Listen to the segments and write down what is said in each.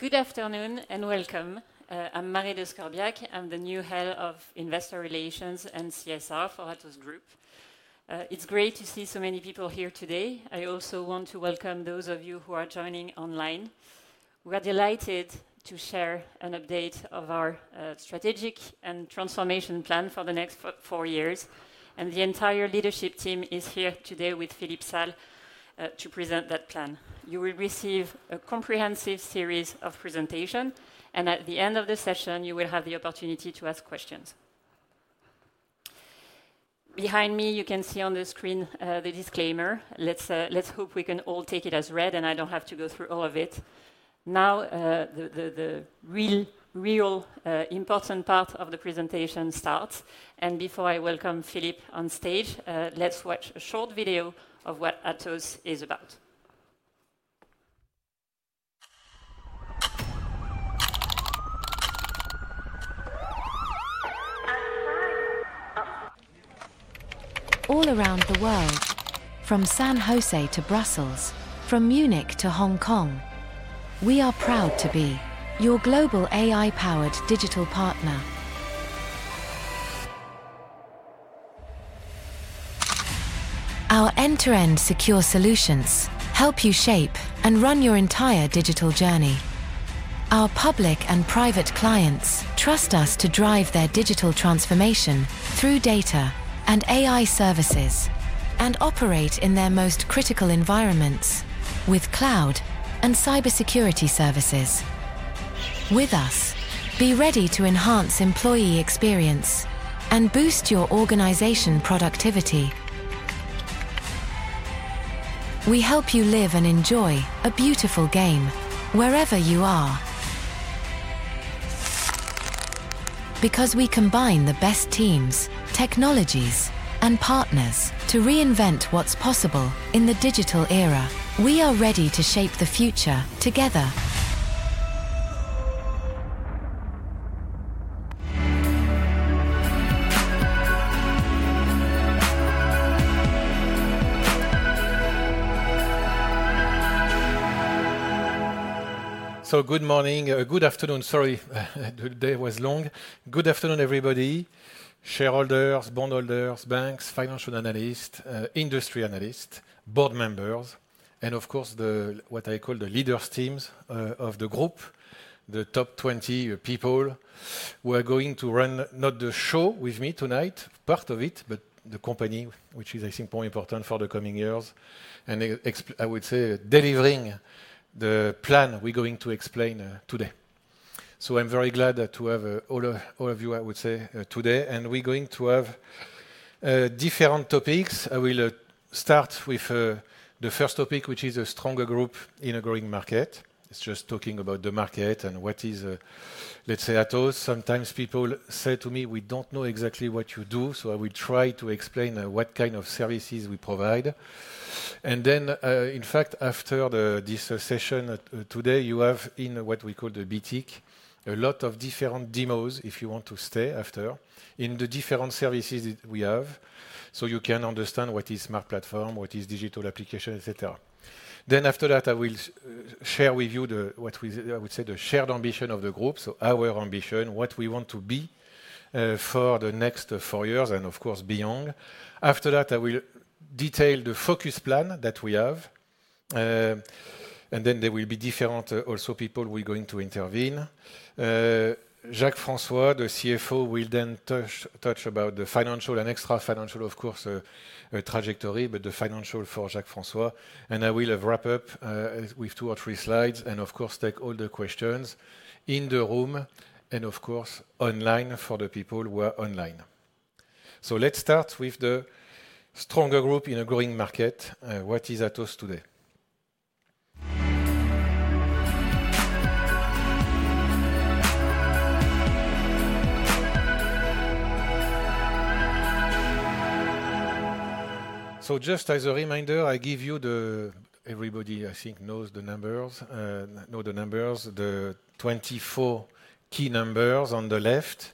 Good afternoon and welcome. I'm Marie DeScordiac, I'm the new Head of Investor Relations and CSR for Atos Group. It's great to see so many people here today. I also want to welcome those of you who are joining online. We are delighted to share an update of our strategic and transformation plan for the next four years. The entire leadership team is here today with Philippe Salle to present that plan. You will receive a comprehensive series of presentations, and at the end of the session, you will have the opportunity to ask questions. Behind me, you can see on the screen the disclaimer. Let's hope we can all take it as read and I don't have to go through all of it. Now, the real, real important part of the presentation starts. Before I welcome Philippe on stage, let's watch a short video of what Atos is about. All around the world, from San Jose to Brussels, from Munich to Hong Kong, we are proud to be your global AI-powered digital partner. Our end-to-end secure solutions help you shape and run your entire digital journey. Our public and private clients trust us to drive their digital transformation through data and AI services and operate in their most critical environments with cloud and cybersecurity services. With us, be ready to enhance employee experience and boost your organization productivity. We help you live and enjoy a beautiful game wherever you are. Because we combine the best teams, technologies, and partners to reinvent what's possible in the digital era. We are ready to shape the future together. Good morning, good afternoon, sorry, the day was long. Good afternoon, everybody. Shareholders, bondholders, banks, financial analysts, industry analysts, board members, and of course, what I call the leaders' teams of the group, the top 20 people who are going to run not the show with me tonight, part of it, but the company, which is, I think, more important for the coming years. I would say delivering the plan we're going to explain today. I am very glad to have all of you, I would say, today. We are going to have different topics. I will start with the first topic, which is a stronger group in a growing market. It is just talking about the market and what is, let's say, Atos. Sometimes people say to me, we do not know exactly what you do, so I will try to explain what kind of services we provide. In fact, after this session today, you have in what we call the BTIC, a lot of different demos if you want to stay after in the different services we have. You can understand what is smart platform, what is digital application, etc. After that, I will share with you what we say the shared ambition of the group, so our ambition, what we want to be for the next four years and, of course, beyond. After that, I will detail the focus plan that we have. There will be different also people we're going to intervene. Jacques-François, the CFO, will then touch about the financial and extra-financial, of course, trajectory, but the financial for Jacques-François. I will wrap up with two or three slides and, of course, take all the questions in the room and, of course, online for the people who are online. Let's start with the stronger group in a growing market. What is Atos today? Just as a reminder, I give you the, everybody, I think, knows the numbers, know the numbers, the 24 key numbers on the left.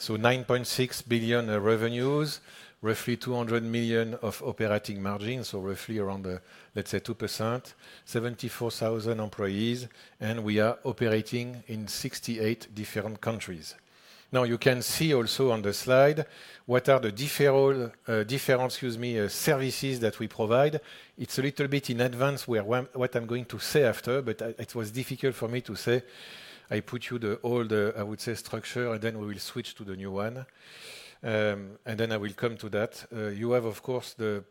9.6 billion revenues, roughly 200 million of operating margin, so roughly around, let's say, 2%, 74,000 employees, and we are operating in 68 different countries. Now, you can see also on the slide what are the different, excuse me, services that we provide. It's a little bit in advance where what I'm going to say after, but it was difficult for me to say. I put you the old, I would say, structure, and then we will switch to the new one. Then I will come to that. You have, of course, the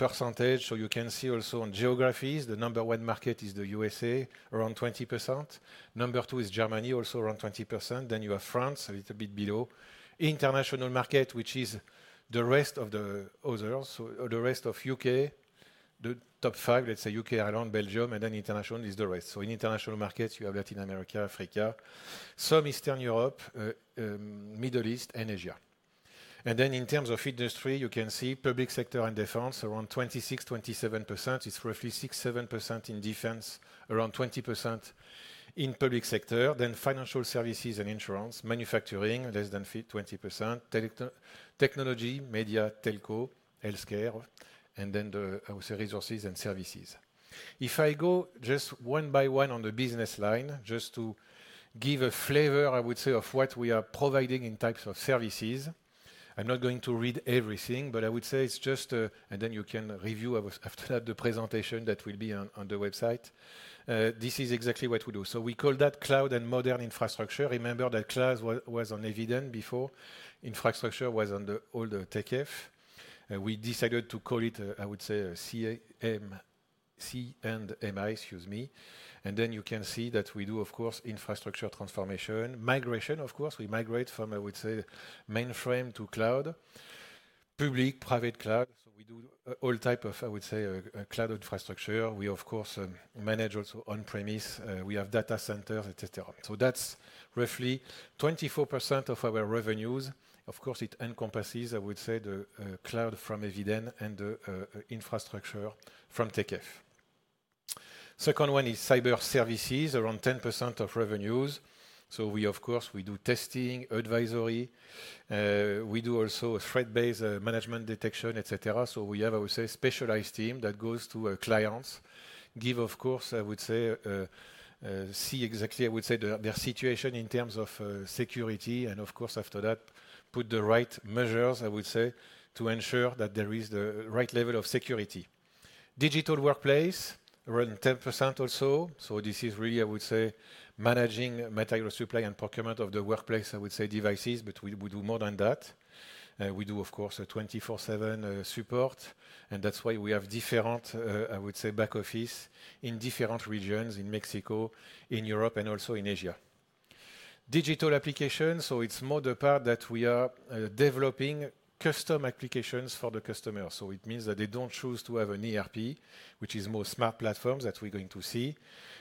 %, so you can see also on geographies, the number one market is the USA, around 20%. Number two is Germany, also around 20%. Then you have France, a little bit below. International market, which is the rest of the others, so the rest of U.K., the top five, let's say U.K., Ireland, Belgium, and then international is the rest. In international markets, you have Latin America, Africa, some Eastern Europe, Middle East, and Asia. In terms of industry, you can see public sector and defense, around 26-27%. It's roughly 6-7% in defense, around 20% in public sector. Financial services and insurance, manufacturing, less than 20%, technology, media, telco, healthcare, and then the resources and services. If I go just one by one on the business line, just to give a flavor, I would say, of what we are providing in types of services, I'm not going to read everything, but I would say it's just, and then you can review after that the presentation that will be on the website. This is exactly what we do. We call that cloud and modern infrastructure. Remember that cloud was on Eviden before. Infrastructure was on the old TechF. We decided to call it, I would say, CMI, excuse me. You can see that we do, of course, infrastructure transformation, migration, of course. We migrate from, I would say, mainframe to cloud, public, private cloud. We do all type of, I would say, cloud infrastructure. We, of course, manage also on-premise. We have data centers, etc. That's roughly 24% of our revenues. It encompasses, I would say, the cloud from Eviden and the infrastructure from TechF. Second one is cyber services, around 10% of revenues. We do testing, advisory. We do also threat-based management detection, etc. We have, I would say, specialized team that goes to clients, give, of course, I would say, see exactly, I would say, their situation in terms of security. Of course, after that, put the right measures, I would say, to ensure that there is the right level of security. Digital workplace, around 10% also. This is really, I would say, managing material supply and procurement of the workplace, I would say, devices, but we do more than that. We do, of course, 24/7 support. That is why we have different, I would say, back office in different regions in Mexico, in Europe, and also in Asia. Digital applications, so it is more the part that we are developing custom applications for the customers. It means that they do not choose to have an ERP, which is more smart platforms that we are going to see.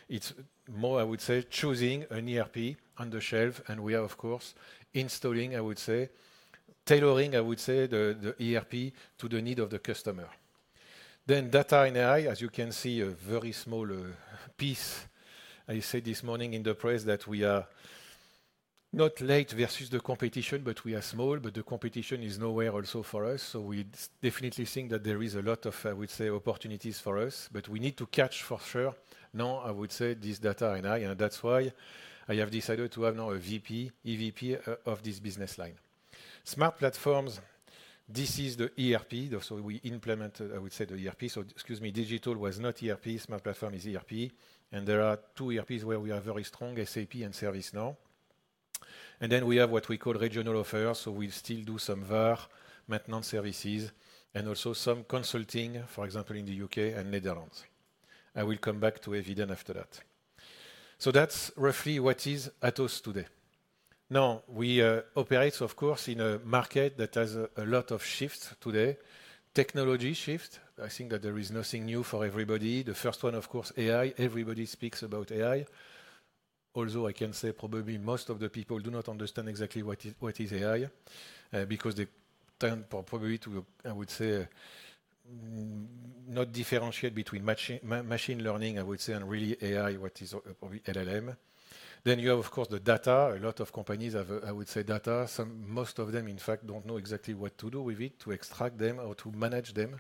It is more, I would say, choosing an ERP on the shelf. We are, of course, installing, I would say, tailoring, I would say, the ERP to the need of the customer. Data and AI, as you can see, a very small piece. I said this morning in the press that we are not late versus the competition, but we are small, but the competition is nowhere also for us. We definitely think that there is a lot of, I would say, opportunities for us, but we need to catch for sure. Now, I would say this data and AI, and that's why I have decided to have now a VP, EVP of this business line. Smart platforms, this is the ERP. We implemented, I would say, the ERP. Excuse me, digital was not ERP. Smart platform is ERP. There are two ERPs where we are very strong, SAP and ServiceNow. Then we have what we call regional affairs. We still do some VAR, maintenance services, and also some consulting, for example, in the U.K. and Netherlands. I will come back to Eviden after that. That's roughly what is Atos today. Now, we operate, of course, in a market that has a lot of shifts today, technology shift. I think that there is nothing new for everybody. The first one, of course, AI. Everybody speaks about AI. Although I can say probably most of the people do not understand exactly what is AI because they tend probably to, I would say, not differentiate between machine learning, I would say, and really AI, what is probably LLM. Then you have, of course, the data. A lot of companies have, I would say, data. Most of them, in fact, do not know exactly what to do with it, to extract them or to manage them.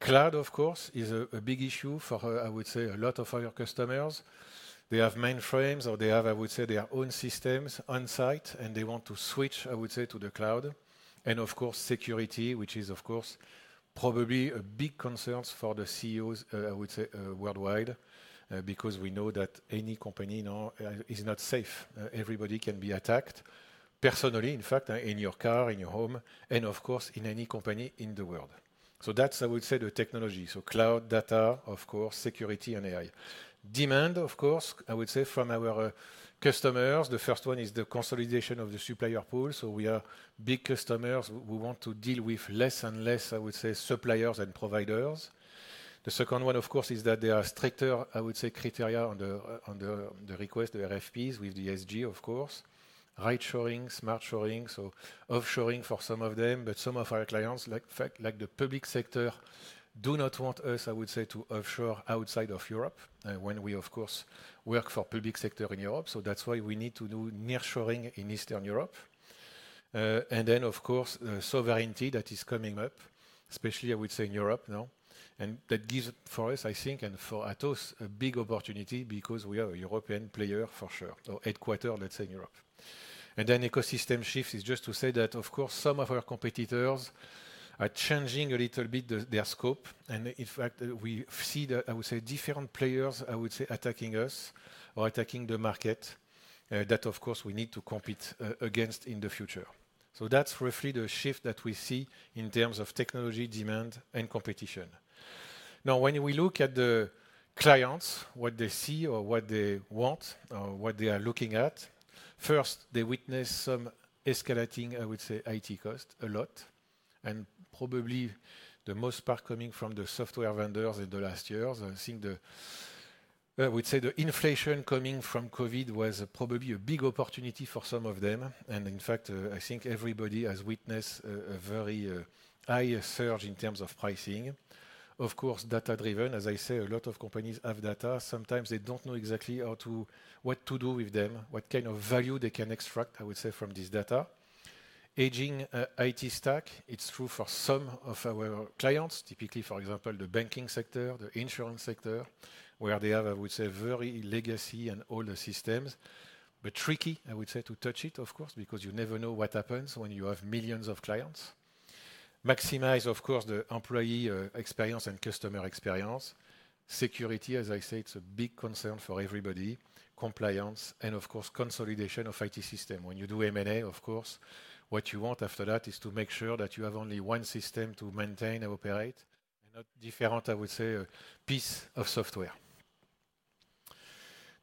Cloud, of course, is a big issue for, I would say, a lot of our customers. They have mainframes, or they have, I would say, their own systems on site, and they want to switch, I would say, to the cloud. Of course, security, which is, of course, probably a big concern for the CEOs, I would say, worldwide, because we know that any company now is not safe. Everybody can be attacked personally, in fact, in your car, in your home, and, of course, in any company in the world. That is, I would say, the technology. Cloud, data, of course, security, and AI. Demand, of course, I would say, from our customers. The first one is the consolidation of the supplier pool. We are big customers. We want to deal with less and less, I would say, suppliers and providers. The second one, of course, is that there are stricter, I would say, criteria on the request, the RFPs with the ESG, of course, right shoring, smart shoring. Offshoring for some of them, but some of our clients, like the public sector, do not want us, I would say, to offshore outside of Europe when we, of course, work for public sector in Europe. That is why we need to do nearshoring in Eastern Europe. Of course, sovereignty is coming up, especially, I would say, in Europe now. That gives for us, I think, and for Atos, a big opportunity because we are a European player for sure, our headquarters, let's say, in Europe. Ecosystem shift is just to say that, of course, some of our competitors are changing a little bit their scope. In fact, we see that, I would say, different players, I would say, attacking us or attacking the market that, of course, we need to compete against in the future. That's roughly the shift that we see in terms of technology, demand, and competition. Now, when we look at the clients, what they see or what they want or what they are looking at, first, they witness some escalating, I would say, IT cost a lot, and probably the most part coming from the software vendors in the last years. I think the, I would say, the inflation coming from COVID was probably a big opportunity for some of them. In fact, I think everybody has witnessed a very high surge in terms of pricing. Of course, data-driven, as I say, a lot of companies have data. Sometimes they do not know exactly what to do with them, what kind of value they can extract, I would say, from this data. Aging IT stack, it's true for some of our clients, typically, for example, the banking sector, the insurance sector, where they have, I would say, very legacy and older systems. Tricky, I would say, to touch it, of course, because you never know what happens when you have millions of clients. Maximize, of course, the employee experience and customer experience. Security, as I say, it's a big concern for everybody. Compliance and, of course, consolidation of IT system. When you do M&A, of course, what you want after that is to make sure that you have only one system to maintain and operate and not different, I would say, piece of software.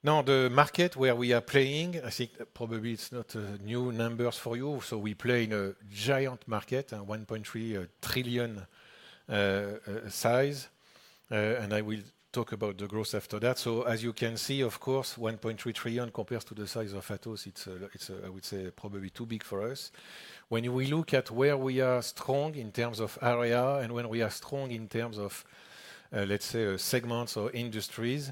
Now, the market where we are playing, I think probably it's not new numbers for you. We play in a giant market, a 1.3 trillion size. I will talk about the growth after that. As you can see, of course, 1.3 trillion compares to the size of Atos. It's, I would say, probably too big for us. When we look at where we are strong in terms of area and when we are strong in terms of, let's say, segments or industries,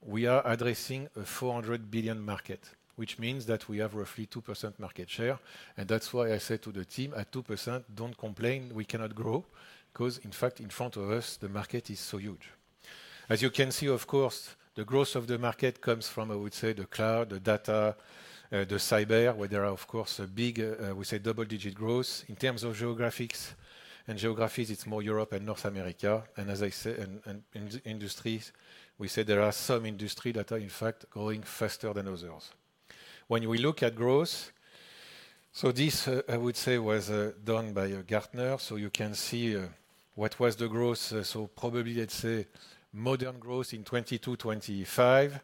we are addressing a 400 billion market, which means that we have roughly 2% market share. That's why I said to the team, at 2%, don't complain, we cannot grow, because in fact, in front of us, the market is so huge. As you can see, of course, the growth of the market comes from, I would say, the cloud, the data, the cyber, where there are, of course, a big, we say, double-digit growth. In terms of geographics and geographies, it's more Europe and North America. As I say, in industries, we say there are some industries that are, in fact, growing faster than others. When we look at growth, this, I would say, was done by Gartner. You can see what was the growth. Probably, let's say, modern growth in 2022, 2025.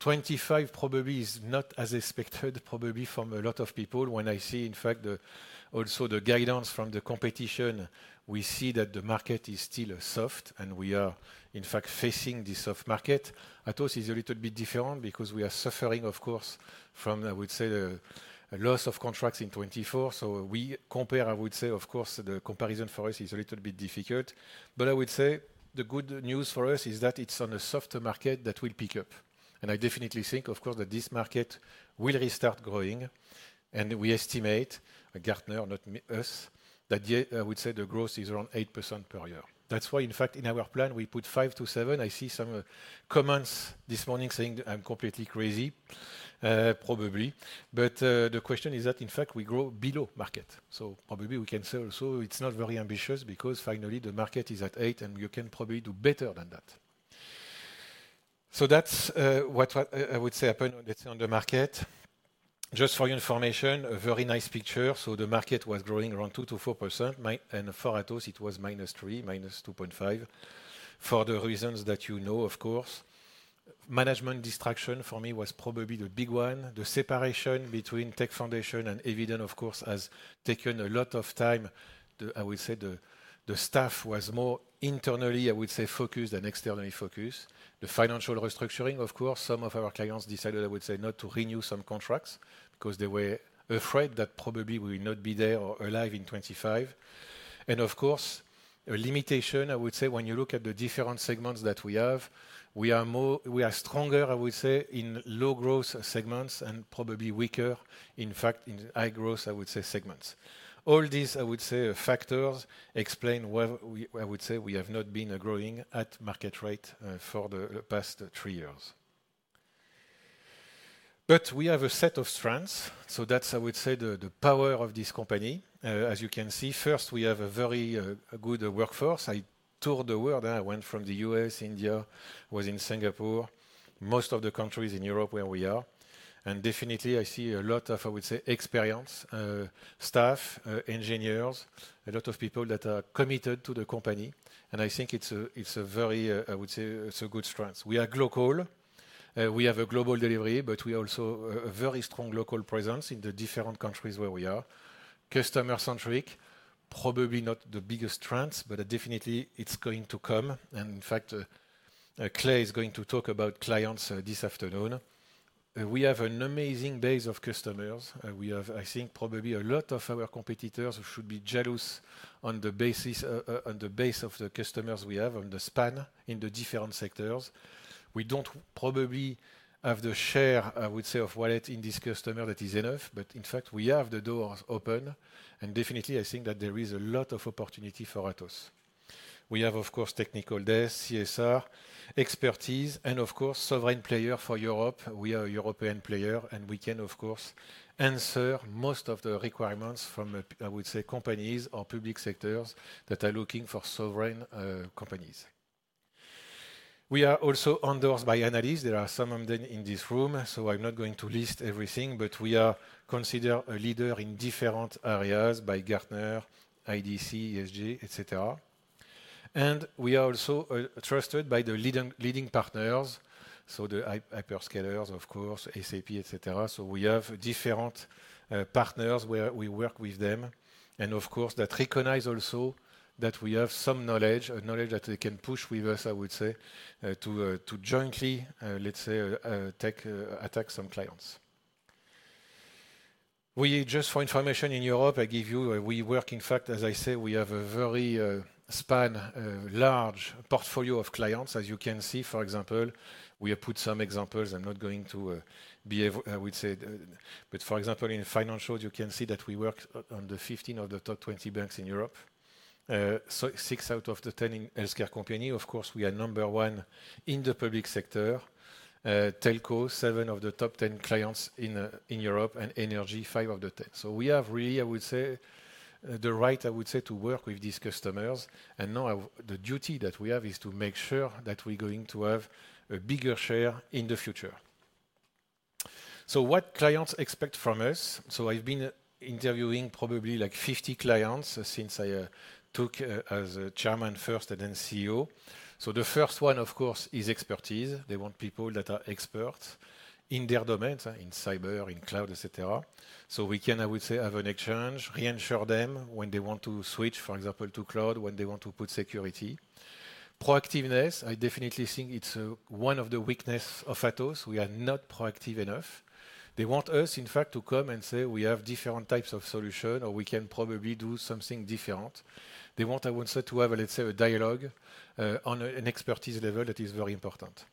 2025 probably is not as expected, probably from a lot of people. When I see, in fact, also the guidance from the competition, we see that the market is still soft and we are, in fact, facing this soft market. Atos is a little bit different because we are suffering, of course, from, I would say, the loss of contracts in 2024. We compare, I would say, of course, the comparison for us is a little bit difficult. I would say the good news for us is that it's on a soft market that will pick up. I definitely think, of course, that this market will restart growing. We estimate, Gartner, not us, that I would say the growth is around 8% per year. That is why, in fact, in our plan, we put 5-7%. I see some comments this morning saying I am completely crazy, probably. The question is that, in fact, we grow below market. So probably we can say also it is not very ambitious because finally the market is at 8% and you can probably do better than that. That is what I would say happened, let's say, on the market. Just for your information, a very nice picture. The market was growing around 2-4%. For Atos, it was minus 3%, minus 2.5% for the reasons that you know, of course. Management distraction for me was probably the big one. The separation between Tech Foundation and Eviden, of course, has taken a lot of time. I would say the staff was more internally, I would say, focused and externally focused. The financial restructuring, of course, some of our clients decided, I would say, not to renew some contracts because they were afraid that probably we will not be there or alive in 2025. I would say a limitation, when you look at the different segments that we have, we are stronger, I would say, in low growth segments and probably weaker, in fact, in high growth, I would say, segments. All these, I would say, factors explain why I would say we have not been growing at market rate for the past three years. We have a set of strengths. That is, I would say, the power of this company. As you can see, first, we have a very good workforce. I toured the world. I went from the U.S., India, was in Singapore, most of the countries in Europe where we are. I see a lot of, I would say, experienced staff, engineers, a lot of people that are committed to the company. I think it is a very, I would say, it is a good strength. We are global. We have a global delivery, but we are also a very strong local presence in the different countries where we are. Customer-centric, probably not the biggest strength, but definitely it is going to come. In fact, Clay is going to talk about clients this afternoon. We have an amazing base of customers. We have, I think, probably a lot of our competitors who should be jealous on the basis of the customers we have on the span in the different sectors. We do not probably have the share, I would say, of wallet in this customer that is enough. In fact, we have the doors open. Definitely, I think that there is a lot of opportunity for Atos. We have, of course, technical desk, CSR, expertise, and of course, sovereign player for Europe. We are a European player, and we can, of course, answer most of the requirements from, I would say, companies or public sectors that are looking for sovereign companies. We are also endorsed by analysts. There are some of them in this room, so I am not going to list everything, but we are considered a leader in different areas by Gartner, IDC, ESG, etc. We are also trusted by the leading partners, so the hyperscalers, of course, SAP, etc. We have different partners where we work with them. Of course, that recognizes also that we have some knowledge, knowledge that they can push with us, I would say, to jointly, let's say, attack some clients. Just for information in Europe, I give you, we work, in fact, as I say, we have a very span, large portfolio of clients. As you can see, for example, we have put some examples. I am not going to be, I would say, but for example, in financials, you can see that we work on 15 of the top 20 banks in Europe, 6 out of the 10 in healthcare company. Of course, we are number one in the public sector, telco, 7 of the top 10 clients in Europe, and energy, 5 of the 10. We have really, I would say, the right, I would say, to work with these customers. Now the duty that we have is to make sure that we're going to have a bigger share in the future. What clients expect from us? I have been interviewing probably like 50 clients since I took as Chairman first and then CEO. The first one, of course, is expertise. They want people that are experts in their domains, in cyber, in cloud, etc. We can, I would say, have an exchange, re-insure them when they want to switch, for example, to cloud, when they want to put security. Proactiveness, I definitely think it's one of the weaknesses of Atos. We are not proactive enough. They want us, in fact, to come and say we have different types of solutions or we can probably do something different. They want, I would say, to have, let's say, a dialogue on an expertise level that is very important.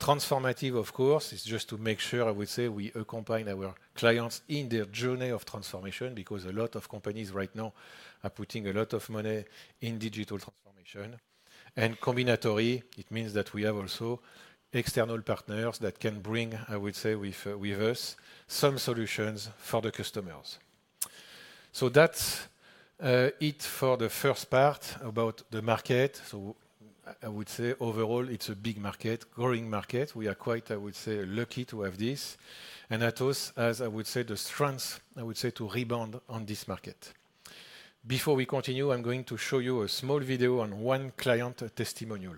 Transformative, of course, is just to make sure, I would say, we accompany our clients in their journey of transformation because a lot of companies right now are putting a lot of money in digital transformation. And combinatory, it means that we have also external partners that can bring, I would say, with us some solutions for the customers. That is it for the first part about the market. I would say overall, it is a big market, growing market. We are quite, I would say, lucky to have this. Atos, as I would say, has the strengths, I would say, to rebound on this market. Before we continue, I'm going to show you a small video on one client testimonial.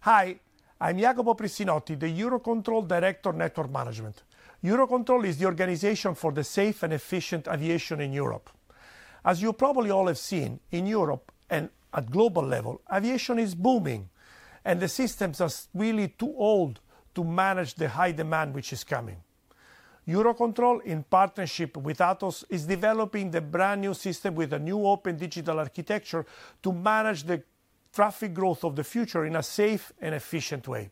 Hi, I'm Jacopo Prissinotti, the Eurocontrol Director Network Management. Eurocontrol is the organization for the safe and efficient aviation in Europe. As you probably all have seen, in Europe and at global level, aviation is booming, and the systems are really too old to manage the high demand which is coming. Eurocontrol, in partnership with Atos, is developing the brand new system with a new open digital architecture to manage the traffic growth of the future in a safe and efficient way.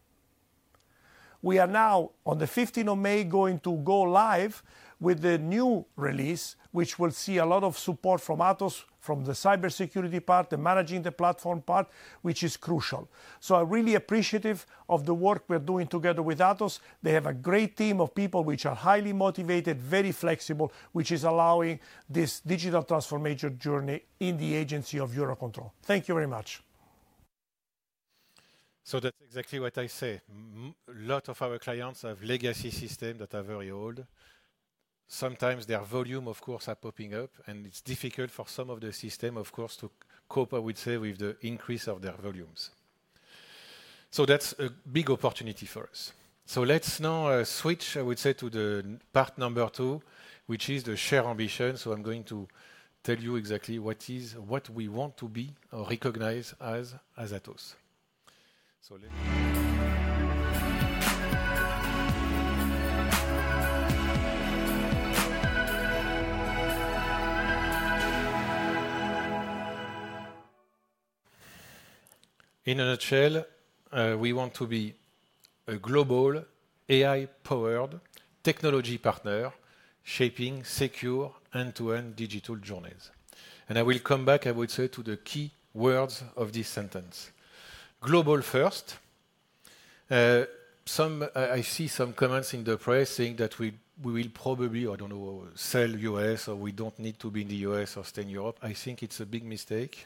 We are now, on the 15th of May, going to go live with the new release, which will see a lot of support from Atos, from the cybersecurity part and managing the platform part, which is crucial. I'm really appreciative of the work we're doing together with Atos. They have a great team of people which are highly motivated, very flexible, which is allowing this digital transformation journey in the agency of Eurocontrol. Thank you very much. That's exactly what I say. A lot of our clients have legacy systems that are very old. Sometimes their volume, of course, are popping up, and it's difficult for some of the systems, of course, to cope, I would say, with the increase of their volumes. That's a big opportunity for us. Let's now switch, I would say, to the part number two, which is the share ambition. I'm going to tell you exactly what we want to be or recognize as Atos. Let's go. In a nutshell, we want to be a global AI-powered technology partner shaping secure end-to-end digital journeys. I will come back, I would say, to the key words of this sentence. Global first. I see some comments in the press saying that we will probably, I don't know, sell the US or we don't need to be in the US or stay in Europe. I think it's a big mistake.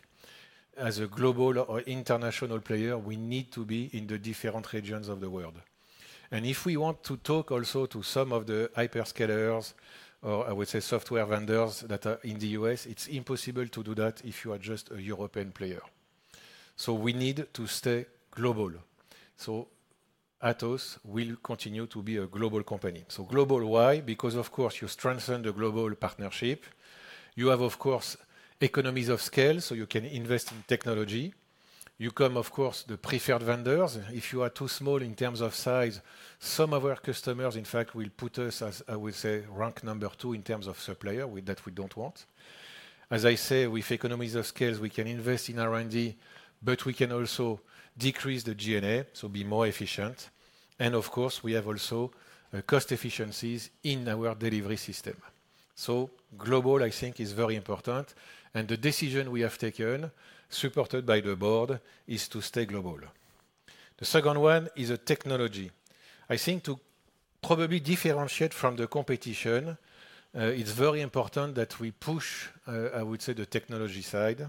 As a global or international player, we need to be in the different regions of the world. If we want to talk also to some of the hyperscalers or, I would say, software vendors that are in the US, it's impossible to do that if you are just a European player. We need to stay global. Atos will continue to be a global company. Global, why? Because, of course, you strengthen the global partnership. You have, of course, economies of scale, so you can invest in technology. You come, of course, the preferred vendors. If you are too small in terms of size, some of our customers, in fact, will put us as, I would say, rank number two in terms of supplier that we do not want. As I say, with economies of scale, we can invest in R&D, but we can also decrease the G&A, so be more efficient. We have also cost efficiencies in our delivery system. Global, I think, is very important. The decision we have taken, supported by the board, is to stay global. The second one is a technology. I think to probably differentiate from the competition, it is very important that we push, I would say, the technology side.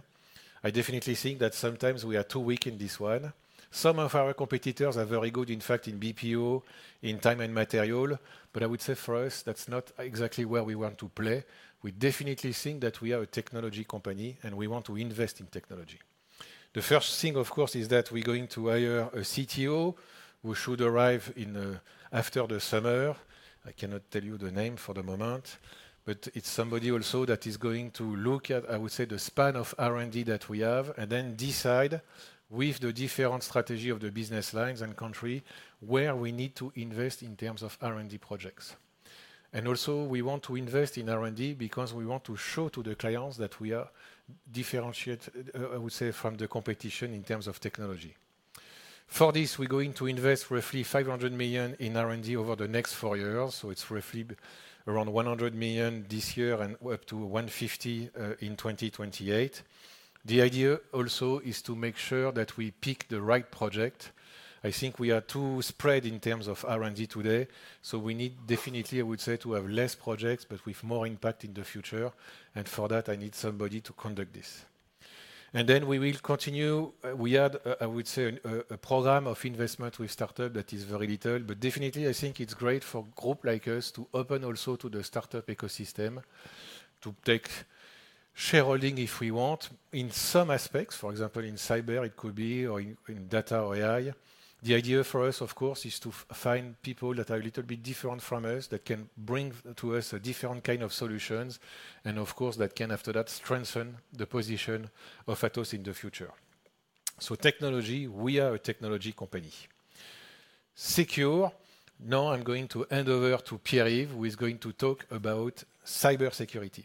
I definitely think that sometimes we are too weak in this one. Some of our competitors are very good, in fact, in BPO, in time and material. I would say for us, that's not exactly where we want to play. We definitely think that we are a technology company and we want to invest in technology. The first thing, of course, is that we're going to hire a CTO who should arrive after the summer. I cannot tell you the name for the moment, but it's somebody also that is going to look at, I would say, the span of R&D that we have and then decide with the different strategy of the business lines and country where we need to invest in terms of R&D projects. Also, we want to invest in R&D because we want to show to the clients that we are differentiated, I would say, from the competition in terms of technology. For this, we're going to invest roughly 500 million in R&D over the next four years. It's roughly around 100 million this year and up to 150 million in 2028. The idea also is to make sure that we pick the right project. I think we are too spread in terms of R&D today. We need definitely, I would say, to have fewer projects, but with more impact in the future. For that, I need somebody to conduct this. We will continue. We had, I would say, a program of investment with startup that is very little, but definitely, I think it's great for a group like us to open also to the startup ecosystem to take shareholding if we want in some aspects. For example, in cyber, it could be or in data or AI. The idea for us, of course, is to find people that are a little bit different from us that can bring to us a different kind of solutions. Of course, that can, after that, strengthen the position of Atos in the future. Technology, we are a technology company. Secure, now I'm going to hand over to Pierre-Yves, who is going to talk about cybersecurity.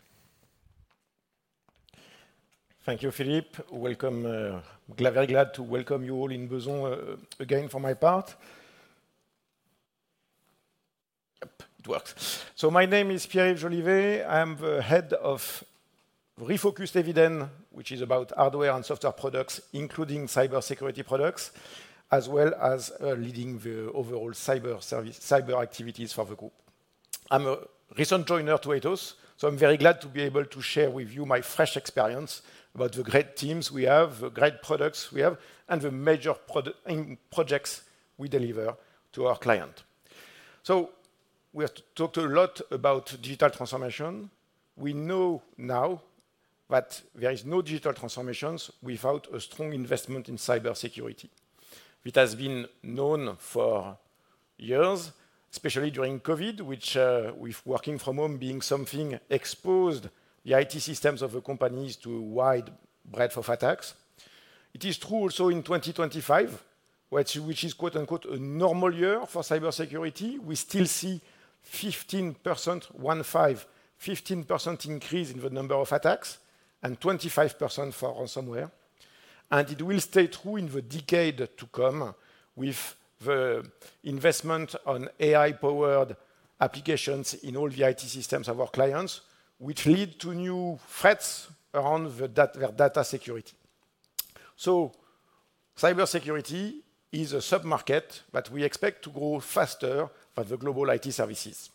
Thank you, Philippe. Very glad to welcome you all in Besançon again for my part. Yep, it works. My name is Pierre-Yves Jolivet. I'm the head of Refocus Eviden, which is about hardware and software products, including cybersecurity products, as well as leading the overall cyber activities for the group. I'm a recent joiner to Atos, so I'm very glad to be able to share with you my fresh experience about the great teams we have, the great products we have, and the major projects we deliver to our client. We have talked a lot about digital transformation. We know now that there is no digital transformation without a strong investment in cybersecurity. It has been known for years, especially during COVID, with working from home being something that exposed the IT systems of the companies to a wide breadth of attacks. It is true also in 2025, which is, quote unquote, a normal year for cybersecurity. We still see 15%, one five, 15% increase in the number of attacks and 25% for somewhere. It will stay true in the decade to come with the investment on AI-powered applications in all the IT systems of our clients, which lead to new threats around their data security. Cybersecurity is a sub-market, but we expect to grow faster for the global IT services.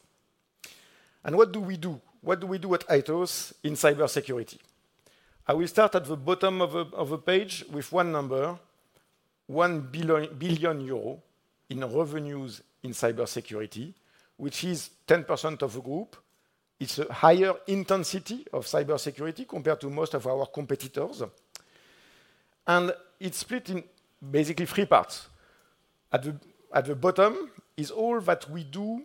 What do we do at Atos in cybersecurity? I will start at the bottom of the page with one number, 1 billion euros in revenues in cybersecurity, which is 10% of the group. It is a higher intensity of cybersecurity compared to most of our competitors. It is split in basically three parts. At the bottom is all that we do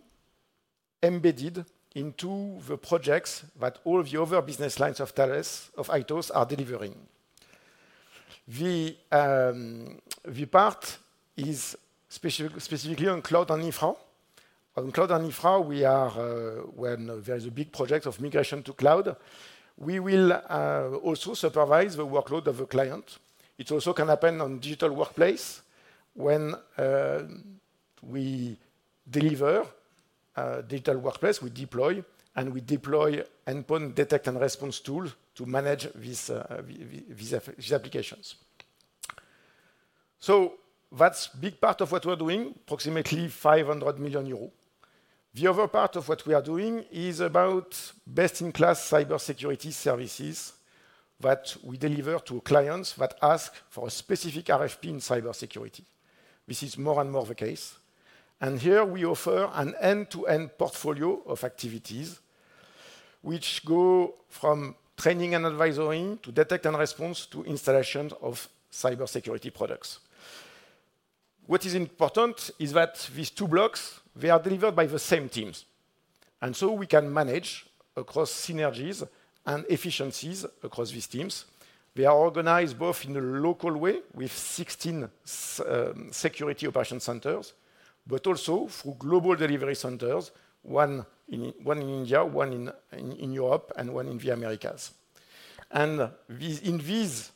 embedded into the projects that all the other business lines of Atos are delivering. The part is specifically on cloud and infra. On cloud and infra, we are when there is a big project of migration to cloud, we will also supervise the workload of a client. It also can happen on digital workplace when we deliver digital workplace, we deploy, and we deploy endpoint detect and response tools to manage these applications. That is a big part of what we are doing, approximately 500 million euros. The other part of what we are doing is about best-in-class cybersecurity services that we deliver to clients that ask for a specific RFP in cybersecurity. This is more and more the case. Here we offer an end-to-end portfolio of activities which go from training and advisory to detect and response to installation of cybersecurity products. What is important is that these two blocks, they are delivered by the same teams. We can manage across synergies and efficiencies across these teams. They are organized both in a local way with 16 security operation centers, but also through global delivery centers, one in India, one in Europe, and one in the Americas. In these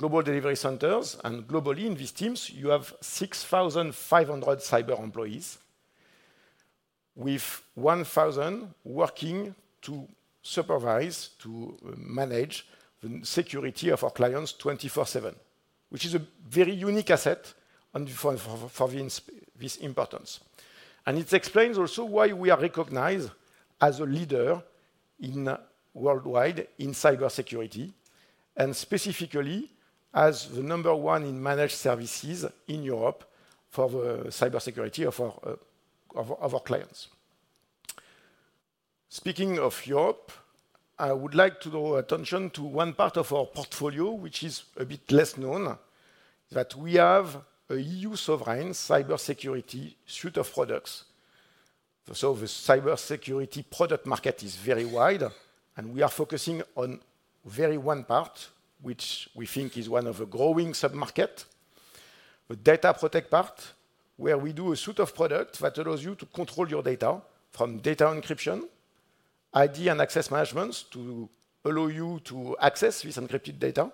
global delivery centers and globally in these teams, you have 6,500 cyber employees with 1,000 working to supervise, to manage the security of our clients 24/7, which is a very unique asset for this importance. It explains also why we are recognized as a leader worldwide in cybersecurity and specifically as the number one in managed services in Europe for the cybersecurity of our clients. Speaking of Europe, I would like to draw attention to one part of our portfolio, which is a bit less known, that we have EU sovereign cybersecurity suite of products. The cybersecurity product market is very wide, and we are focusing on one part, which we think is one of the growing sub-markets, the data protect part, where we do a suite of products that allows you to control your data from data encryption, ID and access management to allow you to access this encrypted data,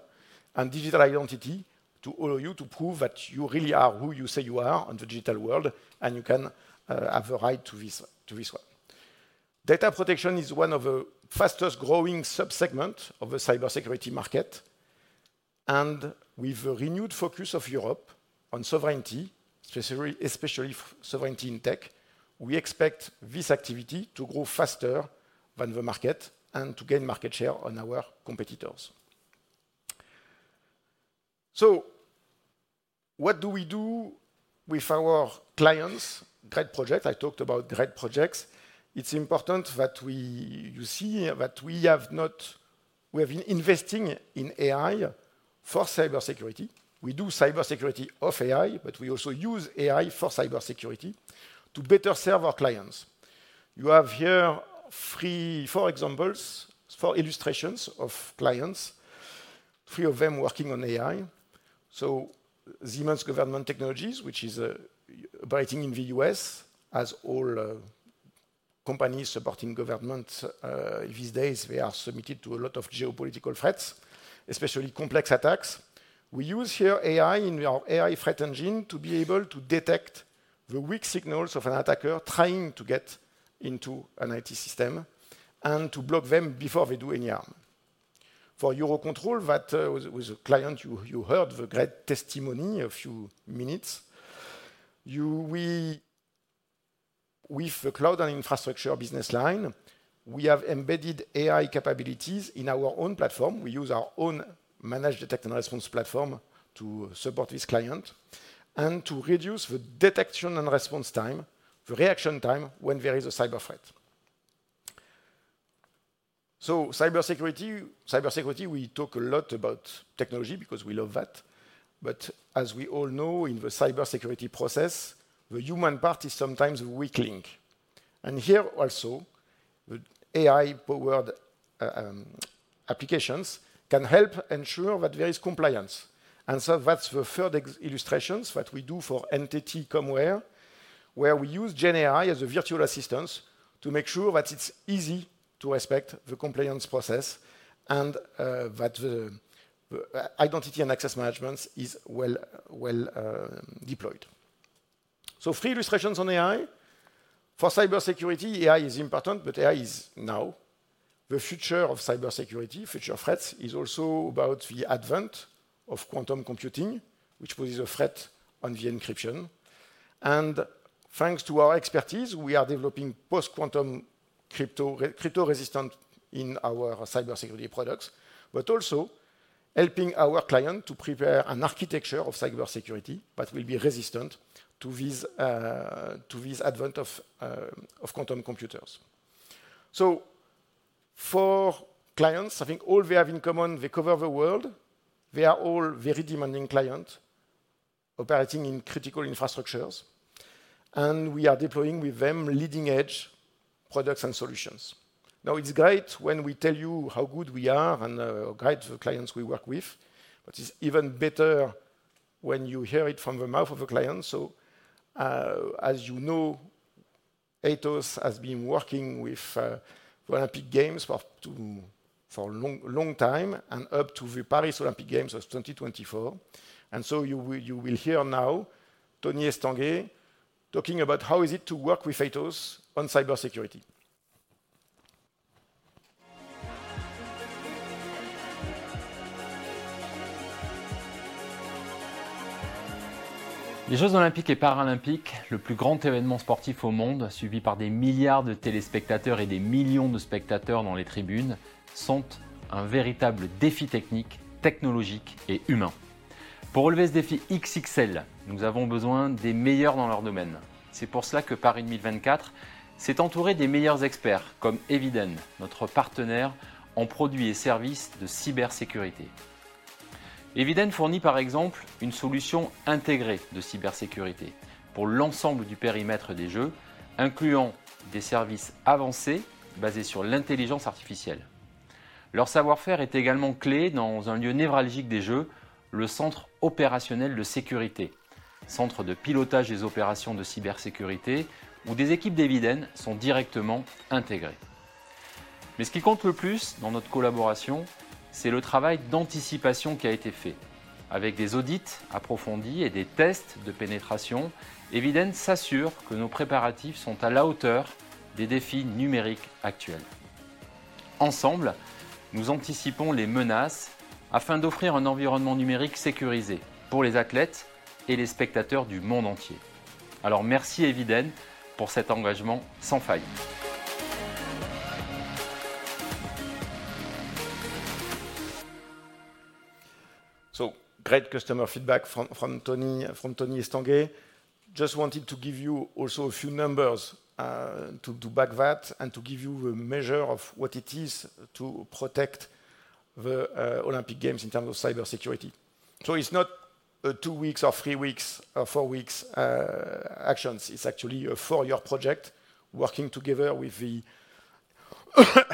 and digital identity to allow you to prove that you really are who you say you are in the digital world, and you can have a right to this one. Data protection is one of the fastest growing sub-segments of the cybersecurity market. With the renewed focus of Europe on sovereignty, especially sovereignty in tech, we expect this activity to grow faster than the market and to gain market share on our competitors. What do we do with our clients' great projects? I talked about great projects. It's important that you see that we have not, we have been investing in AI for cybersecurity. We do cybersecurity of AI, but we also use AI for cybersecurity to better serve our clients. You have here three examples for illustrations of clients, three of them working on AI. Siemens Government Technologies, which is operating in the US, has all companies supporting governments. These days, they are submitted to a lot of geopolitical threats, especially complex attacks. We use here AI in our AI threat engine to be able to detect the weak signals of an attacker trying to get into an IT system and to block them before they do any harm. For Eurocontrol, that was a client you heard the great testimony a few minutes. With the cloud and infrastructure business line, we have embedded AI capabilities in our own platform. We use our own managed detection and response platform to support this client and to reduce the detection and response time, the reaction time when there is a cyber threat. Cybersecurity, we talk a lot about technology because we love that. As we all know, in the cybersecurity process, the human part is sometimes weakening. Here also, the AI-powered applications can help ensure that there is compliance. That is the third illustration that we do for Entity ComeWare, where we use GenAI as a virtual assistant to make sure that it is easy to respect the compliance process and that the identity and access management is well deployed. Three illustrations on AI. For cybersecurity, AI is important, but AI is now. The future of cybersecurity, future threats, is also about the advent of quantum computing, which poses a threat on the encryption. Thanks to our expertise, we are developing post-quantum crypto-resistant in our cybersecurity products, but also helping our client to prepare an architecture of cybersecurity that will be resistant to this advent of quantum computers. For clients, I think all they have in common, they cover the world. They are all very demanding clients operating in critical infrastructures. We are deploying with them leading-edge products and solutions. It is great when we tell you how good we are and the great clients we work with, but it is even better when you hear it from the mouth of a client. As you know, Atos has been working with the Olympic Games for a long time and up to the Paris Olympic Games of 2024. You will hear now Tony Estanguet talking about how is it to work with Atos on cybersecurity. Les Jeux Olympiques et Paralympiques, le plus grand événement sportif au monde, suivi par des milliards de téléspectateurs et des millions de spectateurs dans les tribunes, sont un véritable défi technique, technologique et humain. Pour relever ce défi XXL, nous avons besoin des meilleurs dans leur domaine. C'est pour cela que Paris 2024 s'est entouré des meilleurs experts comme Eviden, notre partenaire en produits et services de cybersécurité. Eviden fournit par exemple une solution intégrée de cybersécurité pour l'ensemble du périmètre des Jeux, incluant des services avancés basés sur l'intelligence artificielle. Leur savoir-faire est également clé dans un lieu névralgique des Jeux, le Centre Opérationnel de Sécurité, centre de pilotage des opérations de cybersécurité où des équipes d'Eviden sont directement intégrées. Ce qui compte le plus dans notre collaboration, c'est le travail d'anticipation qui a été fait. Avec des audits approfondis et des tests de pénétration, Eviden s'assure que nos préparatifs sont à la hauteur des défis numériques actuels. Ensemble, nous anticipons les menaces afin d'offrir un environnement numérique sécurisé pour les athlètes et les spectateurs du monde entier. Alors, merci Eviden pour cet engagement sans faille. So great customer feedback from Tony Estanguet. Just wanted to give you also a few numbers to back that and to give you a measure of what it is to protect the Olympic Games in terms of cybersecurity. It is not two weeks or three weeks or four weeks actions. It is actually a four-year project working together with the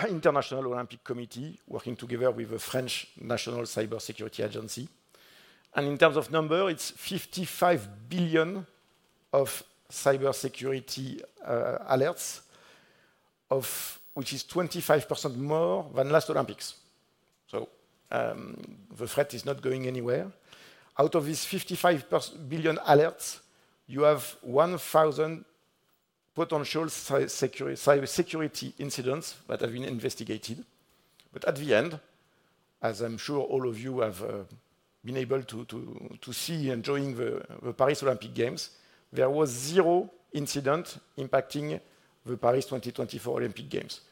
International Olympic Committee, working together with the French National Cybersecurity Agency. In terms of number, it is 55 billion of cybersecurity alerts, which is 25% more than last Olympics. The threat is not going anywhere. Out of these 55 billion alerts, you have 1,000 potential cybersecurity incidents that have been investigated. At the end, as I'm sure all of you have been able to see enjoying the Paris Olympic Games, there was zero incident impacting the Paris 2024 Olympic Games.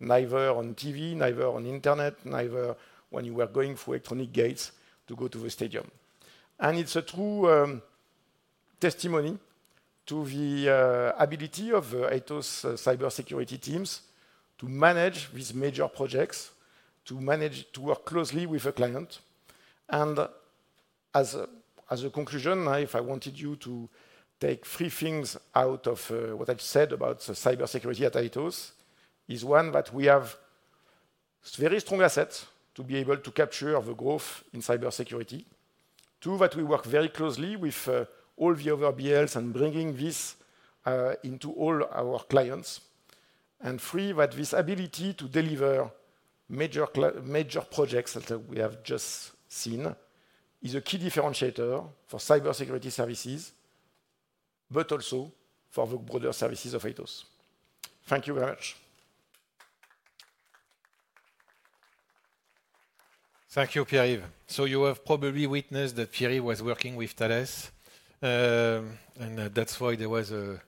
Neither on TV, neither on internet, neither when you were going through electronic gates to go to the stadium. It is a true testimony to the ability of Atos cybersecurity teams to manage these major projects, to work closely with a client. As a conclusion, if I wanted you to take three things out of what I've said about cybersecurity at Atos, it's one that we have very strong assets to be able to capture the growth in cybersecurity. Two, that we work very closely with all the other BLs and bringing this into all our clients. Three, that this ability to deliver major projects that we have just seen is a key differentiator for cybersecurity services, but also for the broader services of Atos. Thank you very much. Thank you, Pierre. You have probably witnessed that Pierre was working with Thales, and that's why there was a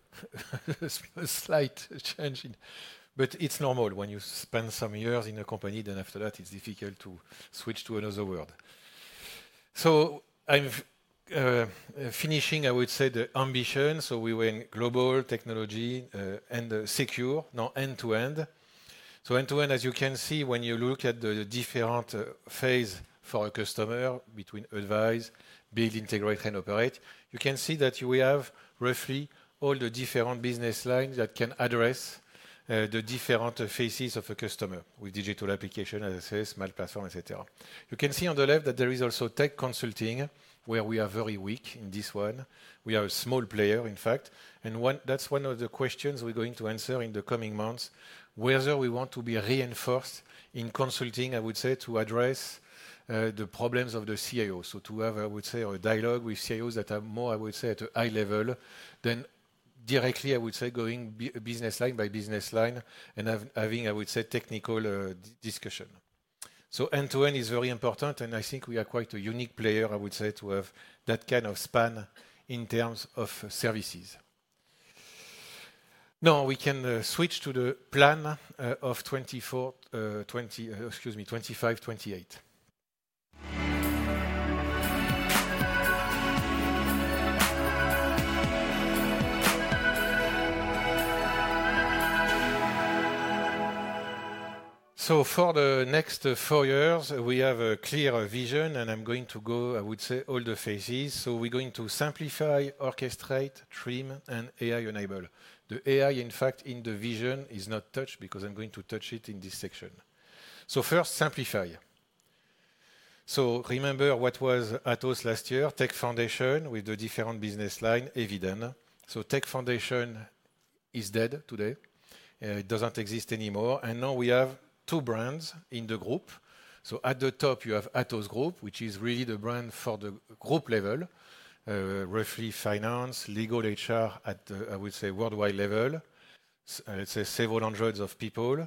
slight change. It's normal when you spend some years in a company, then after that, it's difficult to switch to another world. I'm finishing, I would say, the ambition. We were in global technology and secure, not end-to-end. End-to-end, as you can see, when you look at the different phases for a customer between advise, build, integrate, and operate, you can see that we have roughly all the different business lines that can address the different phases of a customer with digital application, as I said, smart platform, etc. You can see on the left that there is also tech consulting, where we are very weak in this one. We are a small player, in fact. That is one of the questions we are going to answer in the coming months, whether we want to be reinforced in consulting, I would say, to address the problems of the CIO. To have, I would say, a dialogue with CIOs that are more, I would say, at a high level than directly, I would say, going business line by business line and having, I would say, technical discussion. End-to-end is very important, and I think we are quite a unique player, I would say, to have that kind of span in terms of services. Now we can switch to the plan of 2024, excuse me, 2025, 2028. For the next four years, we have a clear vision, and I'm going to go, I would say, all the phases. We're going to simplify, orchestrate, trim, and AI-enable. The AI, in fact, in the vision is not touched because I'm going to touch it in this section. First, simplify. Remember what was Atos last year, tech foundation with the different business line, Eviden. Tech foundation is dead today. It doesn't exist anymore. Now we have two brands in the group. At the top, you have Atos Group, which is really the brand for the group level, roughly finance, legal, HR, at, I would say, worldwide level, I'd say several hundreds of people.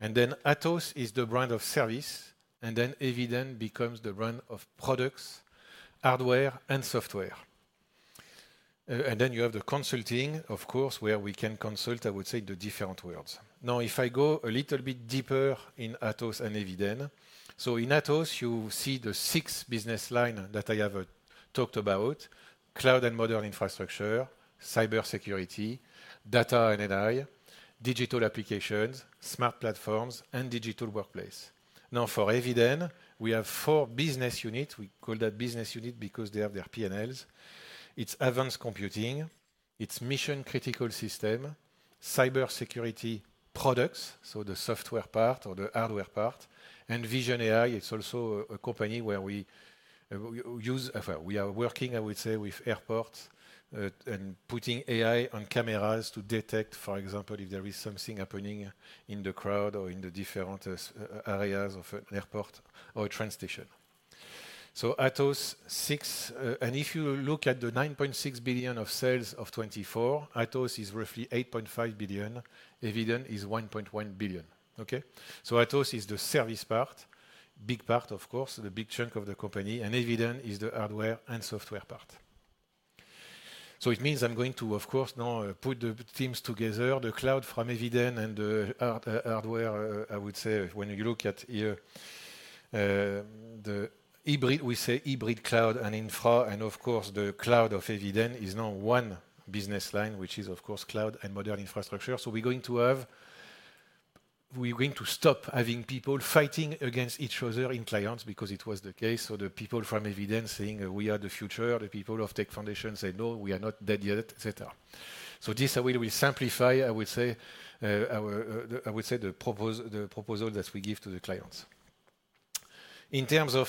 Then Atos is the brand of service, and Eviden becomes the brand of products, hardware, and software. You have the consulting, of course, where we can consult, I would say, the different worlds. Now, if I go a little bit deeper in Atos and Eviden, in Atos, you see the six business lines that I have talked about: cloud and modern infrastructure, cybersecurity, data and AI, digital applications, smart platforms, and digital workplace. For Eviden, we have four business units. We call that business unit because they have their PNLs. It is advanced computing. It is mission-critical system, cybersecurity products, so the software part or the hardware part. Vision AI, it is also a company where we use, we are working, I would say, with airports and putting AI on cameras to detect, for example, if there is something happening in the crowd or in the different areas of an airport or a train station. Atos, six, and if you look at the 9.6 billion of sales of 2024, Atos is roughly 8.5 billion. Eviden is 1.1 billion. Okay? Atos is the service part, big part, of course, the big chunk of the company. Eviden is the hardware and software part. It means I'm going to, of course, now put the teams together, the cloud from Eviden and the hardware, I would say, when you look at here, the hybrid, we say hybrid cloud and infra. Of course, the cloud of Eviden is now one business line, which is, of course, Cloud and Modern Infrastructure. We're going to have, we're going to stop having people fighting against each other in clients because it was the case. The people from Eviden saying, "We are the future," the people of Tech Foundation say, "No, we are not dead yet," etc. This way we simplify, I would say, the proposal that we give to the clients. In terms of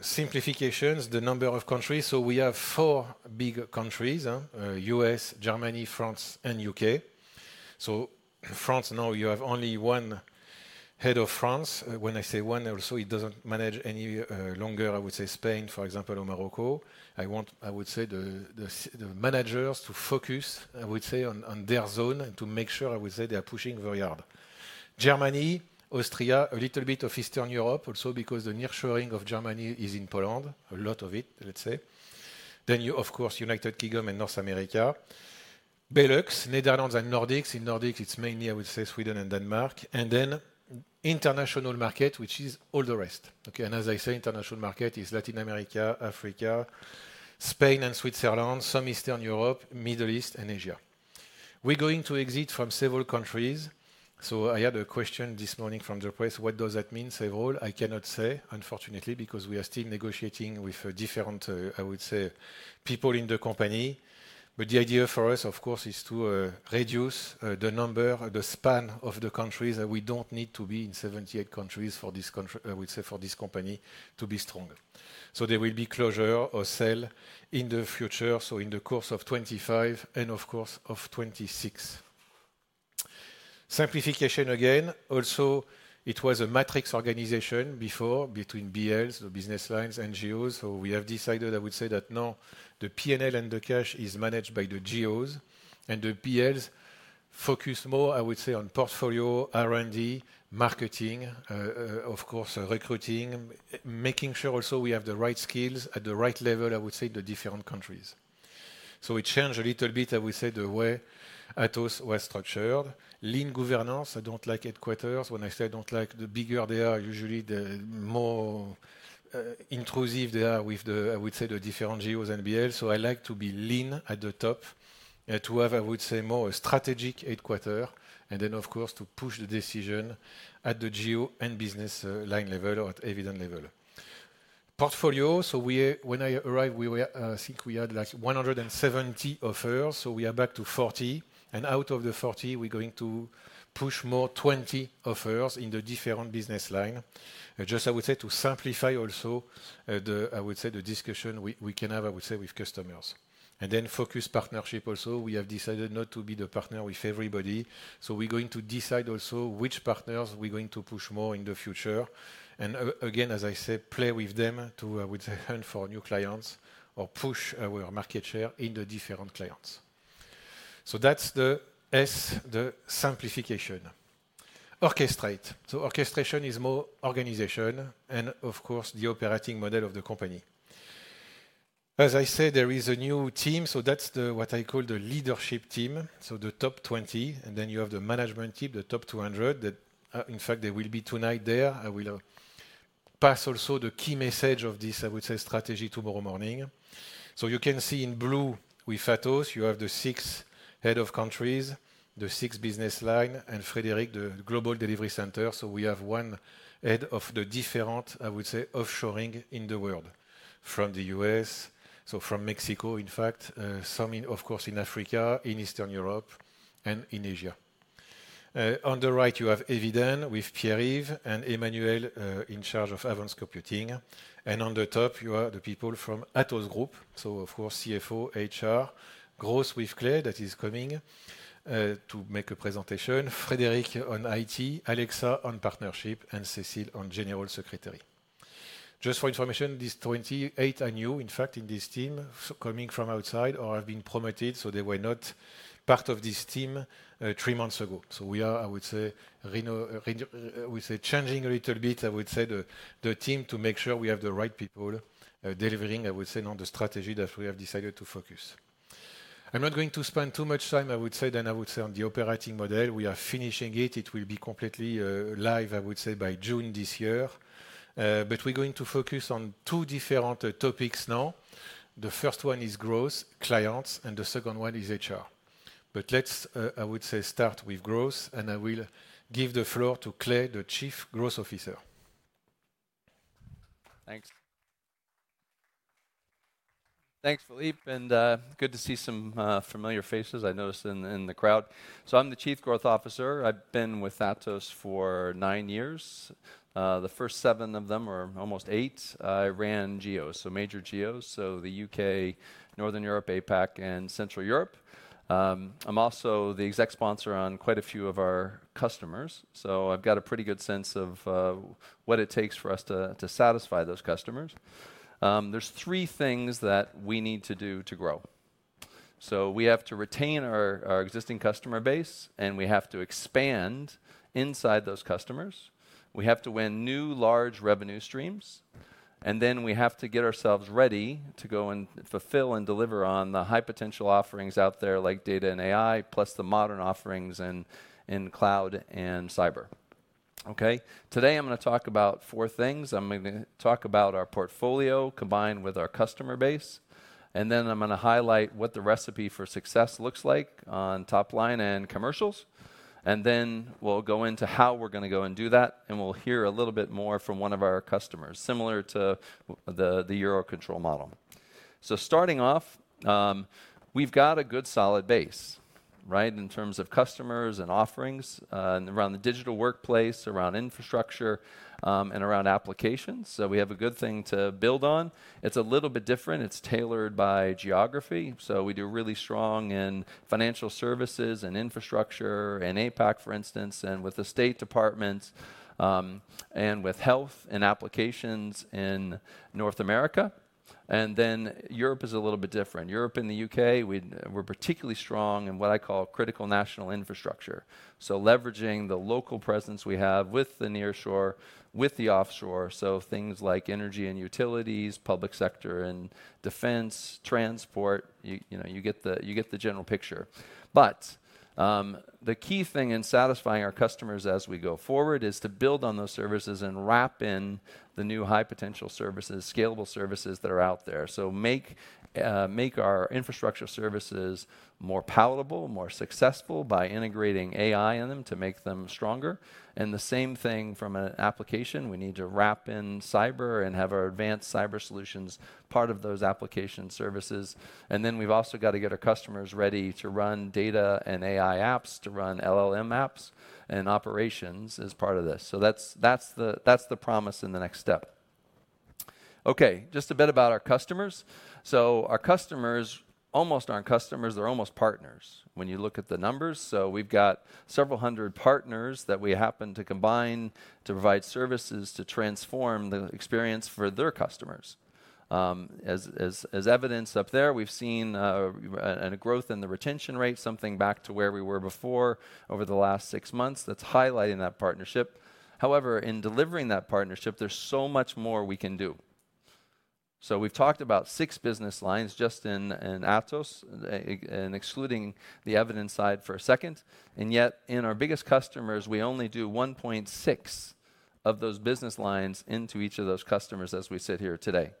simplifications, the number of countries, we have four big countries: US, Germany, France, and U.K. France, now you have only one head of France. When I say one, also it does not manage any longer, I would say, Spain, for example, or Morocco. I want, I would say, the managers to focus, I would say, on their zone and to make sure, I would say, they are pushing very hard. Germany, Austria, a little bit of Eastern Europe also because the nearshoring of Germany is in Poland, a lot of it, let's say. You have, of course, United Kingdom and North America. Belarus, Netherlands, and Nordics. In Nordics, it is mainly, I would say, Sweden and Denmark. Then international market, which is all the rest. Okay? As I say, international market is Latin America, Africa, Spain and Switzerland, some Eastern Europe, Middle East, and Asia. We are going to exit from several countries. I had a question this morning from the press, "What does that mean, several?" I cannot say, unfortunately, because we are still negotiating with different, I would say, people in the company. The idea for us, of course, is to reduce the number, the span of the countries. We do not need to be in 78 countries for this, I would say, for this company to be stronger. There will be closure or sale in the future, in the course of 2025 and, of course, of 2026. Simplification again. Also, it was a matrix organization before between BLs, the business lines, and NGOs. We have decided, I would say, that now the PNL and the cash is managed by the GOs. The BLs focus more, I would say, on portfolio, R&D, marketing, of course, recruiting, making sure also we have the right skills at the right level, I would say, in the different countries. It changed a little bit, I would say, the way Atos was structured. Lean governance, I don't like headquarters. When I say I don't like the bigger they are, usually the more intrusive they are with the, I would say, the different GOs and BLs. I like to be lean at the top and to have, I would say, more strategic headquarters. Of course, to push the decision at the GO and business line level or at Eviden level. Portfolio, when I arrived, I think we had like 170 offers. We are back to 40. Out of the 40, we're going to push more 20 offers in the different business line. Just, I would say, to simplify also the, I would say, the discussion we can have, I would say, with customers. Then focus partnership also. We have decided not to be the partner with everybody. We're going to decide also which partners we're going to push more in the future. Again, as I said, play with them to, I would say, earn for new clients or push our market share in the different clients. That's the S, the simplification. Orchestrate. Orchestration is more organization and, of course, the operating model of the company. As I said, there is a new team. That's what I call the leadership team, the top 20. You have the management team, the top 200. In fact, they will be tonight there. I will pass also the key message of this, I would say, strategy tomorrow morning. You can see in blue with Atos, you have the six head of countries, the six business lines, and Frederic, the global delivery center. We have one head of the different, I would say, offshoring in the world from the US, from Mexico, in fact, some, of course, in Africa, in Eastern Europe, and in Asia. On the right, you have Eviden with Pierre and Emmanuel in charge of Advanced Computing. On the top, you are the people from Atos Group. Of course, CFO, HR, Gross with Clay that is coming to make a presentation. Frederic on IT, Alexa on partnership, and Cécile on general secretary. Just for information, these 28 I knew, in fact, in this team coming from outside or have been promoted, so they were not part of this team three months ago. We are, I would say, changing a little bit, I would say, the team to make sure we have the right people delivering, I would say, on the strategy that we have decided to focus. I'm not going to spend too much time, I would say, then I would say on the operating model. We are finishing it. It will be completely live, I would say, by June this year. We're going to focus on two different topics now. The first one is growth, clients, and the second one is HR. Let's, I would say, start with growth, and I will give the floor to Clay, the Chief Growth Officer. Thanks. Thanks, Philippe. Good to see some familiar faces I noticed in the crowd. I'm the Chief Growth Officer. I've been with Atos for nine years. The first seven of them, or almost eight, I ran GOs, so major GOs, the U.K., Northern Europe, APAC, and Central Europe. I'm also the exec sponsor on quite a few of our customers. I've got a pretty good sense of what it takes for us to satisfy those customers. There are three things that we need to do to grow. We have to retain our existing customer base, and we have to expand inside those customers. We have to win new large revenue streams, and then we have to get ourselves ready to go and fulfill and deliver on the high potential offerings out there like data and AI, plus the modern offerings in cloud and cyber. Okay? Today, I'm going to talk about four things. I'm going to talk about our portfolio combined with our customer base. Then I'm going to highlight what the recipe for success looks like on top line and commercials. Then we'll go into how we're going to go and do that, and we'll hear a little bit more from one of our customers, similar to the Eurocontrol model. Starting off, we've got a good solid base, right, in terms of customers and offerings around the digital workplace, around infrastructure, and around applications. We have a good thing to build on. It's a little bit different. It's tailored by geography. We do really strong in financial services and infrastructure in APAC, for instance, and with the state departments and with health and applications in North America. Europe is a little bit different. Europe and the U.K., we're particularly strong in what I call critical national infrastructure. Leveraging the local presence we have with the nearshore, with the offshore, things like energy and utilities, public sector and defense, transport, you get the general picture. The key thing in satisfying our customers as we go forward is to build on those services and wrap in the new high potential services, scalable services that are out there. Make our infrastructure services more palatable, more successful by integrating AI in them to make them stronger. The same thing from an application. We need to wrap in cyber and have our advanced cyber solutions part of those application services. We have also got to get our customers ready to run data and AI apps, to run LLM apps and operations as part of this. That's the promise in the next step. Okay, just a bit about our customers. Our customers almost aren't customers. They're almost partners when you look at the numbers. We've got several hundred partners that we happen to combine to provide services to transform the experience for their customers. As evidenced up there, we've seen a growth in the retention rate, something back to where we were before over the last six months that's highlighting that partnership. However, in delivering that partnership, there's so much more we can do. We've talked about six business lines just in Atos, excluding the Eviden side for a second. Yet, in our biggest customers, we only do 1.6 of those business lines into each of those customers as we sit here today.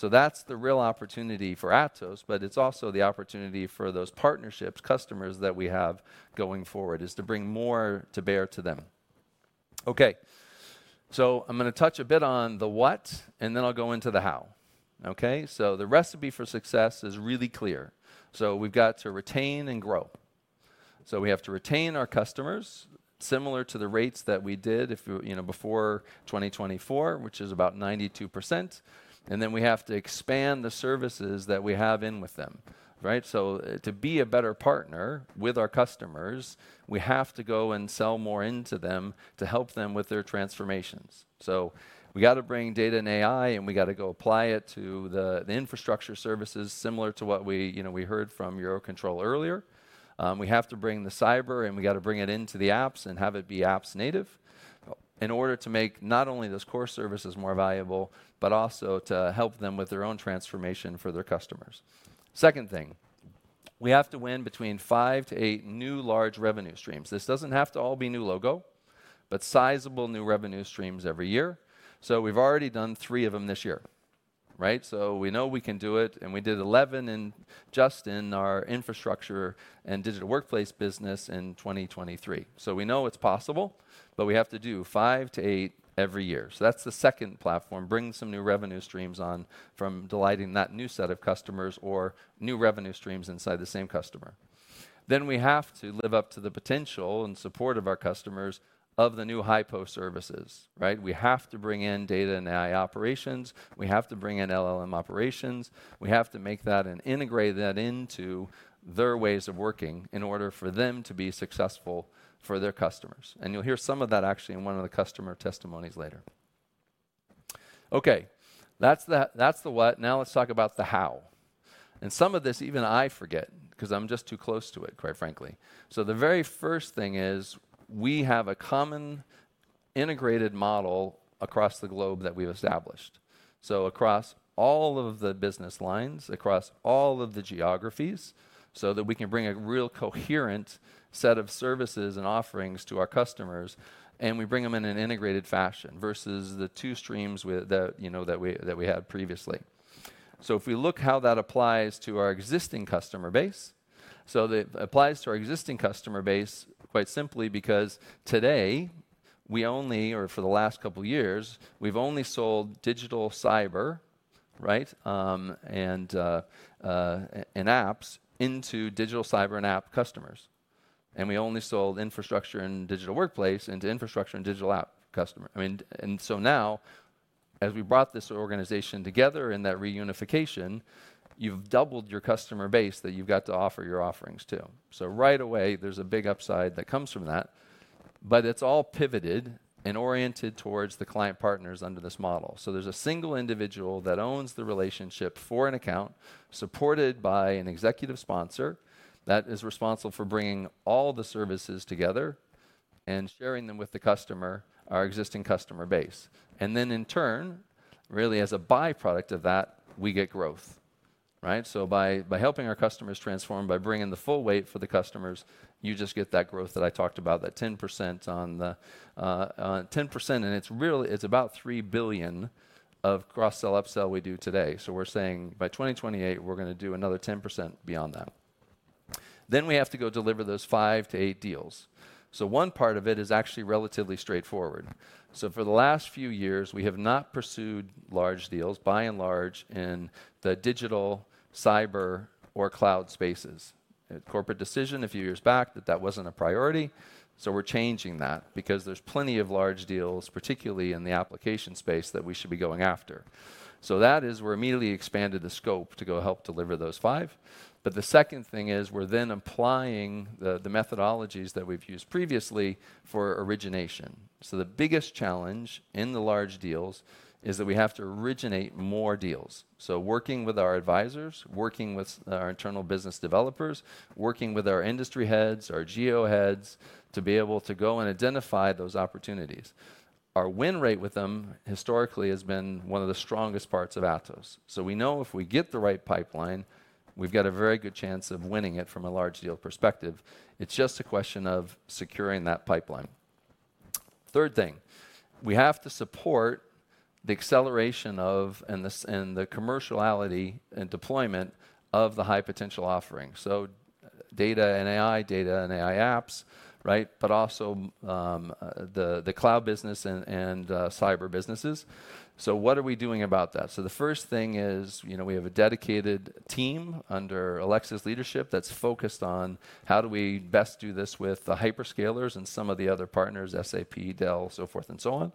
That's the real opportunity for Atos, but it's also the opportunity for those partnerships, customers that we have going forward, to bring more to bear to them. Okay, I'm going to touch a bit on the what, and then I'll go into the how. Okay? The recipe for success is really clear. We've got to retain and grow. We have to retain our customers similar to the rates that we did before 2024, which is about 92%. Then we have to expand the services that we have in with them. Right? To be a better partner with our customers, we have to go and sell more into them to help them with their transformations. We have to bring Data and AI, and we have to go apply it to the infrastructure services similar to what we heard from Eurocontrol earlier. We have to bring the cyber, and we got to bring it into the apps and have it be apps native in order to make not only those core services more valuable, but also to help them with their own transformation for their customers. Second thing, we have to win between 5-8 new large revenue streams. This does not have to all be new logo, but sizable new revenue streams every year. We have already done three of them this year. Right? We know we can do it, and we did 11 just in our infrastructure and digital workplace business in 2023. We know it is possible, but we have to do 5-8 every year. That is the second platform, bringing some new revenue streams on from delighting that new set of customers or new revenue streams inside the same customer. We have to live up to the potential and support of our customers of the new hypo services, right? We have to bring in data and AI operations. We have to bring in LLM operations. We have to make that and integrate that into their ways of working in order for them to be successful for their customers. You'll hear some of that actually in one of the customer testimonies later. Okay, that's the what. Now let's talk about the how. Some of this even I forget because I'm just too close to it, quite frankly. The very first thing is we have a common integrated model across the globe that we've established. Across all of the business lines, across all of the geographies, so that we can bring a real coherent set of services and offerings to our customers, and we bring them in an integrated fashion versus the two streams that we had previously. If we look how that applies to our existing customer base, it applies to our existing customer base quite simply because today we only, or for the last couple of years, we've only sold digital cyber, right, and apps into digital cyber and app customers. We only sold infrastructure and digital workplace into infrastructure and digital app customers. I mean, and now, as we brought this organization together in that reunification, you've doubled your customer base that you've got to offer your offerings to. Right away, there's a big upside that comes from that. It is all pivoted and oriented towards the client partners under this model. There is a single individual that owns the relationship for an account supported by an executive sponsor that is responsible for bringing all the services together and sharing them with the customer, our existing customer base. In turn, really as a byproduct of that, we get growth. Right? By helping our customers transform, by bringing the full weight for the customers, you just get that growth that I talked about, that 10% on the 10%, and it is about 3 billion of cross-sell upsell we do today. We are saying by 2028, we are going to do another 10% beyond that. We have to go deliver those five to eight deals. One part of it is actually relatively straightforward. For the last few years, we have not pursued large deals, by and large, in the digital, cyber, or cloud spaces. Corporate decision a few years back that that was not a priority. We are changing that because there are plenty of large deals, particularly in the application space, that we should be going after. That is, we are immediately expanding the scope to go help deliver those five. The second thing is we are then applying the methodologies that we have used previously for origination. The biggest challenge in the large deals is that we have to originate more deals. Working with our advisors, working with our internal business developers, working with our industry heads, our geo heads to be able to go and identify those opportunities. Our win rate with them historically has been one of the strongest parts of Atos. We know if we get the right pipeline, we've got a very good chance of winning it from a large deal perspective. It's just a question of securing that pipeline. The third thing, we have to support the acceleration of and the commerciality and deployment of the high potential offering. Data and AI, data and AI apps, right, but also the cloud business and cyber businesses. What are we doing about that? The first thing is we have a dedicated team under Alexa's leadership that's focused on how do we best do this with the hyperscalers and some of the other partners, SAP, Dell, so forth and so on.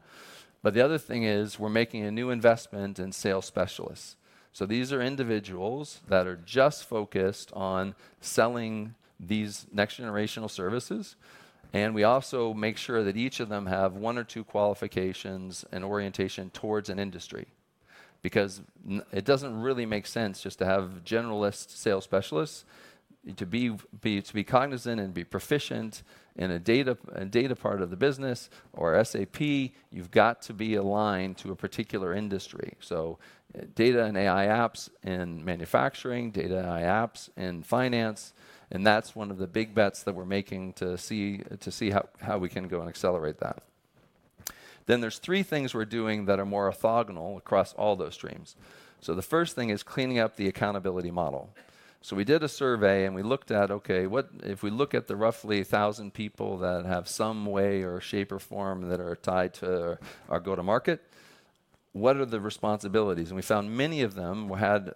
The other thing is we're making a new investment in sales specialists. These are individuals that are just focused on selling these next generational services. We also make sure that each of them have one or two qualifications and orientation towards an industry because it does not really make sense just to have generalist sales specialists to be cognizant and be proficient in a data part of the business or SAP. You have got to be aligned to a particular industry. Data and AI apps in manufacturing, data and AI apps in finance. That is one of the big bets that we are making to see how we can go and accelerate that. There are three things we are doing that are more orthogonal across all those streams. The first thing is cleaning up the accountability model. We did a survey and we looked at, okay, if we look at the roughly 1,000 people that have some way or shape or form that are tied to our go-to-market, what are the responsibilities? We found many of them had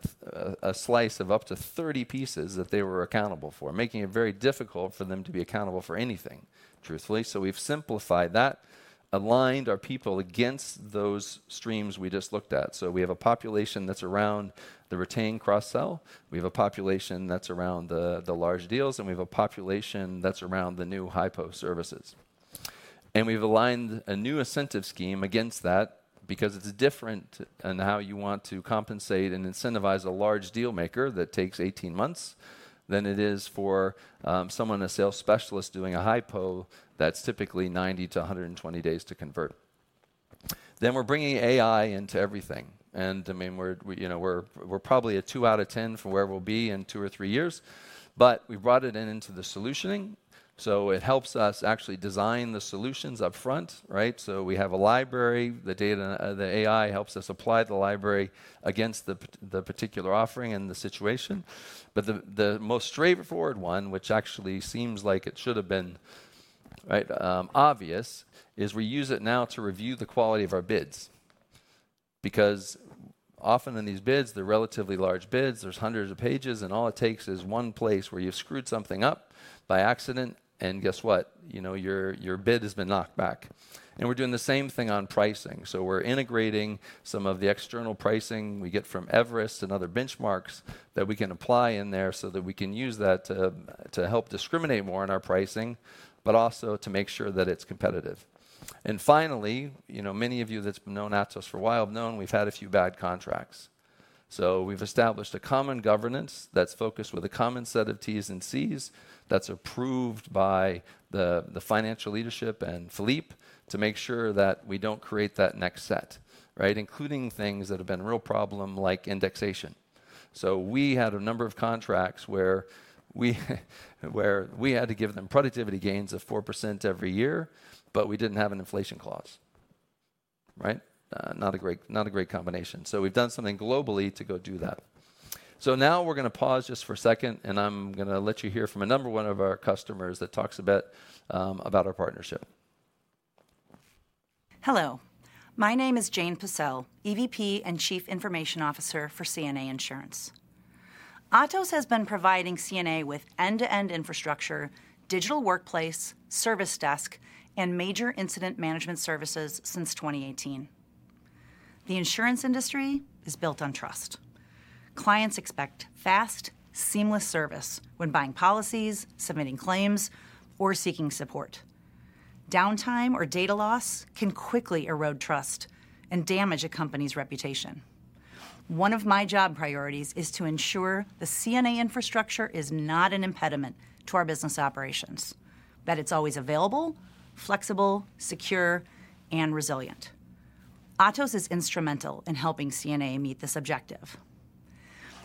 a slice of up to 30 pieces that they were accountable for, making it very difficult for them to be accountable for anything, truthfully. We have simplified that, aligned our people against those streams we just looked at. We have a population that is around the retained cross-sell. We have a population that is around the large deals, and we have a population that is around the new hypo services. We have aligned a new incentive scheme against that because it is different in how you want to compensate and incentivize a large deal maker that takes 18 months than it is for someone in a sales specialist doing a hypo that is typically 90-120 days to convert. We are bringing AI into everything. I mean, we're probably a two out of ten from where we'll be in two or three years, but we brought it into the solutioning. It helps us actually design the solutions upfront, right? We have a library. The AI helps us apply the library against the particular offering and the situation. The most straightforward one, which actually seems like it should have been obvious, is we use it now to review the quality of our bids because often in these bids, they're relatively large bids. There are hundreds of pages, and all it takes is one place where you've screwed something up by accident, and guess what? Your bid has been knocked back. We're doing the same thing on pricing. We're integrating some of the external pricing we get from Everest and other benchmarks that we can apply in there so that we can use that to help discriminate more in our pricing, but also to make sure that it's competitive. Finally, many of you that have known Atos for a while have known we've had a few bad contracts. We've established a common governance that's focused with a common set of T's and C's that's approved by the financial leadership and Philippe to make sure that we don't create that next set, right? Including things that have been a real problem like indexation. We had a number of contracts where we had to give them productivity gains of 4% every year, but we didn't have an inflation clause. Right? Not a great combination. We've done something globally to go do that. Now we're going to pause just for a second, and I'm going to let you hear from a number one of our customers that talks a bit about our partnership. Hello. My name is Jane Possell, EVP and Chief Information Officer for CNA Insurance. Atos has been providing CNA with end-to-end infrastructure, digital workplace, service desk, and major incident management services since 2018. The insurance industry is built on trust. Clients expect fast, seamless service when buying policies, submitting claims, or seeking support. Downtime or data loss can quickly erode trust and damage a company's reputation. One of my job priorities is to ensure the CNA infrastructure is not an impediment to our business operations, that it's always available, flexible, secure, and resilient. Atos is instrumental in helping CNA meet this objective.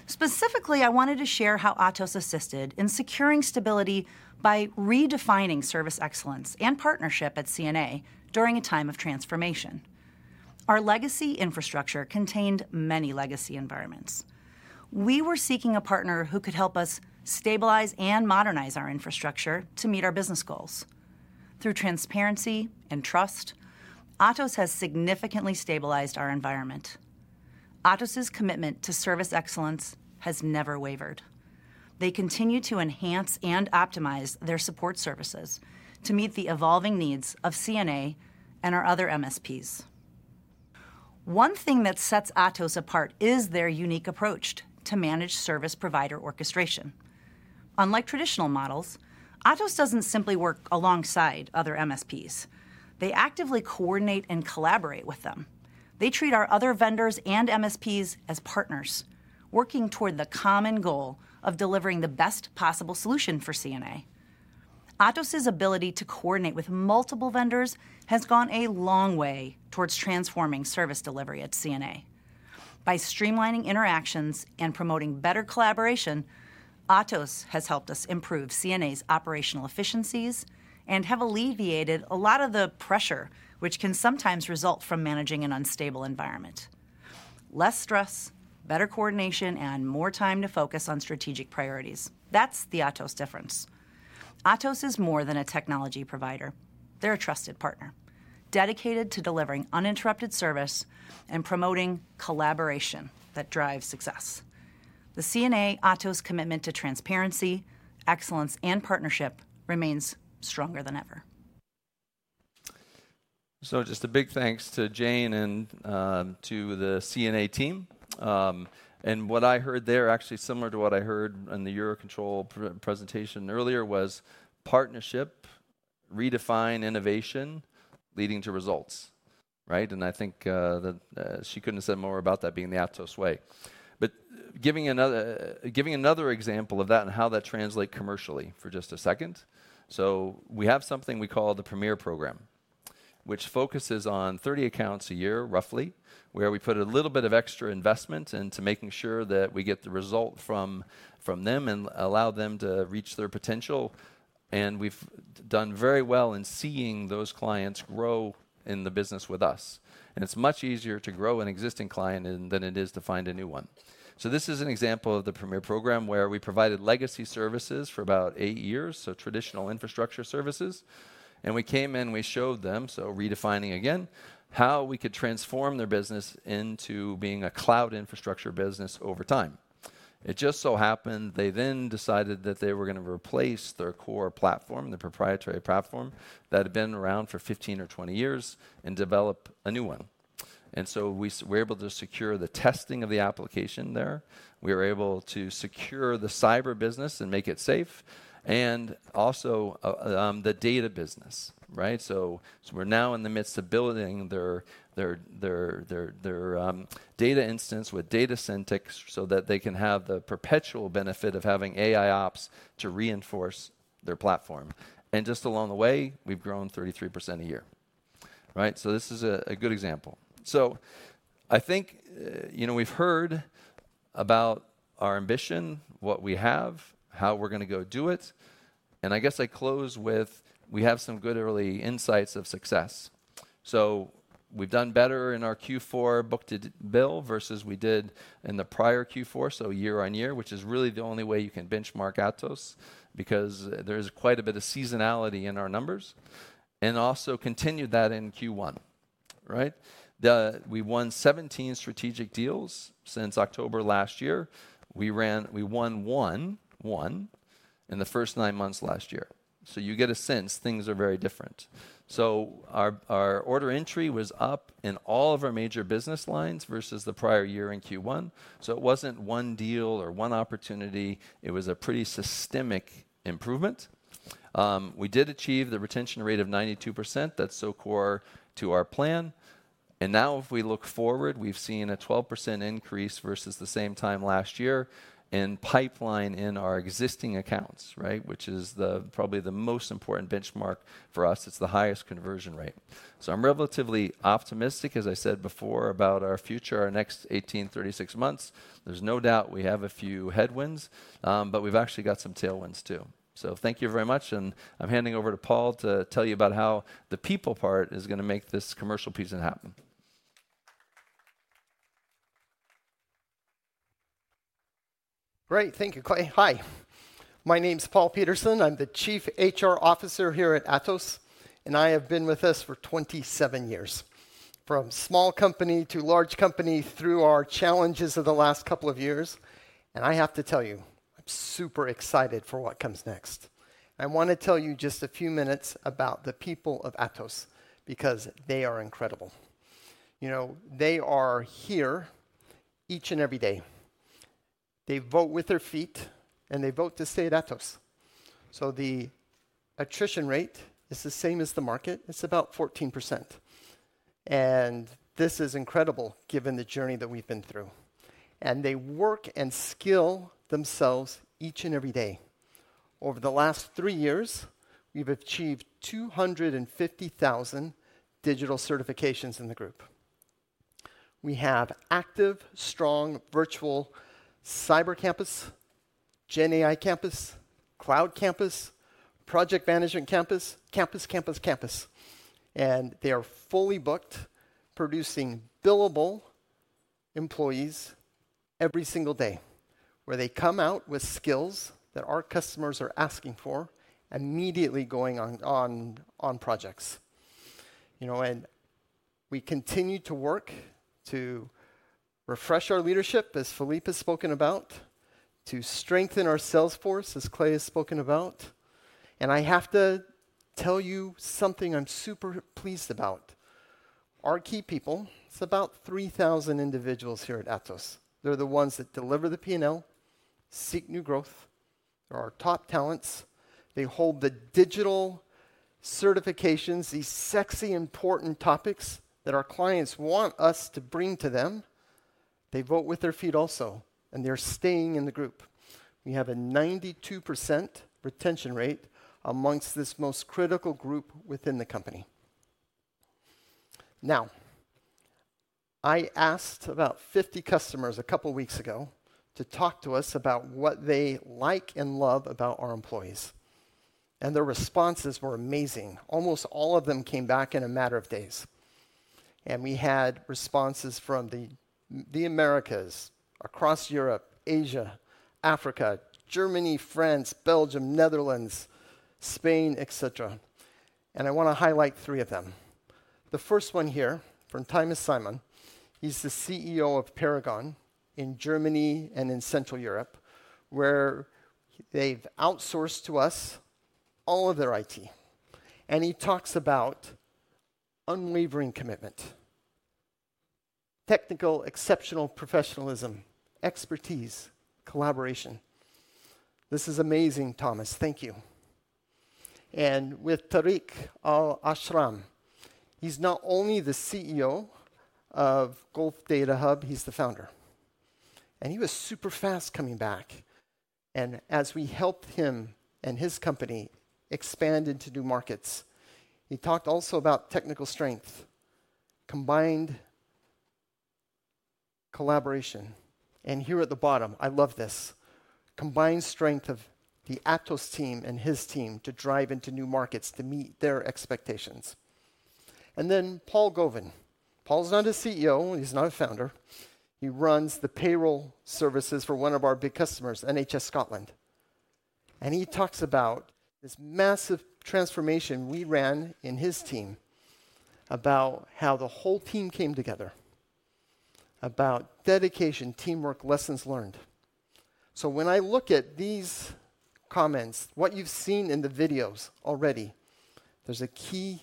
Specifically, I wanted to share how Atos assisted in securing stability by redefining service excellence and partnership at CNA during a time of transformation. Our legacy infrastructure contained many legacy environments. We were seeking a partner who could help us stabilize and modernize our infrastructure to meet our business goals. Through transparency and trust, Atos has significantly stabilized our environment. Atos's commitment to service excellence has never wavered. They continue to enhance and optimize their support services to meet the evolving needs of CNA and our other MSPs. One thing that sets Atos apart is their unique approach to manage service provider orchestration. Unlike traditional models, Atos does not simply work alongside other MSPs. They actively coordinate and collaborate with them. They treat our other vendors and MSPs as partners, working toward the common goal of delivering the best possible solution for CNA. Atos's ability to coordinate with multiple vendors has gone a long way towards transforming service delivery at CNA. By streamlining interactions and promoting better collaboration, Atos has helped us improve CNA's operational efficiencies and have alleviated a lot of the pressure, which can sometimes result from managing an unstable environment. Less stress, better coordination, and more time to focus on strategic priorities. That is the Atos difference. Atos is more than a technology provider. They are a trusted partner, dedicated to delivering uninterrupted service and promoting collaboration that drives success. The CNA Atos commitment to transparency, excellence, and partnership remains stronger than ever. Just a big thanks to Jane and to the CNA team. What I heard there, actually similar to what I heard in the Eurocontrol presentation earlier, was partnership, redefine innovation, leading to results. Right? I think that she could not have said more about that being the Atos way. Giving another example of that and how that translates commercially for just a second. We have something we call the Premier Program, which focuses on 30 accounts a year, roughly, where we put a little bit of extra investment into making sure that we get the result from them and allow them to reach their potential. We have done very well in seeing those clients grow in the business with us. It is much easier to grow an existing client than it is to find a new one. This is an example of the Premier Program where we provided legacy services for about eight years, so traditional infrastructure services. We came in, we showed them, redefining again how we could transform their business into being a cloud infrastructure business over time. It just so happened they then decided that they were going to replace their core platform, the proprietary platform that had been around for 15 or 20 years, and develop a new one. We were able to secure the testing of the application there. We were able to secure the cyber business and make it safe, and also the data business, right? We are now in the midst of building their data instance with data synthetics so that they can have the perpetual benefit of having AI ops to reinforce their platform. Along the way, we have grown 33% a year. This is a good example. I think we've heard about our ambition, what we have, how we're going to go do it. I guess I close with we have some good early insights of success. We've done better in our Q4 book to bill versus we did in the prior Q4, so year on year, which is really the only way you can benchmark Atos because there is quite a bit of seasonality in our numbers, and also continued that in Q1, right? We won 17 strategic deals since October last year. We won one in the first nine months last year. You get a sense things are very different. Our order entry was up in all of our major business lines versus the prior year in Q1. It wasn't one deal or one opportunity. It was a pretty systemic improvement. We did achieve the retention rate of 92%. That's so core to our plan. Now if we look forward, we've seen a 12% increase versus the same time last year in pipeline in our existing accounts, right? Which is probably the most important benchmark for us. It's the highest conversion rate. I'm relatively optimistic, as I said before, about our future, our next 18, 36 months. There's no doubt we have a few headwinds, but we've actually got some tailwinds too. Thank you very much. I'm handing over to Paul to tell you about how the people part is going to make this commercial piece happen. Great. Thank you, Clay. Hi. My name's Paul Peterson. I'm the Chief HR Officer here at Atos, and I have been with us for 27 years, from small company to large company through our challenges of the last couple of years. I have to tell you, I'm super excited for what comes next. I want to tell you just a few minutes about the people of Atos because they are incredible. They are here each and every day. They vote with their feet, and they vote to stay at Atos. The attrition rate is the same as the market. It's about 14%. This is incredible given the journey that we've been through. They work and skill themselves each and every day. Over the last three years, we've achieved 250,000 digital certifications in the group. We have active, strong virtual cyber campus, GenAI campus, cloud campus, project management campus, campus, campus, campus. They are fully booked, producing billable employees every single day where they come out with skills that our customers are asking for immediately going on projects. We continue to work to refresh our leadership, as Philippe has spoken about, to strengthen our salesforce, as Clay has spoken about. I have to tell you something I'm super pleased about. Our key people, it's about 3,000 individuals here at Atos. They're the ones that deliver the P&L, seek new growth. They're our top talents. They hold the digital certifications, these sexy, important topics that our clients want us to bring to them. They vote with their feet also, and they're staying in the group. We have a 92% retention rate amongst this most critical group within the company. I asked about 50 customers a couple of weeks ago to talk to us about what they like and love about our employees. Their responses were amazing. Almost all of them came back in a matter of days. We had responses from the Americas, across Europe, Asia, Africa, Germany, France, Belgium, Netherlands, Spain, etc. I want to highlight three of them. The first one here from Thomas Simon. He's the CEO of Paragon in Germany and in Central Europe, where they've outsourced to us all of their IT. He talks about unwavering commitment, technical exceptional professionalism, expertise, collaboration. This is amazing, Thomas. Thank you. With Tariq Al-Ashram, he's not only the CEO of Gulf Data Hub, he's the founder. He was super fast coming back. As we helped him and his company expand into new markets, he talked also about technical strength, combined collaboration. Here at the bottom, I love this, combined strength of the Atos team and his team to drive into new markets to meet their expectations. Paul Govin. Paul's not a CEO. He's not a founder. He runs the payroll services for one of our big customers, NHS Scotland. He talks about this massive transformation we ran in his team, about how the whole team came together, about dedication, teamwork, lessons learned. When I look at these comments, what you've seen in the videos already, there's a key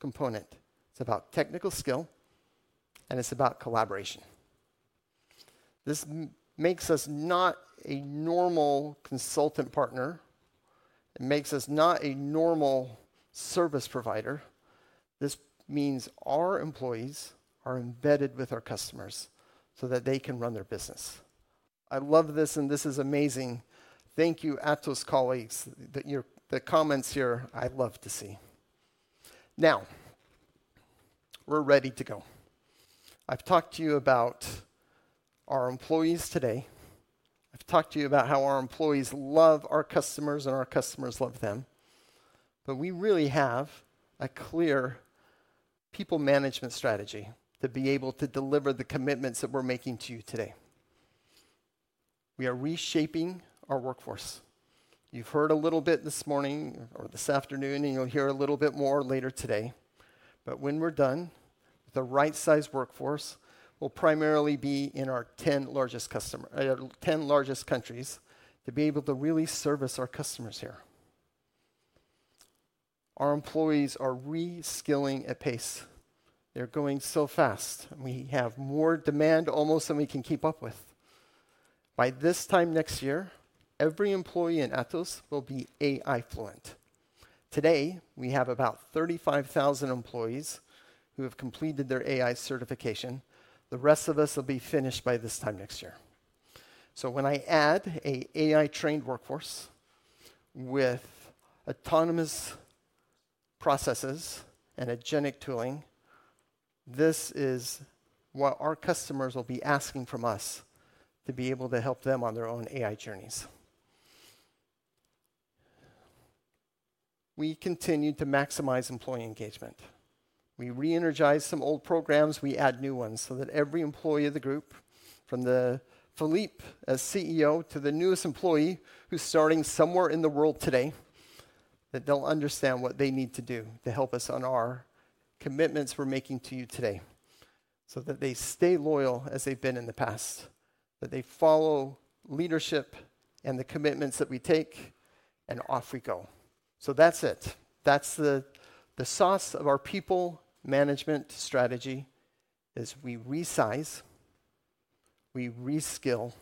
component. It's about technical skill, and it's about collaboration. This makes us not a normal consultant partner. It makes us not a normal service provider. This means our employees are embedded with our customers so that they can run their business. I love this, and this is amazing. Thank you, Atos colleagues, the comments here, I love to see. Now, we're ready to go. I've talked to you about our employees today. I've talked to you about how our employees love our customers and our customers love them. We really have a clear people management strategy to be able to deliver the commitments that we're making to you today. We are reshaping our workforce. You've heard a little bit this morning or this afternoon, and you'll hear a little bit more later today. When we're done with a right-sized workforce, we'll primarily be in our 10 largest countries to be able to really service our customers here. Our employees are reskilling at pace. They're going so fast. We have more demand almost than we can keep up with. By this time next year, every employee in Atos will be AI fluent. Today, we have about 35,000 employees who have completed their AI certification. The rest of us will be finished by this time next year. When I add an AI-trained workforce with autonomous processes and agentic tooling, this is what our customers will be asking from us to be able to help them on their own AI journeys. We continue to maximize employee engagement. We reenergize some old programs. We add new ones so that every employee of the group, from Philippe as CEO to the newest employee who's starting somewhere in the world today, that they'll understand what they need to do to help us on our commitments we're making to you today so that they stay loyal as they've been in the past, that they follow leadership and the commitments that we take and off we go. That's it. That's the sauce of our people management strategy is we resize, we reskill,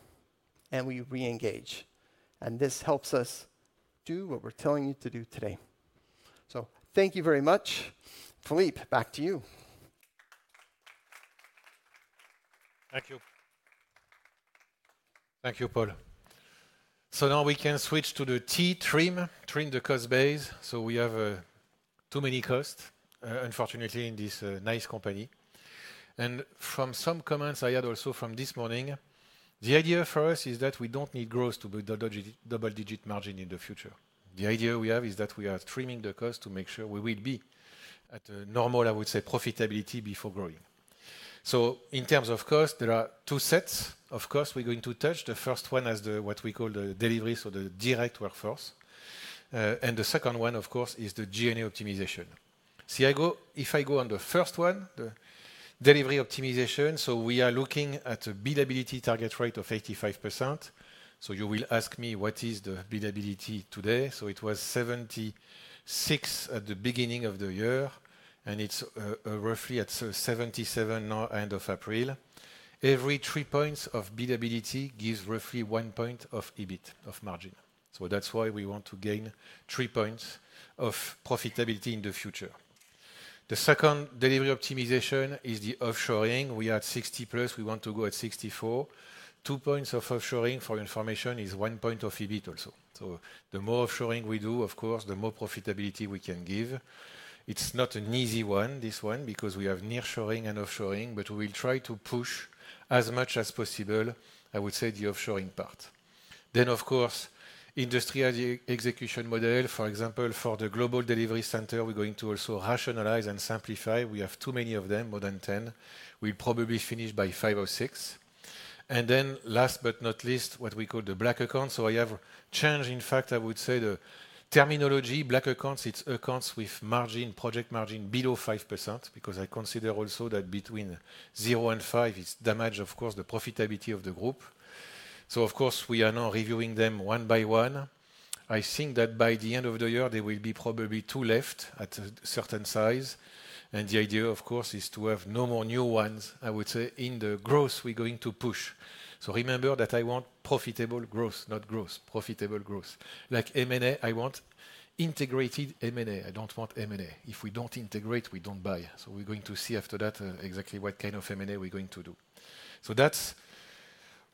and we reengage. This helps us do what we're telling you to do today. Thank you very much. Philippe, back to you. Thank you .Thank you, Paul. Now we can switch to the T-trim, trim the cost base. We have too many costs, unfortunately, in this nice company. From some comments I had also from this morning, the idea for us is that we do not need growth to double-digit margin in the future. The idea we have is that we are trimming the cost to make sure we will be at a normal, I would say, profitability before growing. In terms of cost, there are two sets of costs we are going to touch. The first one is what we call the delivery, so the direct workforce. The second one, of course, is the G&A optimization. If I go on the first one, the delivery optimization, we are looking at a bidability target rate of 85%. You will ask me what is the bidability today. It was 76 at the beginning of the year, and it's roughly at 77 now, end of April. Every three points of bidability gives roughly one point of EBIT, of margin. That's why we want to gain three points of profitability in the future. The second delivery optimization is the offshoring. We are at 60 plus. We want to go at 64. Two points of offshoring, for your information, is one point of EBIT also. The more offshoring we do, of course, the more profitability we can give. It's not an easy one, this one, because we have nearshoring and offshoring, but we will try to push as much as possible, I would say, the offshoring part. Of course, industry execution model, for example, for the global delivery center, we're going to also rationalize and simplify. We have too many of them, more than 10. We'll probably finish by 5 or 6. Last but not least, what we call the black accounts. I have changed, in fact, I would say the terminology, black accounts. It's accounts with margin, project margin below 5%, because I consider also that between 0 and 5%, it damages, of course, the profitability of the group. Of course, we are now reviewing them one by one. I think that by the end of the year, there will be probably two left at a certain size. The idea, of course, is to have no more new ones, I would say, in t he growth we're going to push. Remember that I want profitable growth, not growth, profitable growth. Like M&A, I want integrated M&A. I don't want M&A. If we don't integrate, we don't buy. We're going to see after that exactly what kind of M&A we're going to do. That's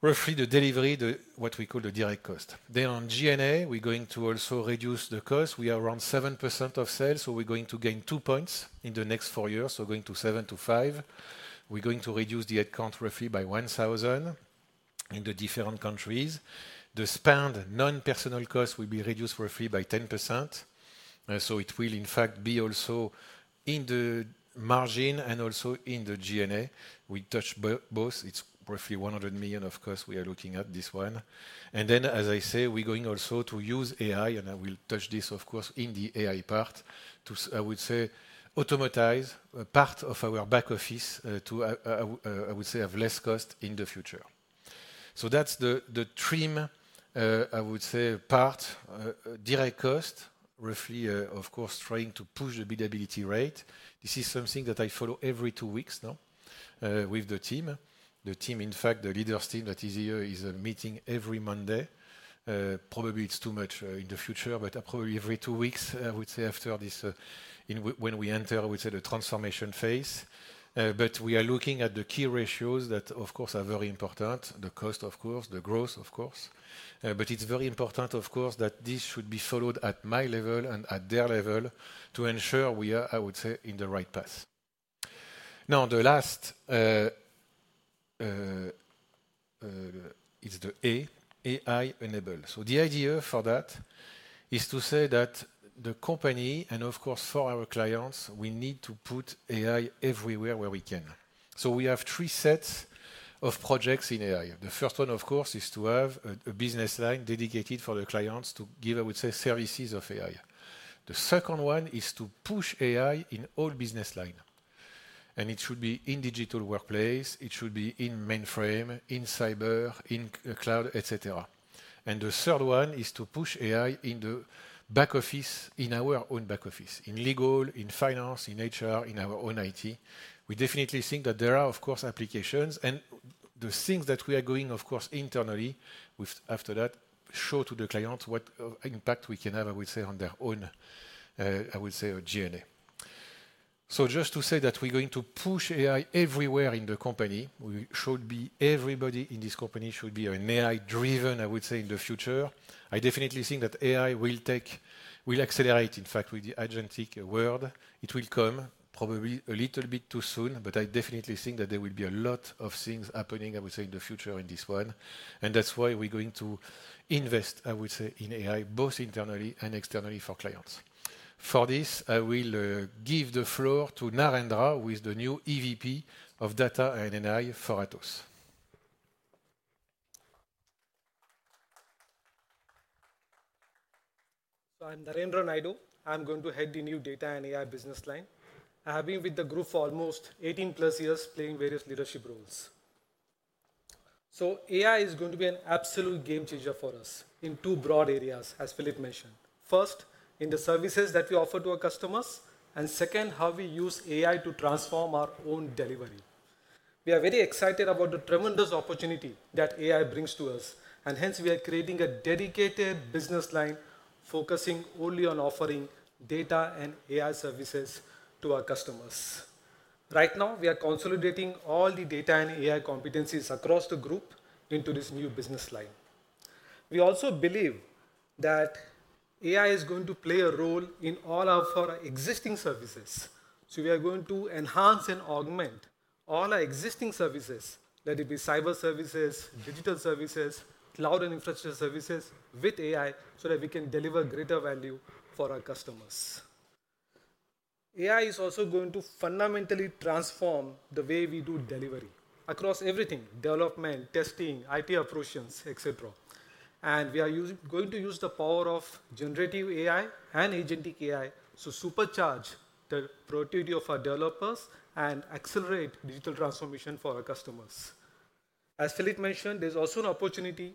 roughly the delivery, what we call the direct cost. Then on G&A, we're going to also reduce the cost. We are around 7% of sales, so we're going to gain two percentage points in the next four years, so going from 7% to 5%. We're going to reduce the headcount roughly by 1,000 in the different countries. The spend, non-personnel cost, will be reduced roughly by 10%. It will, in fact, be also in the margin and also in the G&A. We touch both. It's roughly 100 million, of course, we are looking at this one. As I say, we're going also to use AI, and I will touch this, of course, in the AI part, to, I would say, automatize part of our back office to, I would say, have less cost in the future. That's the trim, I would say, part, direct cost, roughly, of course, trying to push the bidability rate. This is something that I follow every two weeks now with the team. The team, in fact, the leaders' team that is here is meeting every Monday. Probably it's too much in the future, but probably every two weeks, I would say, after this, when we enter, I would say, the transformation phase. We are looking at the key ratios that, of course, are very important, the cost, of course, the growth, of course. It is very important, of course, that this should be followed at my level and at their level to ensure we are, I would say, on the right path. Now, the last is the AI enable. The idea for that is to say that the company and, of course, for our clients, we need to put AI everywhere where we can. We have three sets of projects in AI. The first one, of course, is to have a business line dedicated for the clients to give, I would say, services of AI. The second one is to push AI in all business lines. It should be in digital workplace, it should be in mainframe, in cyber, in cloud, etc. The third one is to push AI in the back office, in our own back office, in legal, in finance, in HR, in our own IT. We definitely think that there are, of course, applications. The things that we are going, of course, internally, after that, show to the clients what impact we can have, I would say, on their own, I would say, G&A. Just to say that we're going to push AI everywhere in the company, everybody in this company should be AI-driven, I would say, in the future. I definitely think that AI will take, will accelerate, in fact, with the agentic world. It will come probably a little bit too soon, but I definitely think that there will be a lot of things happening, I would say, in the future in this one. That is why we're going to invest, I would say, in AI, both internally and externally for clients. For this, I will give the floor to Narendra, the new EVP of Data and AI for Atos. So I'm Narendra Naidu. I'm going to head the new Data and AI business line. I have been with the group for almost 18 plus years, playing various leadership roles. AI is going to be an absolute game changer for us in two broad areas, as Philippe mentioned. First, in the services that we offer to our customers, and second, how we use AI to transform our own delivery. We are very excited about the tremendous opportunity that AI brings to us, and hence we are creating a dedicated business line focusing only on offering Data and AI services to our customers. Right now, we are consolidating all the Data and AI competencies across the group into this new business line. We also believe that AI is going to play a role in all of our existing services. We are going to enhance and augment all our existing services, whether it be cyber services, digital services, cloud, and infrastructure services with AI so that we can deliver greater value for our customers. AI is also going to fundamentally transform the way we do delivery across everything, development, testing, IT approaches, etc. We are going to use the power of generative AI and agentic AI to supercharge the productivity of our developers and accelerate digital transformation for our customers. As Philippe mentioned, there is also an opportunity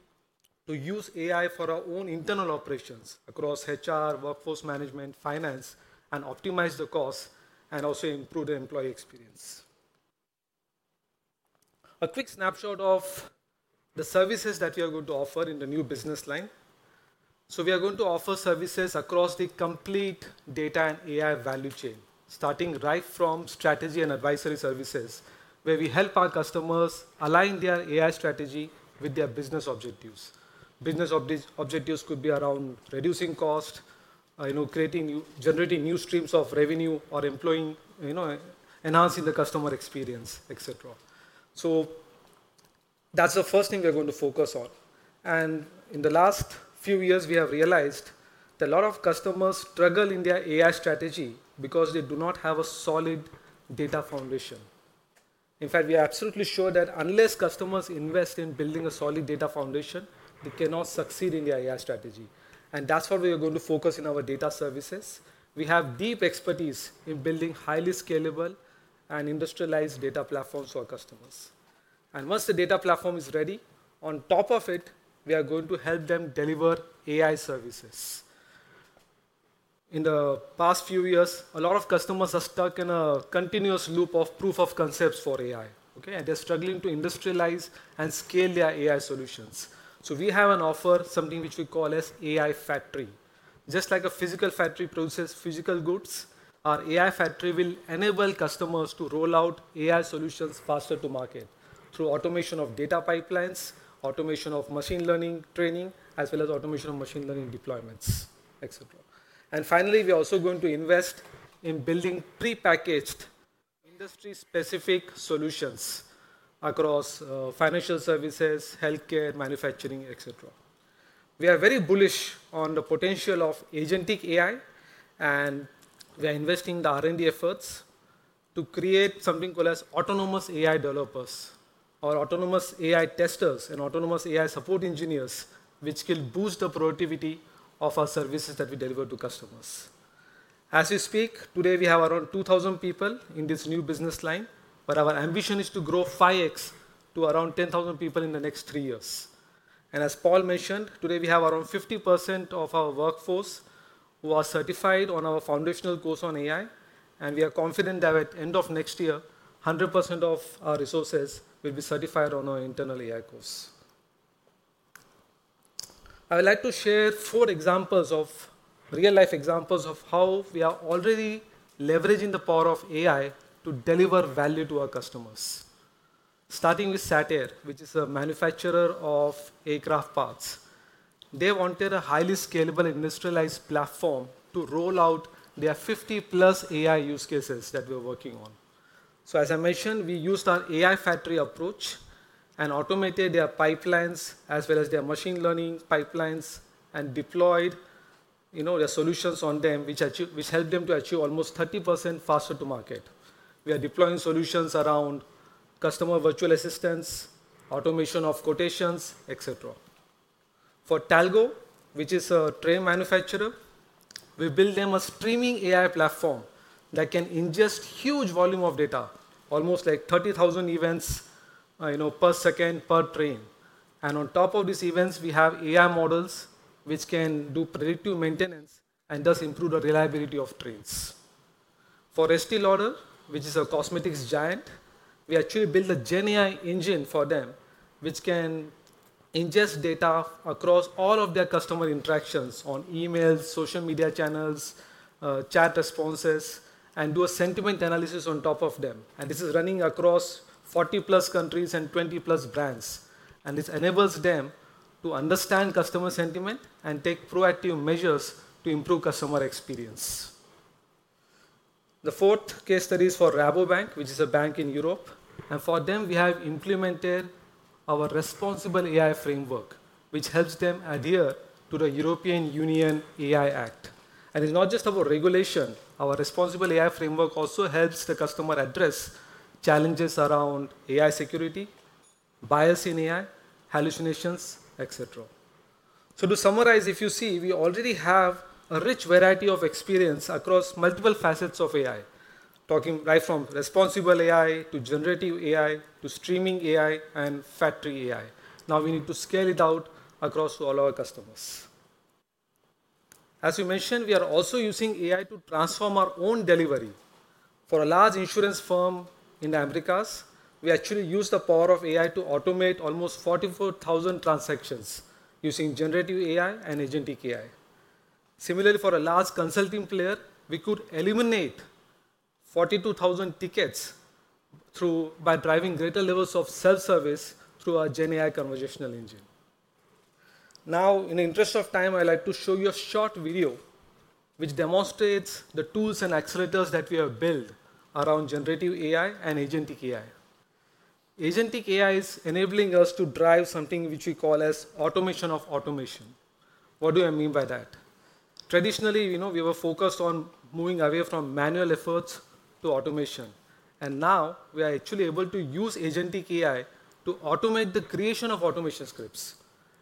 to use AI for our own internal operations across HR, workforce management, finance, and optimize the cost and also improve the employee experience. A quick snapshot of the services that we are going to offer in the new business line. We are going to offer services across the complete data and AI value chain, starting right from strategy and advisory services, where we help our customers align their AI strategy with their business objectives. Business objectives could be around reducing cost, creating, generating new streams of revenue, or employing, enhancing the customer experience, etc. That is the first thing we are going to focus on. In the last few years, we have realized that a lot of customers struggle in their AI strategy because they do not have a solid data foundation. In fact, we are absolutely sure that unless customers invest in building a solid data foundation, they cannot succeed in their AI strategy. That is what we are going to focus on in our data services. We have deep expertise in building highly scalable and industrialized data platforms for customers. Once the data platform is ready, on top of it, we are going to help them deliver AI services. In the past few years, a lot of customers are stuck in a continuous loop of proof of concepts for AI. Okay? They are struggling to industrialize and scale their AI solutions. We have an offer, something which we call as AI Factory. Just like a physical factory produces physical goods, our AI Factory will enable customers to roll out AI solutions faster to market through automation of data pipelines, automation of machine learning training, as well as automation of machine learning deployments, etc. Finally, we are also going to invest in building pre-packaged industry-specific solutions across financial services, healthcare, manufacturing, etc. We are very bullish on the potential of agentic AI, and we are investing in the R&D efforts to create something called as autonomous AI developers or autonomous AI testers and autonomous AI support engineers, which can boost the productivity of our services that we deliver to customers. As we speak, today we have around 2,000 people in this new business line, but our ambition is to grow 5x to around 10,000 people in the next three years. As Paul mentioned, today we have around 50% of our workforce who are certified on our foundational course on AI, and we are confident that at the end of next year, 100% of our resources will be certified on our internal AI course. I would like to share four examples of real-life examples of how we are already leveraging the power of AI to deliver value to our customers. Starting with SATER, which is a manufacturer of aircraft parts. They wanted a highly scalable industrialized platform to roll out their 50-plus AI use cases that we are working on. As I mentioned, we used our AI Factory approach and automated their pipelines, as well as their machine learning pipelines, and deployed their solutions on them, which helped them to achieve almost 30% faster to market. We are deploying solutions around customer virtual assistance, automation of quotations, etc. For Talgo, which is a train manufacturer, we built them a streaming AI platform that can ingest huge volume of data, almost like 30,000 events per second per train. On top of these events, we have AI models which can do predictive maintenance and thus improve the reliability of trains. For Estée Lauder, which is a cosmetics giant, we actually built a GenAI engine for them, which can ingest data across all of their customer interactions on emails, social media channels, chat responses, and do a sentiment analysis on top of them. This is running across 40-plus countries and 20-plus brands. This enables them to understand customer sentiment and take proactive measures to improve customer experience. The fourth case study is for Rabobank, which is a bank in Europe. For them, we have implemented our responsible AI framework, which helps them adhere to the European Union AI Act. It's not just about regulation. Our responsible AI framework also helps the customer address challenges around AI security, bias in AI, hallucinations, etc. To summarize, if you see, we already have a rich variety of experience across multiple facets of AI, talking right from responsible AI to generative AI to streaming AI and factory AI. Now we need to scale it out across all our customers. As you mentioned, we are also using AI to transform our own delivery. For a large insurance firm in the Americas, we actually use the power of AI to automate almost 44,000 transactions using generative AI and agentic AI. Similarly, for a large consulting player, we could eliminate 42,000 tickets by driving greater levels of self-service through our GenAI conversational engine. In the interest of time, I'd like to show you a short video which demonstrates the tools and accelerators that we have built around generative AI and agentic AI. Agentic AI is enabling us to drive something which we call as automation of automation. What do I mean by that? Traditionally, we were focused on moving away from manual efforts to automation. Now we are actually able to use agentic AI to automate the creation of automation scripts.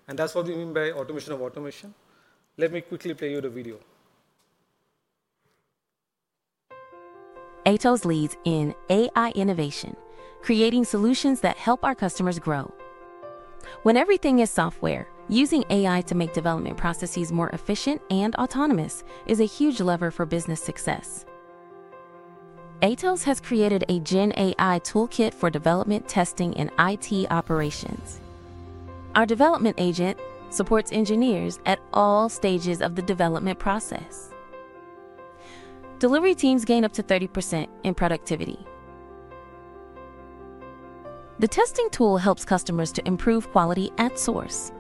That is what we mean by automation of automation. Let me quickly play you the video. Atos leads in AI innovation, creating solutions that help our customers grow. When everything is software, using AI to make development processes more efficient and autonomous is a huge lever for business success. Atos has created a GenAI toolkit for development, testing, and IT operations. Our development agent supports engineers at all stages of the development process. Delivery teams gain up to 30% in productivity. The testing tool helps customers to improve quality at source.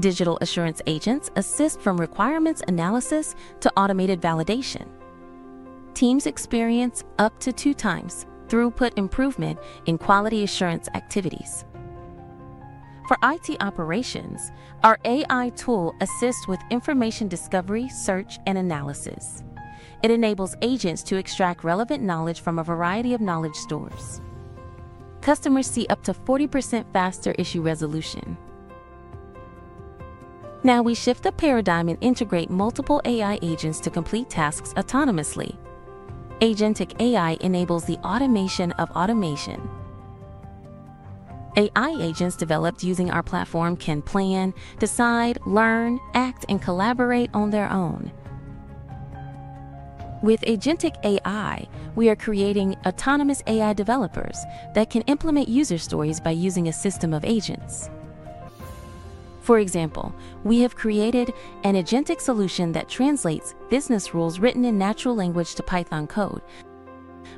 Digital assurance agents assist from requirements analysis to automated validation. Teams experience up to two times throughput improvement in quality assurance activities. For IT operations, our AI tool assists with information discovery, search, and analysis. It enables agents to extract relevant knowledge from a variety of knowledge stores. Customers see up to 40% faster issue resolution. Now we shift the paradigm and integrate multiple AI agents to complete tasks autonomously. Agentic AI enables the automation of automation. AI agents developed using our platform can plan, decide, learn, act, and collaborate on their own. With agentic AI, we are creating autonomous AI developers that can implement user stories by using a system of agents. For example, we have created an agentic solution that translates business rules written in natural language to Python code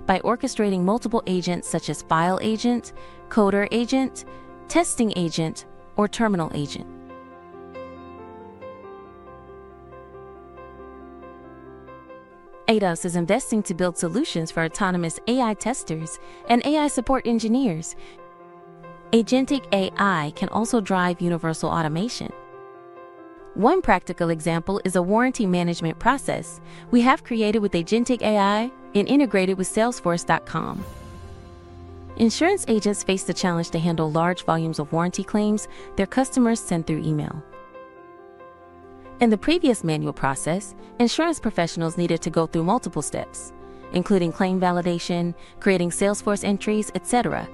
by orchestrating multiple agents such as file agent, coder agent, testing agent, or terminal agent. Atos is investing to build solutions for autonomous AI testers and AI support engineers. Agentic AI can also drive universal automation. One practical example is a warranty management process we have created with agentic AI and integrated with Salesforce.com. Insurance agents face the challenge to handle large volumes of warranty claims their customers send through email. In the previous manual process, insurance professionals needed to go through multiple steps, including claim validation, creating Salesforce entries, etc.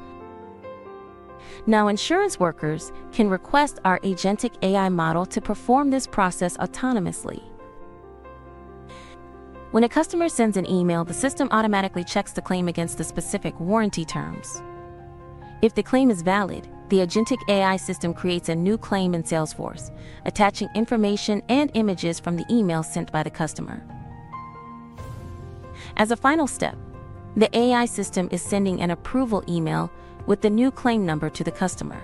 Now insurance workers can request our agentic AI model to perform this process autonomously. When a customer sends an email, the system automatically checks the claim against the specific warranty terms. If the claim is valid, the agentic AI system creates a new claim in Salesforce, attaching information and images from the email sent by the customer. As a final step, the AI system is sending an approval email with the new claim number to the customer.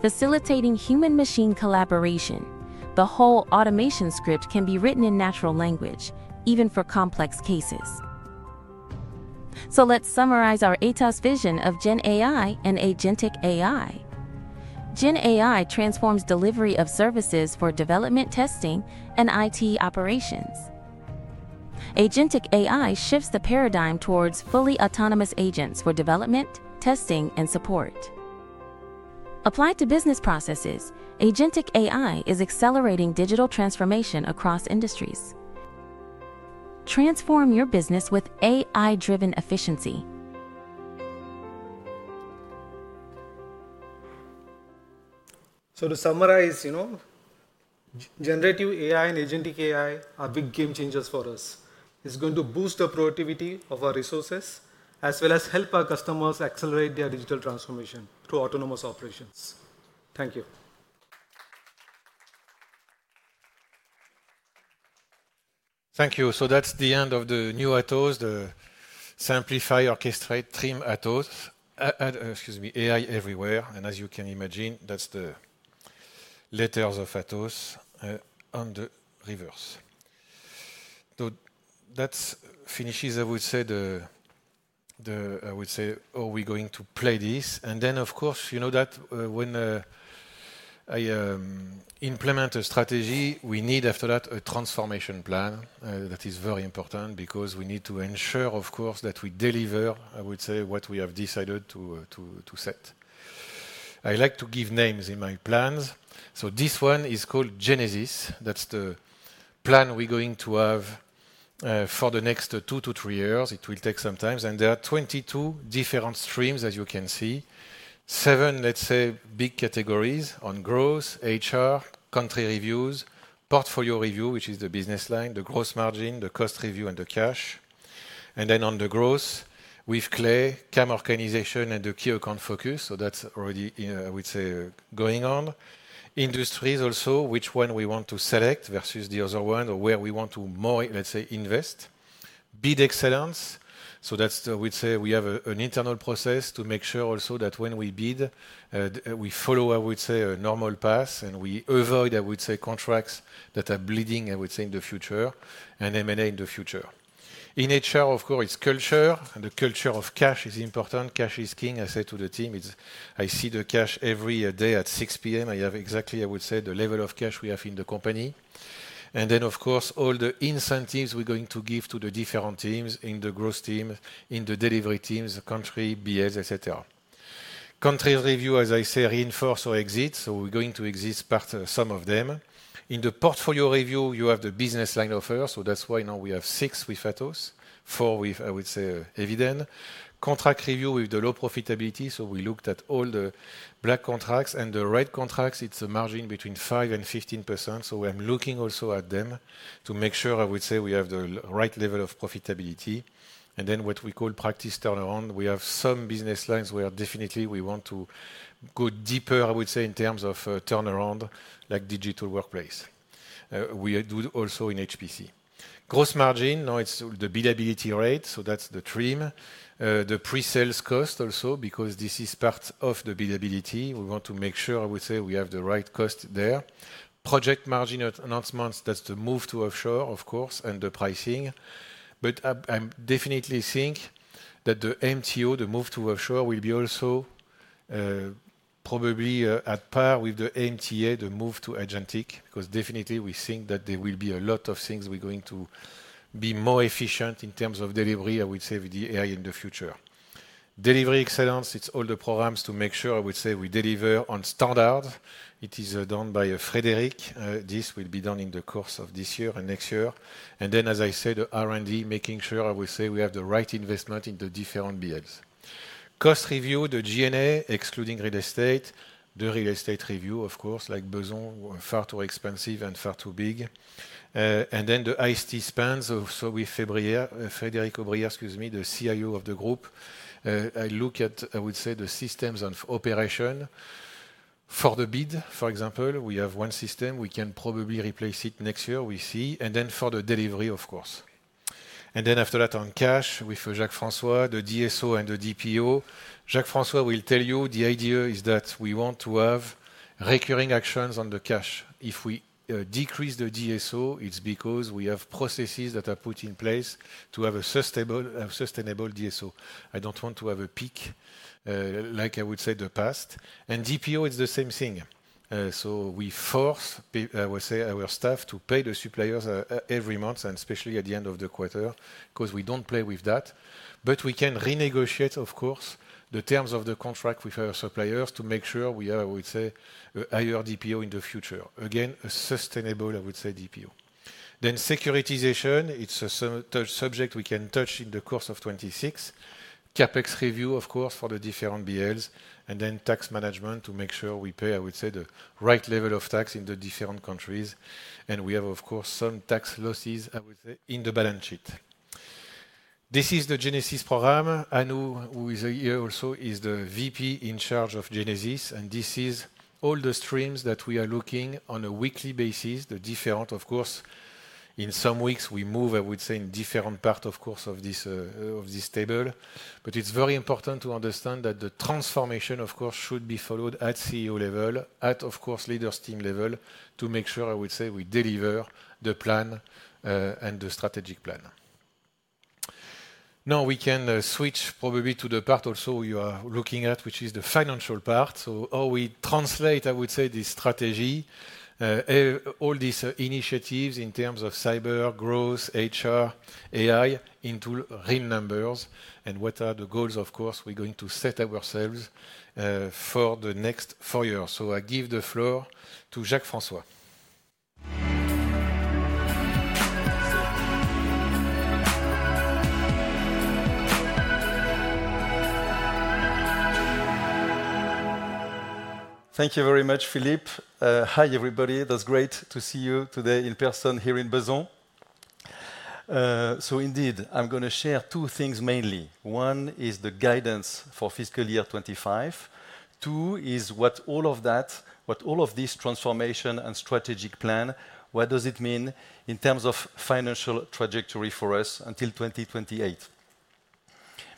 Facilitating human-machine collaboration, the whole automation script can be written in natural language, even for complex cases. Let's summarize our Atos vision of GenAI and agentic AI. GenAI transforms delivery of services for development, testing, and IT operations. Agentic AI shifts the paradigm towards fully autonomous agents for development, testing, and support. Applied to business processes, agentic AI is accelerating digital transformation across industries. Transform your business with AI-driven efficiency. To summarize, generative AI and agentic AI are big game changers for us. It's going to boost the productivity of our resources as well as help our customers accelerate their digital transformation through autonomous operations. Thank you. Thank you. That's the end of the new Atos, the Simplify, Orchestrate, Trim Atos. Excuse me, AI everywhere. As you can imagine, that's the letters of Atos on the reverse. That finishes, I would say, oh, we're going to play this. Of course, you know that when I implement a strategy, we need after that a transformation plan. That is very important because we need to ensure, of course, that we deliver, I would say, what we have decided to set. I like to give names in my plans. This one is called Genesis. That is the plan we are going to have for the next two to three years. It will take some time. There are 22 different streams, as you can see. Seven, let's say, big categories on growth, HR, country reviews, portfolio review, which is the business line, the gross margin, the cost review, and the cash. On the growth, we have Clay, CAM organization, and the key account focus. That is already, I would say, going on. Industries also, which one we want to select versus the other one or where we want to more, let's say, invest. Bid excellence. I would say, we have an internal process to make sure also that when we bid, we follow, I would say, a normal path and we avoid, I would say, contracts that are bleeding, I would say, in the future and M&A in the future. In HR, of course, it's culture. The culture of cash is important. Cash is king. I say to the team, I see the cash every day at 6:00 P.M. I have exactly, I would say, the level of cash we have in the company. Of course, all the incentives we're going to give to the different teams in the growth team, in the delivery teams, country, BS, etc. Country review, as I say, reinforce or exit. We're going to exit part, some of them. In the portfolio review, you have the business line offer. That's why now we have six with Atos, four with, I would say, Eviden. Contract review with the low profitability. We looked at all the black contracts and the red contracts. It's a margin between 5-15%. I'm looking also at them to make sure, I would say, we have the right level of profitability. Then what we call practice turnaround. We have some business lines where definitely we want to go deeper, I would say, in terms of turnaround, like digital workplace. We do also in HPC. Gross margin, now it's the bidability rate. That's the trim. The pre-sales cost also because this is part of the bidability. We want to make sure, I would say, we have the right cost there. Project margin announcements, that's the move to offshore, of course, and the pricing. I definitely think that the MTO, the move to offshore, will be also probably at par with the MTA, the move to agentic. Because definitely we think that there will be a lot of things we're going to be more efficient in terms of delivery, I would say, with the AI in the future. Delivery excellence, it's all the programs to make sure, I would say, we deliver on standard. It is done by Frederic. This will be done in the course of this year and next year. As I say, the R&D, making sure, I would say, we have the right investment in the different BLs. Cost review, the G&A, excluding real estate. The real estate review, of course, like Besançon, far too expensive and far too big. The IST spans. With Frédéric Boulan, excuse me, the CIO of the group, I look at, I would say, the systems of operation. For the bid, for example, we have one system. We can probably replace it next year, we see. Then for the delivery, of course. After that, on cash with Jacques-François de Prest, the DSO and the DPO. Jacques-François will tell you the idea is that we want to have recurring actions on the cash. If we decrease the DSO, it is because we have processes that are put in place to have a sustainable DSO. I do not want to have a peak, like I would say, the past. DPO, it is the same thing. We force, I would say, our staff to pay the suppliers every month and especially at the end of the quarter because we do not play with that. We can renegotiate, of course, the terms of the contract with our suppliers to make sure we have, I would say, a higher DPO in the future. Again, a sustainable, I would say, DPO. Securitization, it is a subject we can touch in the course of 2026. CapEx review, of course, for the different BLs. Tax management to make sure we pay, I would say, the right level of tax in the different countries. We have, of course, some tax losses, I would say, in the balance sheet. This is the Genesis program. Anu, who is here also, is the VP in charge of Genesis. This is all the streams that we are looking on a weekly basis, the different, of course. In some weeks, we move, I would say, in different parts, of course, of this table. But it's very important to understand that the transformation, of course, should be followed at CEO level, at, of course, leaders' team level to make sure, I would say, we deliver the plan and the strategic plan. Now we can switch probably to the part also you are looking at, which is the financial part. How we translate, I would say, this strategy, all these initiatives in terms of cyber, growth, HR, AI into real numbers. What are the goals, of course, we're going to set ourselves for the next four years. I give the floor to Jacques-François. Thank you very much, Philippe. Hi, everybody. That's great to see you today in person here in Besançon. Indeed, I'm going to share two things mainly. One is the guidance for fiscal year 2025. Two is what all of that, what all of this transformation and strategic plan, what does it mean in terms of financial trajectory for us until 2028.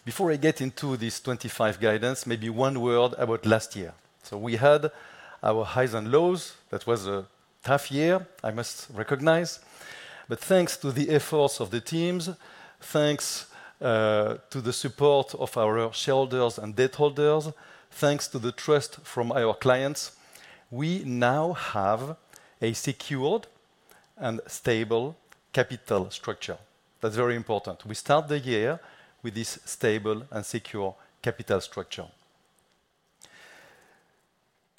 Before I get into this 2025 guidance, maybe one word about last year. We had our highs and lows. That was a tough year, I must recognize. Thanks to the efforts of the teams, thanks to the support of our shareholders and debt holders, thanks to the trust from our clients, we now have a secured and stable capital structure. That is very important. We start the year with this stable and secure capital structure.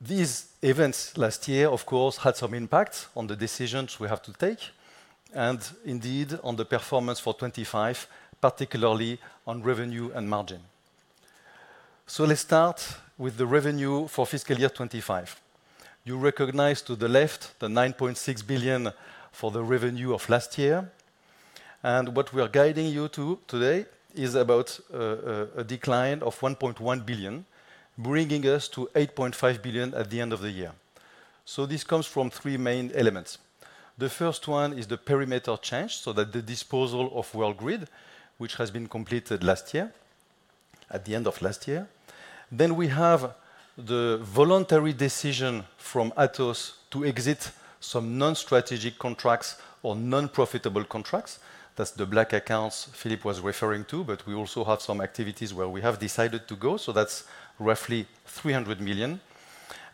These events last year, of course, had some impact on the decisions we have to take and indeed on the performance for 2025, particularly on revenue and margin. Let's start with the revenue for fiscal year 2025. You recognize to the left the 9.6 billion for the revenue of last year. What we are guiding you to today is about a decline of 1.1 billion, bringing us to 8.5 billion at the end of the year. This comes from three main elements. The first one is the perimeter change, so that is the disposal of Worldgrid, which has been completed last year, at the end of last year. We have the voluntary decision from Atos to exit some non-strategic contracts or non-profitable contracts. That is the black accounts Philippe was referring to, but we also have some activities where we have decided to go. That is roughly 300 million.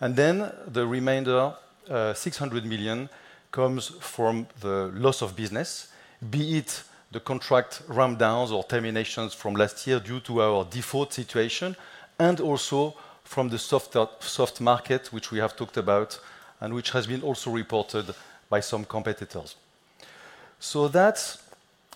The remainder 600 million comes from the loss of business, be it the contract rundowns or terminations from last year due to our default situation and also from the soft market, which we have talked about and which has been also reported by some competitors. That is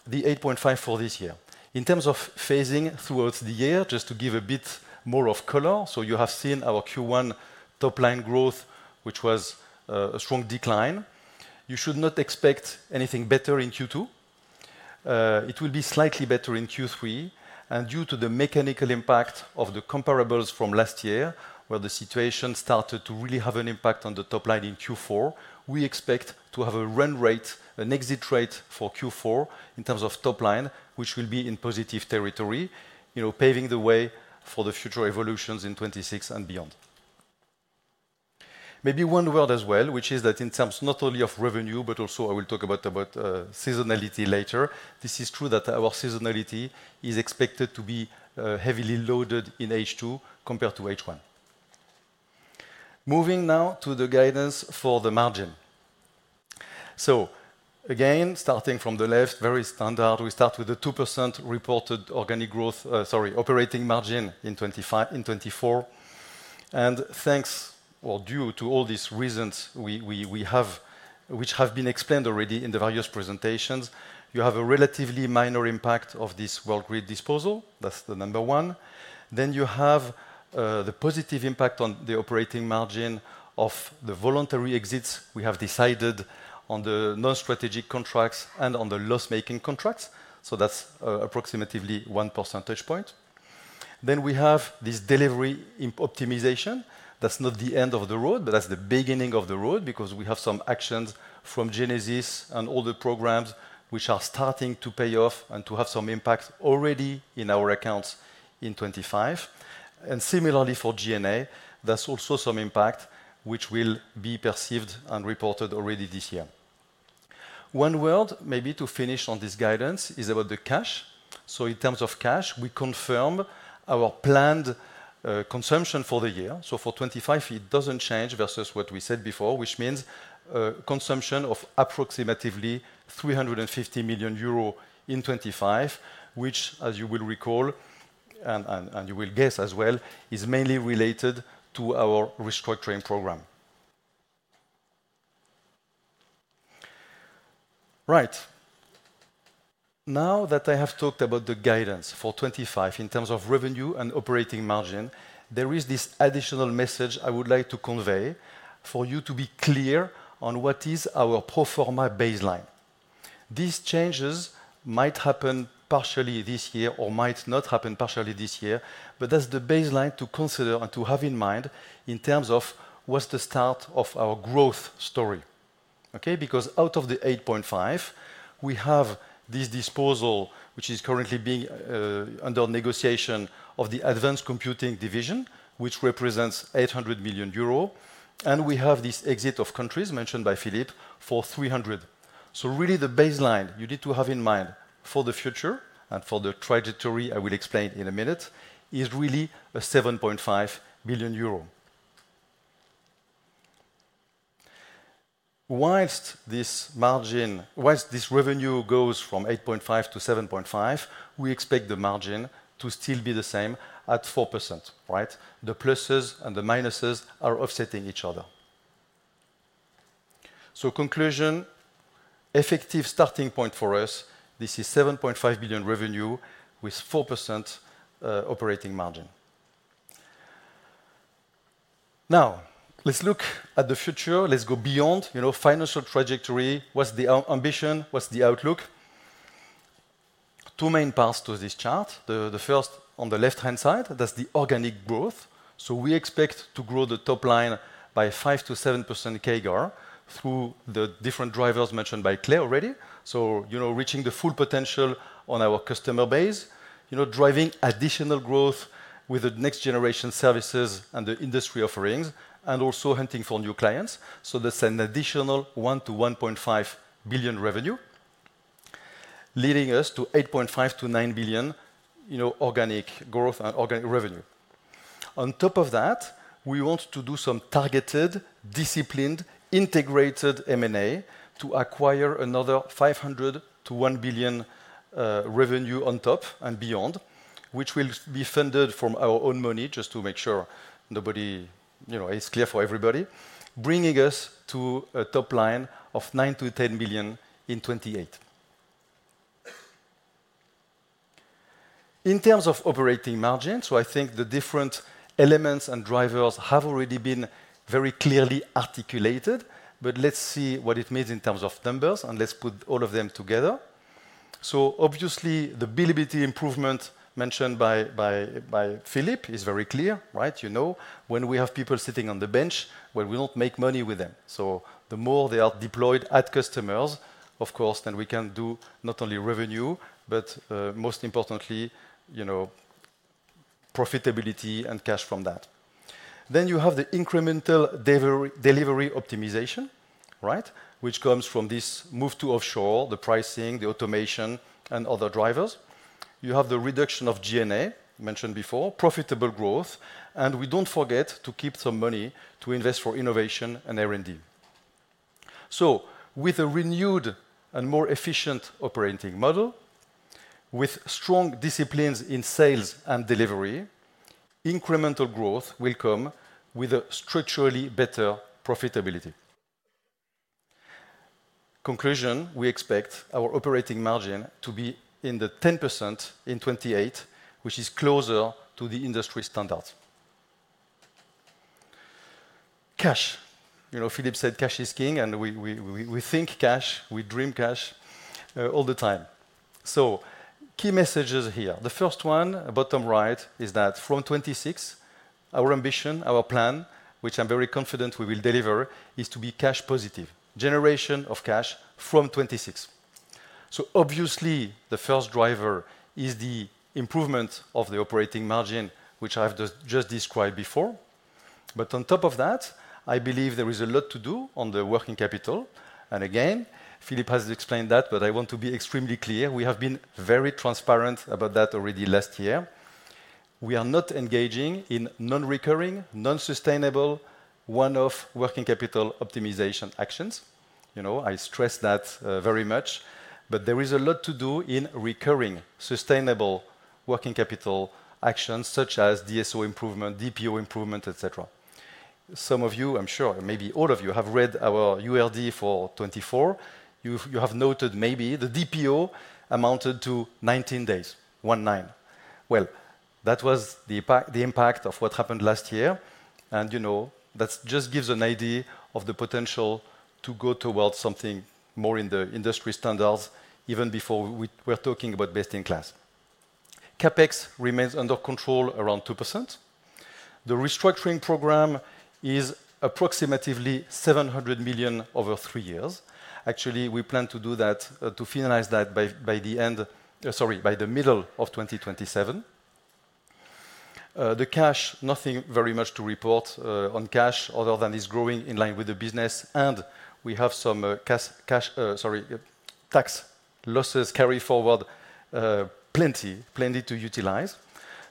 the 8.5 for this year. In terms of phasing throughout the year, just to give a bit more color, you have seen our Q1 top-line growth, which was a strong decline. You should not expect anything better in Q2. It will be slightly better in Q3. Due to the mechanical impact of the comparables from last year, where the situation started to really have an impact on the top line in Q4, we expect to have a run rate, an exit rate for Q4 in terms of top line, which will be in positive territory, paving the way for the future evolutions in 2026 and beyond. Maybe one word as well, which is that in terms not only of revenue, but also I will talk about seasonality later. This is true that our seasonality is expected to be heavily loaded in H2 compared to H1. Moving now to the guidance for the margin. Again, starting from the left, very standard, we start with the 2% reported organic growth, sorry, operating margin in 2024. Thanks or due to all these reasons we have, which have been explained already in the various presentations, you have a relatively minor impact of this Worldgrid disposal. That's the number one. You have the positive impact on the operating margin of the voluntary exits we have decided on the non-strategic contracts and on the loss-making contracts. That's approximately one percentage point. You have this delivery optimization. That's not the end of the road, but that's the beginning of the road because we have some actions from Genesis and all the programs which are starting to pay off and to have some impact already in our accounts in 2025. Similarly for G&A, that's also some impact which will be perceived and reported already this year. One word, maybe to finish on this guidance, is about the cash. In terms of cash, we confirm our planned consumption for the year. For 2025, it does not change versus what we said before, which means consumption of approximately 350 million euros in 2025, which, as you will recall, and you will guess as well, is mainly related to our restructuring program. Right. Now that I have talked about the guidance for 2025 in terms of revenue and operating margin, there is this additional message I would like to convey for you to be clear on what is our pro forma baseline. These changes might happen partially this year or might not happen partially this year, but that is the baseline to consider and to have in mind in terms of what is the start of our growth story. Okay? Because out of the 8.5 billion, we have this disposal, which is currently being under negotiation of the Advanced Computing Division, which represents 800 million euro. And we have this exit of countries mentioned by Philippe for 300 million. Really the baseline you need to have in mind for the future and for the trajectory I will explain in a minute is really 7.5 billion euro. Whilst this revenue goes from 8.5 billion to 7.5 billion, we expect the margin to still be the same at 4%, right? The pluses and the minuses are offsetting each other. Conclusion, effective starting point for us, this is 7.5 billion revenue with 4% operating margin. Now, let's look at the future. Let's go beyond financial trajectory. What's the ambition? What's the outlook? Two main paths to this chart. The first on the left-hand side, that's the organic growth. We expect to grow the top line by 5%-7% CAGR through the different drivers mentioned by Clay already. Reaching the full potential on our customer base, driving additional growth with the next generation services and the industry offerings, and also hunting for new clients. That is an additional 1 billion-1.5 billion revenue, leading us to 8.5 billion-9 billion organic growth and organic revenue. On top of that, we want to do some targeted, disciplined, integrated M&A to acquire another 500 million-1 billion revenue on top and beyond, which will be funded from our own money just to make sure it is clear for everybody, bringing us to a top line of 9 billion-10 billion in 2028. In terms of operating margin, I think the different elements and drivers have already been very clearly articulated, but let's see what it means in terms of numbers and let's put all of them together. Obviously, the bidability improvement mentioned by Philippe is very clear, right? You know, when we have people sitting on the bench, we do not make money with them. The more they are deployed at customers, of course, then we can do not only revenue, but most importantly, profitability and cash from that. You have the incremental delivery optimization, right? Which comes from this move to offshore, the pricing, the automation, and other drivers. You have the reduction of G&A mentioned before, profitable growth, and we do not forget to keep some money to invest for innovation and R&D. With a renewed and more efficient operating model, with strong disciplines in sales and delivery, incremental growth will come with a structurally better profitability. Conclusion, we expect our operating margin to be in the 10% in 2028, which is closer to the industry standards. Cash. Philippe said cash is king, and we think cash, we dream cash all the time. Key messages here. The first one, bottom right, is that from 2026, our ambition, our plan, which I am very confident we will deliver, is to be cash positive, generation of cash from 2026. Obviously, the first driver is the improvement of the operating margin, which I have just described before. On top of that, I believe there is a lot to do on the working capital. Philippe has explained that, but I want to be extremely clear. We have been very transparent about that already last year. We are not engaging in non-recurring, non-sustainable, one-off working capital optimization actions. I stress that very much, but there is a lot to do in recurring, sustainable working capital actions such as DSO improvement, DPO improvement, etc. Some of you, I'm sure, maybe all of you have read our URD for 2024. You have noted maybe the DPO amounted to 19 days, one nine. That was the impact of what happened last year. That just gives an idea of the potential to go towards something more in the industry standards even before we are talking about best in class. CapEx remains under control around 2%. The restructuring program is approximately 700 million over three years. Actually, we plan to do that, to finalize that by the end, sorry, by the middle of 2027. The cash, nothing very much to report on cash other than it's growing in line with the business, and we have some cash, sorry, tax losses carried forward, plenty, plenty to utilize.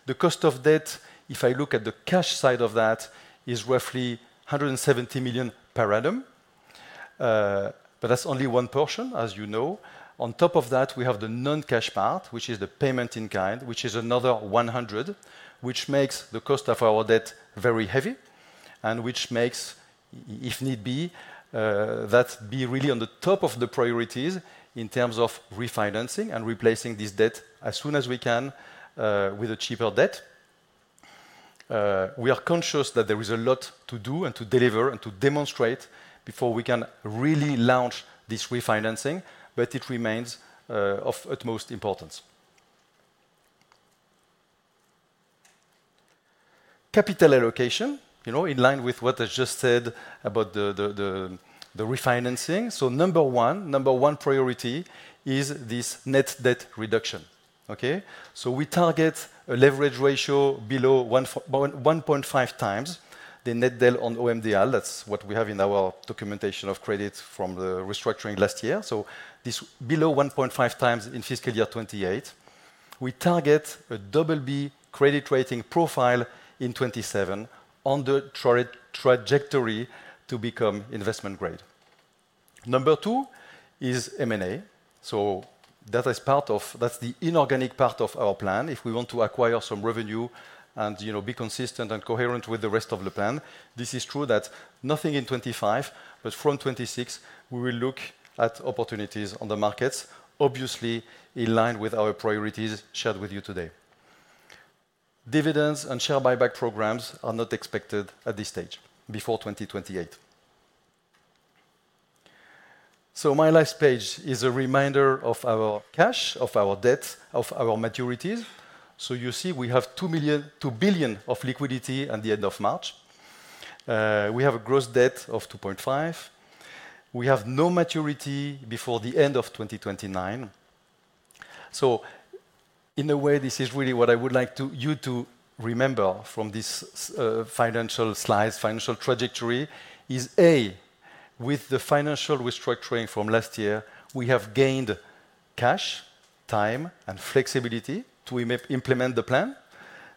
The cost of debt, if I look at the cash side of that, is roughly 170 million per annum. That's only one portion, as you know. On top of that, we have the non-cash part, which is the payment in kind, which is another 100 million, which makes the cost of our debt very heavy and which makes, if need be, that be really on the top of the priorities in terms of refinancing and replacing this debt as soon as we can with a cheaper debt. We are conscious that there is a lot to do and to deliver and to demonstrate before we can really launch this refinancing, but it remains of utmost importance. Capital allocation, in line with what I just said about the refinancing. Number one, number one priority is this net debt reduction. Okay? We target a leverage ratio below 1.5 times the net debt on OMDL. That is what we have in our documentation of credit from the restructuring last year. This below 1.5 times in fiscal year 2028. We target a double B credit rating profile in 2027 on the trajectory to become investment grade. Number two is M&A. That is part of, that is the inorganic part of our plan. If we want to acquire some revenue and be consistent and coherent with the rest of the plan, this is true that nothing in 2025, but from 2026, we will look at opportunities on the markets, obviously in line with our priorities shared with you today. Dividends and share buyback programs are not expected at this stage before 2028. My last page is a reminder of our cash, of our debt, of our maturities. You see we have 2 billion of liquidity at the end of March. We have a gross debt of 2.5 billion. We have no maturity before the end of 2029. In a way, this is really what I would like you to remember from this financial slide, financial trajectory is A, with the financial restructuring from last year, we have gained cash, time, and flexibility to implement the plan.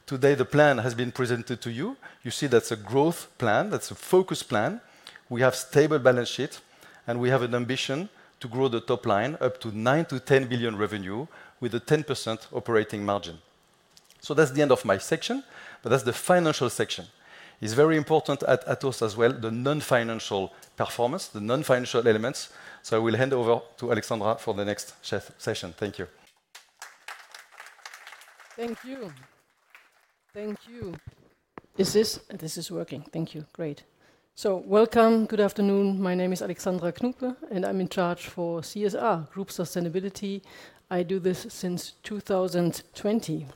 Today, the plan has been presented to you. You see that is a growth plan. That is a focus plan. We have stable balance sheets, and we have an ambition to grow the top line up to 9-10 billion revenue with a 10% operating margin. That's the end of my section, but that's the financial section. It's very important at us as well, the non-financial performance, the non-financial elements. I will hand over to Alexandra for the next session. Thank you. Thank you. Thank you. Is this working? Thank you. Great. Welcome. Good afternoon. My name is Alexandra Knoepel, and I'm in charge for CSR, Group Sustainability. I do this since 2020.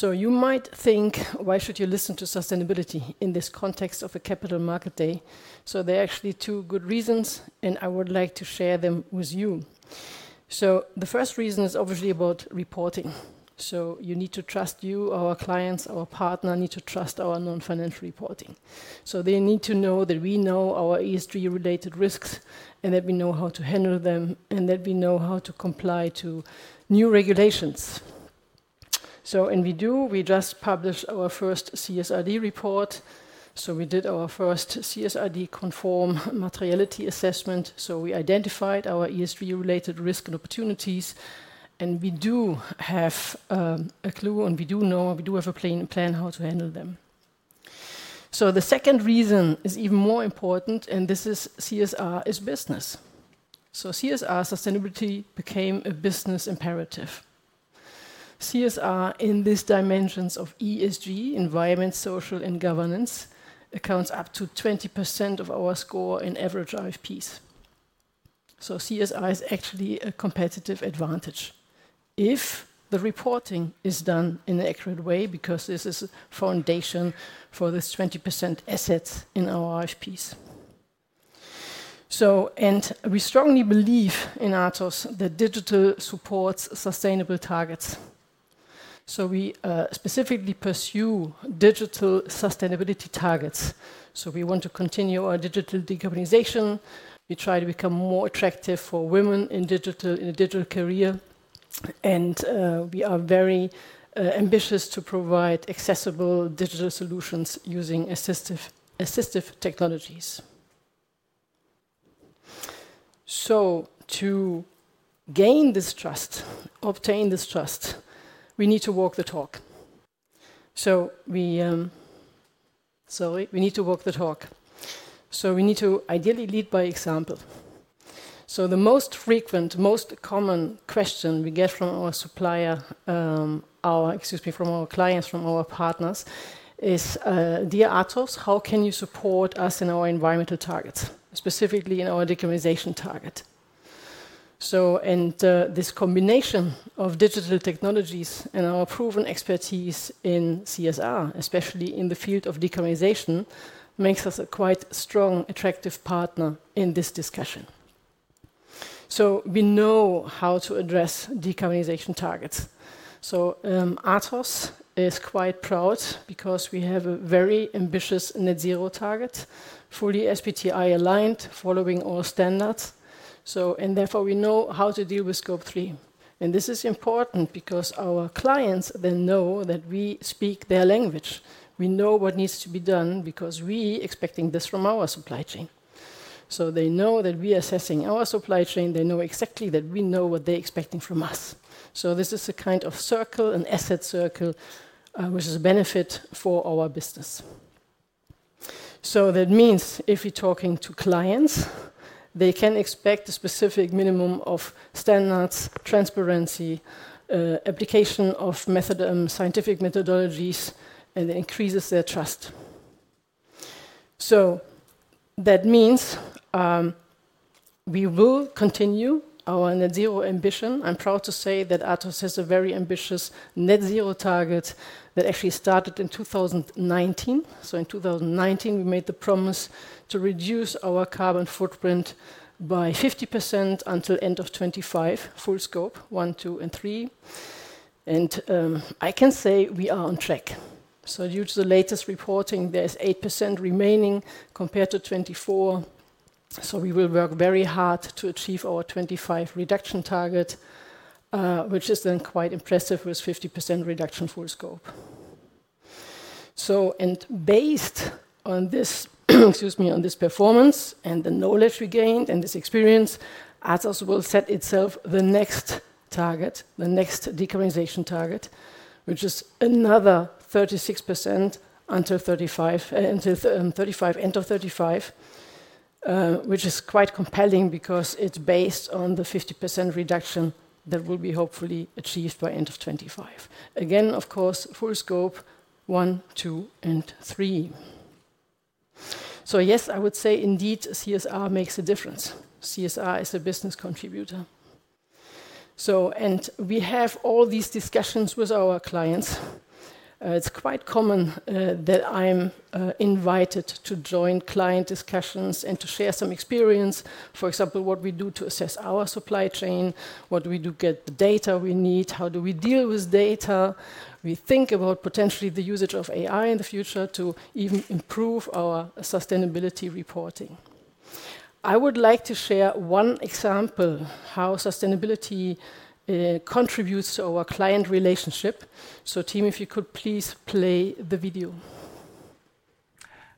You might think, why should you listen to sustainability in this context of a capital market day? There are actually two good reasons, and I would like to share them with you. The first reason is obviously about reporting. You need to trust you, our clients, our partner need to trust our non-financial reporting. They need to know that we know our ESG-related risks and that we know how to handle them and that we know how to comply to new regulations. In Atos, we do, we just published our first CSRD report. We did our first CSRD conform materiality assessment. We identified our ESG-related risk and opportunities. We do have a clue and we do know, we do have a plan how to handle them. The second reason is even more important, and this is CSR is business. CSR sustainability became a business imperative. CSR in these dimensions of ESG, environment, social, and governance accounts up to 20% of our score in average RFPs. CSR is actually a competitive advantage if the reporting is done in the accurate way because this is a foundation for this 20% assets in our RFPs. We strongly believe in Atos that digital supports sustainable targets. We specifically pursue digital sustainability targets. We want to continue our digital decarbonization. We try to become more attractive for women in a digital career. We are very ambitious to provide accessible digital solutions using assistive technologies. To gain this trust, obtain this trust, we need to walk the talk. We need to walk the talk. We need to ideally lead by example. The most frequent, most common question we get from our clients, from our partners is, "Dear Atos, how can you support us in our environmental targets, specifically in our decarbonization target?" This combination of digital technologies and our proven expertise in CSR, especially in the field of decarbonization, makes us a quite strong, attractive partner in this discussion. We know how to address decarbonization targets. Atos is quite proud because we have a very ambitious net zero target, fully SPTI aligned, following all standards. Therefore, we know how to deal with scope three. This is important because our clients then know that we speak their language. We know what needs to be done because we are expecting this from our supply chain. They know that we are assessing our supply chain. They know exactly that we know what they are expecting from us. This is a kind of circle, an asset circle, which is a benefit for our business. That means if we are talking to clients, they can expect a specific minimum of standards, transparency, application of scientific methodologies, and it increases their trust. That means we will continue our net zero ambition. I'm proud to say that Atos has a very ambitious net zero target that actually started in 2019. In 2019, we made the promise to reduce our carbon footprint by 50% until end of 2025, full scope, one, two, and three. I can say we are on track. Due to the latest reporting, there is 8% remaining compared to 2024. We will work very hard to achieve our 2025 reduction target, which is then quite impressive with 50% reduction full scope. Based on this, excuse me, on this performance and the knowledge we gained and this experience, Atos will set itself the next target, the next decarbonization target, which is another 36% until 2035, end of 2035, which is quite compelling because it's based on the 50% reduction that will be hopefully achieved by end of 2025. Again, of course, full scope, one, two, and three. Yes, I would say indeed CSR makes a difference. CSR is a business contributor. We have all these discussions with our clients. It's quite common that I'm invited to join client discussions and to share some experience. For example, what we do to assess our supply chain, what we do to get the data we need, how do we deal with data. We think about potentially the usage of AI in the future to even improve our sustainability reporting. I would like to share one example of how sustainability contributes to our client relationship. Tim, if you could please play the video.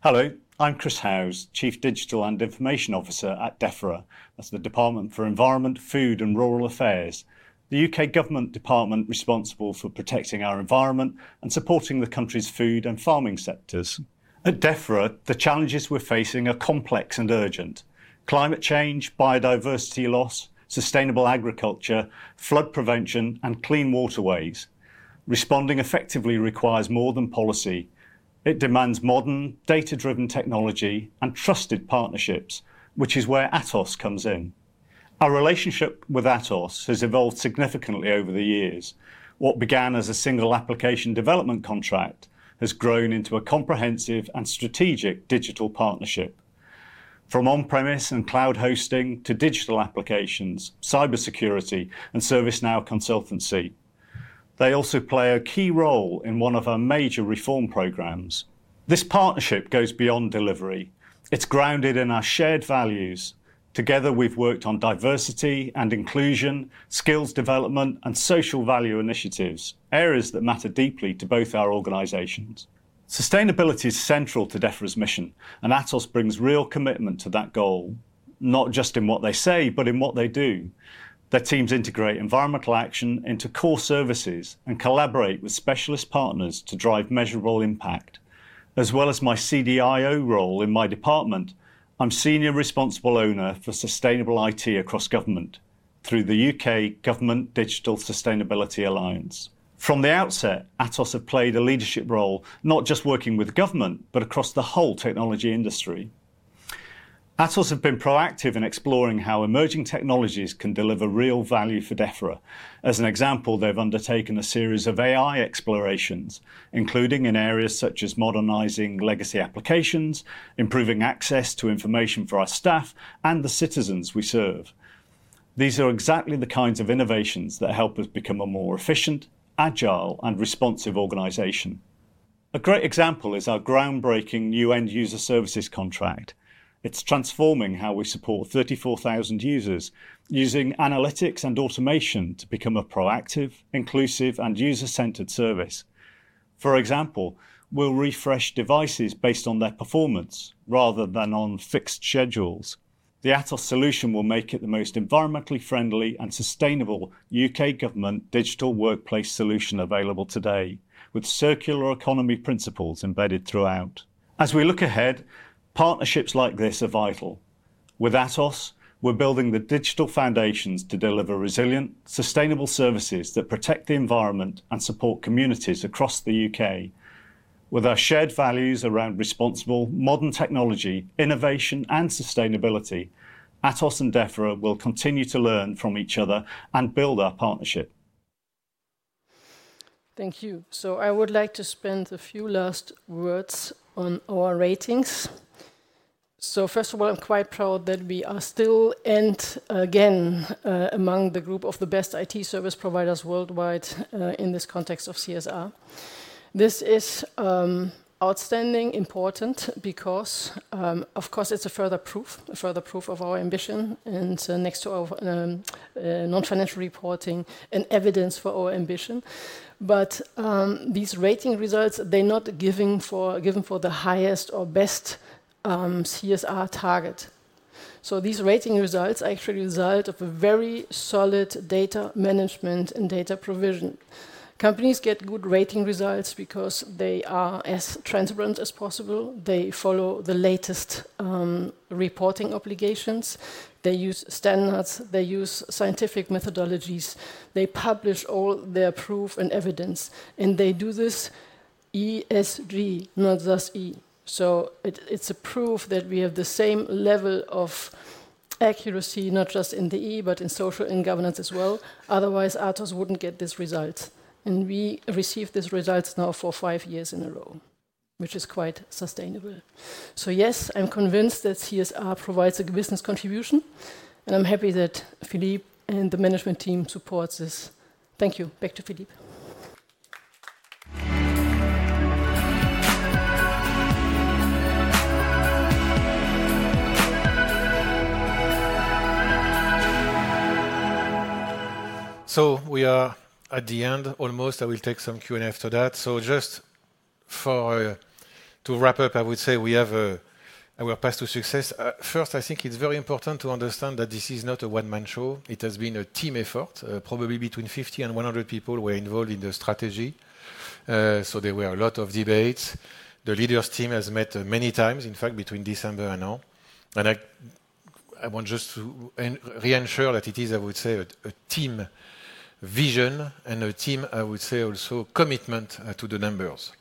Hello, I'm Chris Howes, Chief Digital and Information Officer at DEFRA. That's the Department for Environment, Food and Rural Affairs, the U.K. government department responsible for protecting our environment and supporting the country's food and farming sectors. At DEFRA, the challenges we're facing are complex and urgent. Climate change, biodiversity loss, sustainable agriculture, flood prevention, and clean waterways. Responding effectively requires more than policy. It demands modern, data-driven technology and trusted partnerships, which is where Atos comes in. Our relationship with Atos has evolved significantly over the years. What began as a single application development contract has grown into a comprehensive and strategic digital partnership. From on-premise and cloud hosting to digital applications, cybersecurity, and ServiceNow consultancy. They also play a key role in one of our major reform programs. This partnership goes beyond delivery. It's grounded in our shared values. Together, we've worked on diversity and inclusion, skills development, and social value initiatives, areas that matter deeply to both our organizations. Sustainability is central to DEFRA's mission, and Atos brings real commitment to that goal, not just in what they say, but in what they do. Their teams integrate environmental action into core services and collaborate with specialist partners to drive measurable impact. As well as my CDIO role in my department, I'm senior responsible owner for sustainable IT across government through the U.K. Government Digital Sustainability Alliance. From the outset, Atos have played a leadership role, not just working with government, but across the whole technology industry. Atos have been proactive in exploring how emerging technologies can deliver real value for DEFRA. As an example, they've undertaken a series of AI explorations, including in areas such as modernizing legacy applications, improving access to information for our staff and the citizens we serve. These are exactly the kinds of innovations that help us become a more efficient, agile, and responsive organization. A great example is our groundbreaking new end user services contract. It's transforming how we support 34,000 users using analytics and automation to become a proactive, inclusive, and user-centered service. For example, we'll refresh devices based on their performance rather than on fixed schedules. The Atos solution will make it the most environmentally friendly and sustainable U.K. government digital workplace solution available today, with circular economy principles embedded throughout. As we look ahead, partnerships like this are vital. With Atos, we're building the digital foundations to deliver resilient, sustainable services that protect the environment and support communities across the U.K. With our shared values around responsible, modern technology, innovation, and sustainability, Atos and DEFRA will continue to learn from each other and build our partnership. Thank you. I would like to spend a few last words on our ratings. First of all, I'm quite proud that we are still and again among the group of the best IT service providers worldwide in this context of CSR. This is outstandingly important because, of course, it's a further proof, a further proof of our ambition and next to our non-financial reporting and evidence for our ambition. These rating results, they're not given for the highest or best CSR target. These rating results actually result from a very solid data management and data provision. Companies get good rating results because they are as transparent as possible. They follow the latest reporting obligations. They use standards. They use scientific methodologies. They publish all their proof and evidence. They do this ESG, not just E. It's a proof that we have the same level of accuracy, not just in the E, but in social and governance as well. Otherwise, Atos would not get these results. And we received these results now for five years in a row, which is quite sustainable. So yes, I am convinced that CSR provides a business contribution. And I am happy that Philippe and the management team support this. Thank you. Back to Philippe. We are at the end almost. I will take some Q&A after that. Just to wrap up, I would say we have our path to success. First, I think it is very important to understand that this is not a one-man show. It has been a team effort. Probably between 50 and 100 people were involved in the strategy. There were a lot of debates. The leaders' team has met many times, in fact, between December and now. I want just to reassure that it is, I would say, a team vision and a team, I would say, also commitment to the numbers.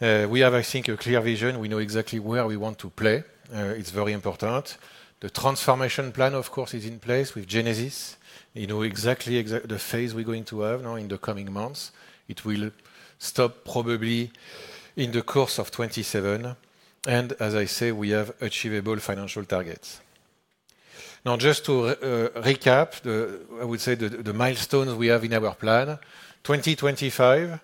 We have, I think, a clear vision. We know exactly where we want to play. It is very important. The transformation plan, of course, is in place with Genesis. You know exactly the phase we are going to have now in the coming months. It will stop probably in the course of 2027. As I say, we have achievable financial targets. Now, just to recap, I would say the milestones we have in our plan, 2025,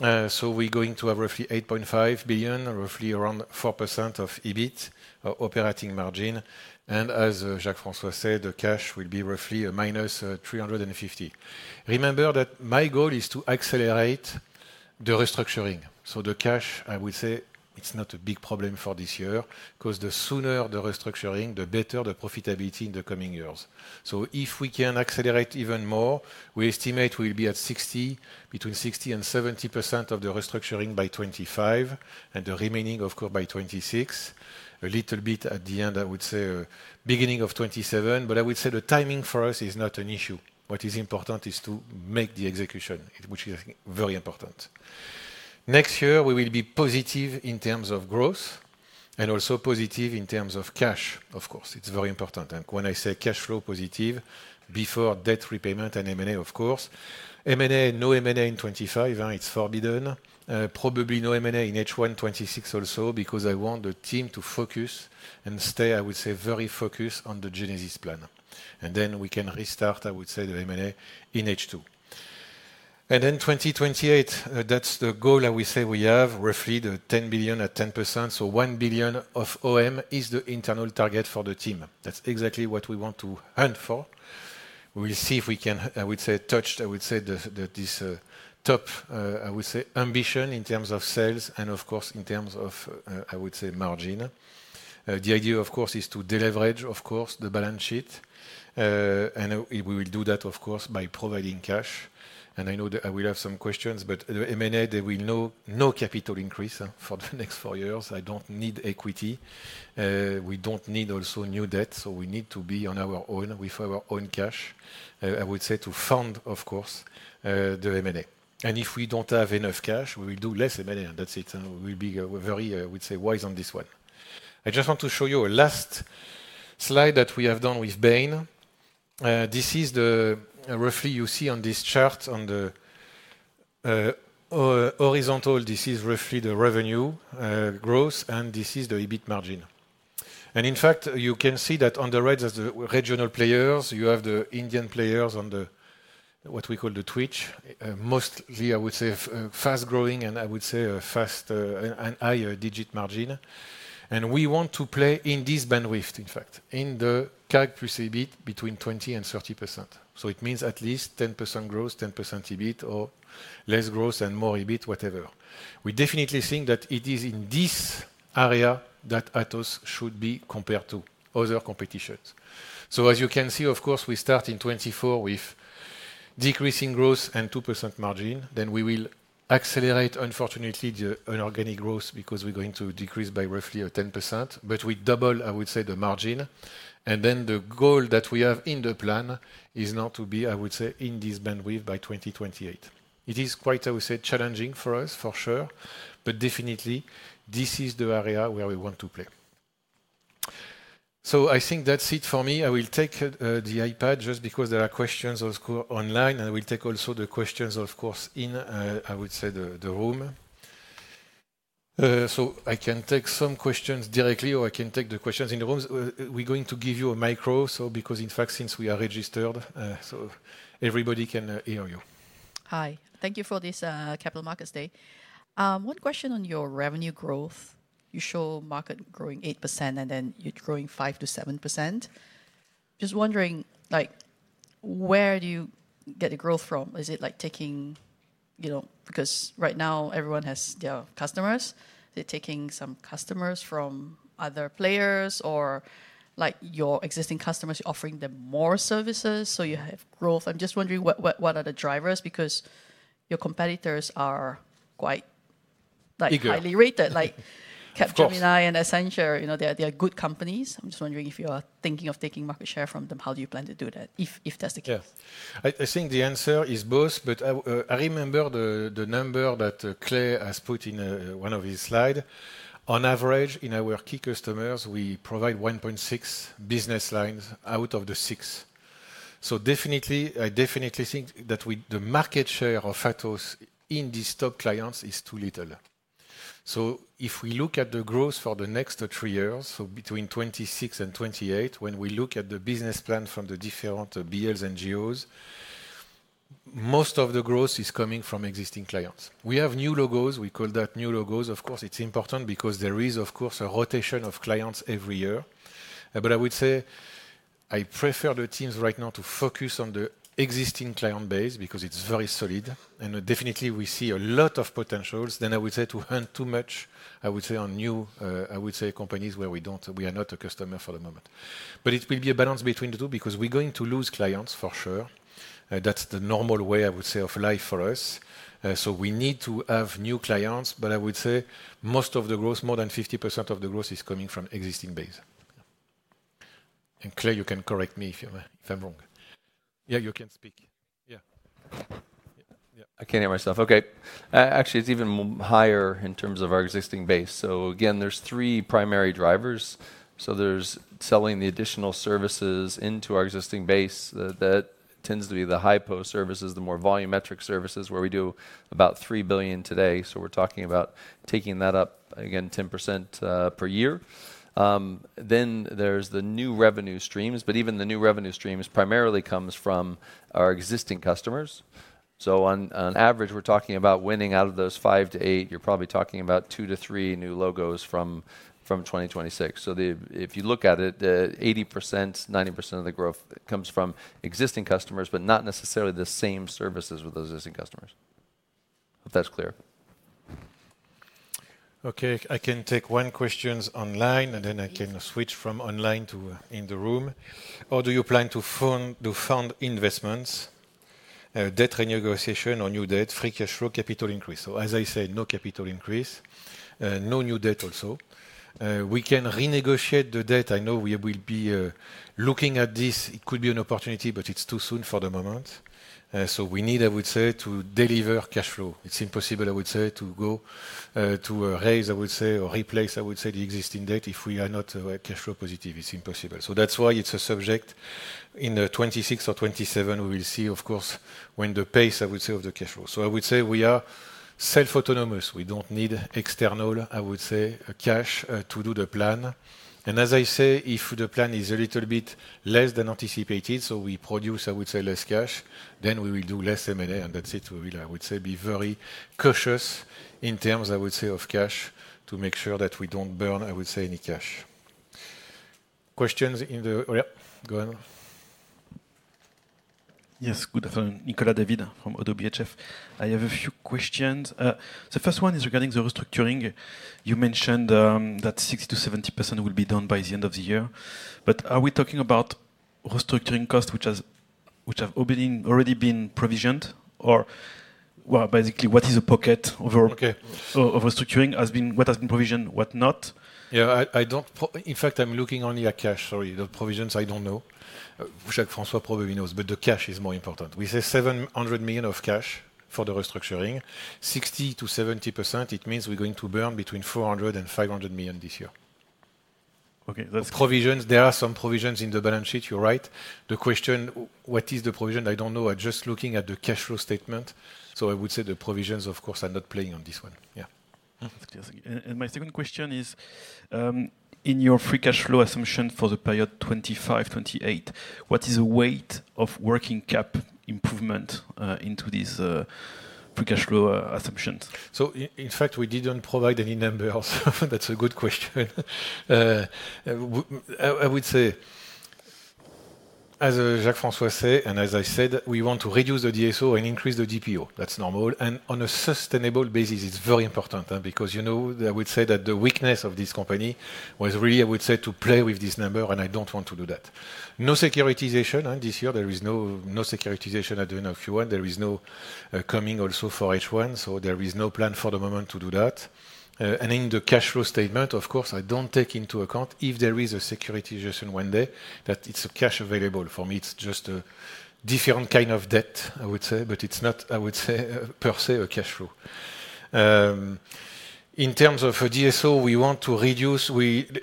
we are going to have roughly 8.5 billion, roughly around 4% of EBIT operating margin. As Jacques-François said, the cash will be roughly a minus 350 million. Remember that my goal is to accelerate the restructuring. The cash, I would say, it's not a big problem for this year because the sooner the restructuring, the better the profitability in the coming years. If we can accelerate even more, we estimate we'll be at 60%-70% of the restructuring by 2025 and the remaining, of course, by 2026. A little bit at the end, I would say, beginning of 2027. I would say the timing for us is not an issue. What is important is to make the execution, which is very important. Next year, we will be positive in terms of growth and also positive in terms of cash, of course. It's very important. When I say cash flow positive, before debt repayment and M&A, of course. M&A, no M&A in 2025, it's forbidden. Probably no M&A in H1 2026 also because I want the team to focus and stay, I would say, very focused on the Genesis plan. We can restart, I would say, the M&A in H2. In 2028, that's the goal I would say we have, roughly the 10 billion at 10%. So 1 billion of OM is the internal target for the team. That's exactly what we want to hunt for. We'll see if we can, I would say, touch, I would say, this top, I would say, ambition in terms of sales and, of course, in terms of, I would say, margin. The idea, of course, is to deleverage, of course, the balance sheet. We will do that, of course, by providing cash. I know that I will have some questions, but the M&A, they will know no capital increase for the next four years. I don't need equity. We don't need also new debt. We need to be on our own with our own cash, I would say, to fund, of course, the M&A. If we don't have enough cash, we will do less M&A. That's it. We'll be very, I would say, wise on this one. I just want to show you a last slide that we have done with Bain. This is the roughly you see on this chart on the horizontal, this is roughly the revenue growth and this is the EBIT margin. In fact, you can see that on the right, there's the regional players. You have the Indian players on what we call the Twitch, mostly, I would say, fast growing and I would say a fast and higher digit margin. We want to play in this bandwidth, in fact, in the characteristic EBIT between 20-30%. It means at least 10% growth, 10% EBIT, or less growth and more EBIT, whatever. We definitely think that it is in this area that Atos should be compared to other competitions. As you can see, of course, we start in 2024 with decreasing growth and 2% margin. We will accelerate, unfortunately, the organic growth because we are going to decrease by roughly 10%. We double, I would say, the margin. The goal that we have in the plan is not to be, I would say, in this bandwidth by 2028. It is quite, I would say, challenging for us, for sure. But definitely, this is the area where we want to play. I think that's it for me. I will take the iPad just because there are questions, of course, online. I will take also the questions, of course, in, I would say, the room. I can take some questions directly or I can take the questions in the room. We're going to give you a micro, because in fact, since we are registered, everybody can hear you. Hi. Thank you for this Capital Markets Day. One question on your revenue growth. You show market growing 8% and then you're growing 5%-7%. Just wondering, where do you get the growth from? Is it like taking, because right now everyone has their customers, they're taking some customers from other players or your existing customers, you're offering them more services. You have growth. I'm just wondering what are the drivers because your competitors are quite highly rated, like Capgemini and Accenture. They are good companies. I'm just wondering if you are thinking of taking market share from them, how do you plan to do that if that's the case? Yeah. I think the answer is both, but I remember the number that Clay has put in one of his slides. On average, in our key customers, we provide 1.6 business lines out of the six. I definitely think that the market share of Atos in these top clients is too little. If we look at the growth for the next three years, so between 2026 and 2028, when we look at the business plan from the different BLs and GOs, most of the growth is coming from existing clients. We have new logos. We call that new logos. Of course, it is important because there is, of course, a rotation of clients every year. I would say I prefer the teams right now to focus on the existing client base because it is very solid. Definitely, we see a lot of potentials. I would say to hunt too much on new companies where we are not a customer for the moment. It will be a balance between the two because we are going to lose clients, for sure. That is the normal way of life for us. We need to have new clients, but I would say most of the growth, more than 50% of the growth, is coming from existing base. Clay, you can correct me if I'm wrong. Yeah, you can speak. Yeah. I can't hear myself. Okay. Actually, it's even higher in terms of our existing base. Again, there's three primary drivers. There's selling the additional services into our existing base. That tends to be the hypo services, the more volumetric services where we do about 3 billion today. We're talking about taking that up again, 10% per year. There's the new revenue streams, but even the new revenue streams primarly come from our existing customers. On average, we're talking about winning out of those five to eight, you're probably talking about two to three new logos from 2026. If you look at it, 80%-90% of the growth comes from existing customers, but not necessarily the same services with those existing customers. Hope that's clear. Okay. I can take one question online and then I can switch from online to in the room. Do you plan to fund investments, debt renegotiation or new debt, free cash flow, capital increase? As I said, no capital increase, no new debt also. We can renegotiate the debt. I know we will be looking at this. It could be an opportunity, but it's too soon for the moment. We need, I would say, to deliver cash flow. It's impossible, I would say, to go to raise, I would say, or replace, I would say, the existing debt if we are not cash flow positive. It's impossible. That's why it's a subject in 2026 or 2027. We will see, of course, when the pace, I would say, of the cash flow. I would say we are self-autonomous. We do not need external, I would say, cash to do the plan. As I say, if the plan is a little bit less than anticipated, so we produce, I would say, less cash, then we will do less M&A and that is it. We will, I would say, be very cautious in terms, I would say, of cash to make sure that we do not burn, I would say, any cash. Questions in the... Go ahead. Yes, good afternoon. Nicola David from Odo BHF. I have a few questions. The first one is regarding the restructuring. You mentioned that 60-70% will be done by the end of the year. Are we talking about restructuring costs which have already been provisioned or basically what is a pocket of restructuring? What has been provisioned, what not? Yeah, I don't. In fact, I'm looking only at cash. Sorry, the provisions, I don't know. Jacques-François probably knows, but the cash is more important. We say 700 million of cash for the restructuring. 60%-70%, it means we're going to burn between 400 million-500 million this year. Okay. Provisions, there are some provisions in the balance sheet, you're right. The question, what is the provision? I don't know. I'm just looking at the cash flow statement. I would say the provisions, of course, are not playing on this one. Yeah. My second question is, in your free cash flow assumption for the period 2025-2028, what is the weight of working cap improvement into these free cash flow assumptions? In fact, we didn't provide any numbers. That's a good question. I would say, as Jacques-François said, and as I said, we want to reduce the DSO and increase the DPO. That's normal. On a sustainable basis, it's very important because I would say that the weakness of this company was really, I would say, to play with this number, and I don't want to do that. No securitization this year. There is no securitization at the end of Q1. There is none coming also for H1. There is no plan for the moment to do that. In the cash flow statement, of course, I don't take into account if there is a securitization one day that it's a cash available. For me, it's just a different kind of debt, I would say, but it's not, I would say, per se a cash flow. In terms of DSO, we want to reduce,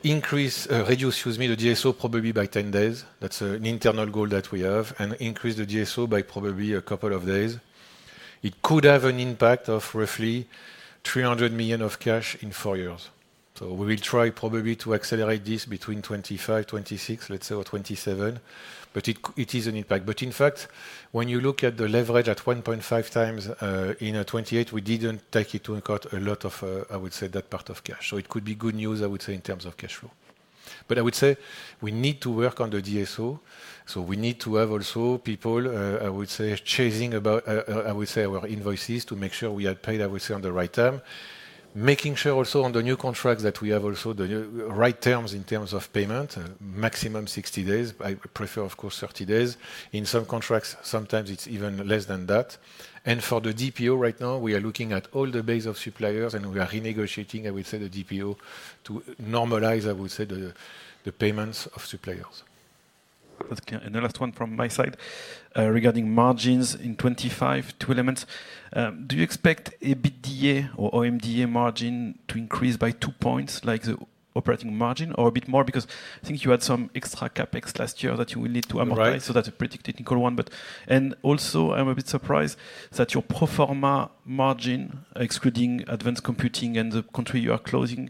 increase, reduce, excuse me, the DSO probably by 10 days. That's an internal goal that we have and increase the DPO by probably a couple of days. It could have an impact of roughly 300 million of cash in four years. We will try probably to accelerate this between 2025, 2026, let's say, or 2027, but it is an impact. In fact, when you look at the leverage at 1.5 times in 2028, we didn't take into account a lot of, I would say, that part of cash. It could be good news, I would say, in terms of cash flow. I would say we need to work on the DSO. We need to have also people, I would say, chasing about, I would say, our invoices to make sure we are paid, I would say, on the right term, making sure also on the new contracts that we have also the right terms in terms of payment, maximum 60 days. I prefer, of course, 30 days. In some contracts, sometimes it's even less than that. For the DPO right now, we are looking at all the base of suppliers and we are renegotiating, I would say, the DPO to normalize, I would say, the payments of suppliers. The last one from my side regarding margins in 2025, two elements. Do you expect EBITDA or OMDA margin to increase by two points like the operating margin or a bit more? Because I think you had some extra CapEx last year that you will need to amortize. That's a pretty technical one. Also, I'm a bit surprised that your pro forma margin, excluding advanced computing and the country you are closing,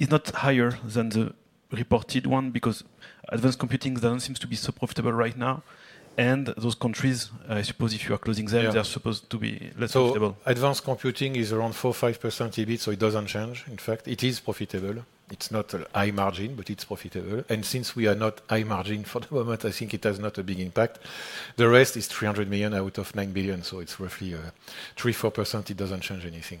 is not higher than the reported one because advanced computing does not seem to be so profitable right now. Those countries, I suppose if you are closing them, they are supposed to be less profitable. Advanced computing is around 4%-5% EBIT, so it does not change. In fact, it is profitable. It is not a high margin, but it is profitable. Since we are not high margin for the moment, I think it has not a big impact. The rest is 300 million out of 9 billion, so it is roughly 3%-4%. It does not change anything.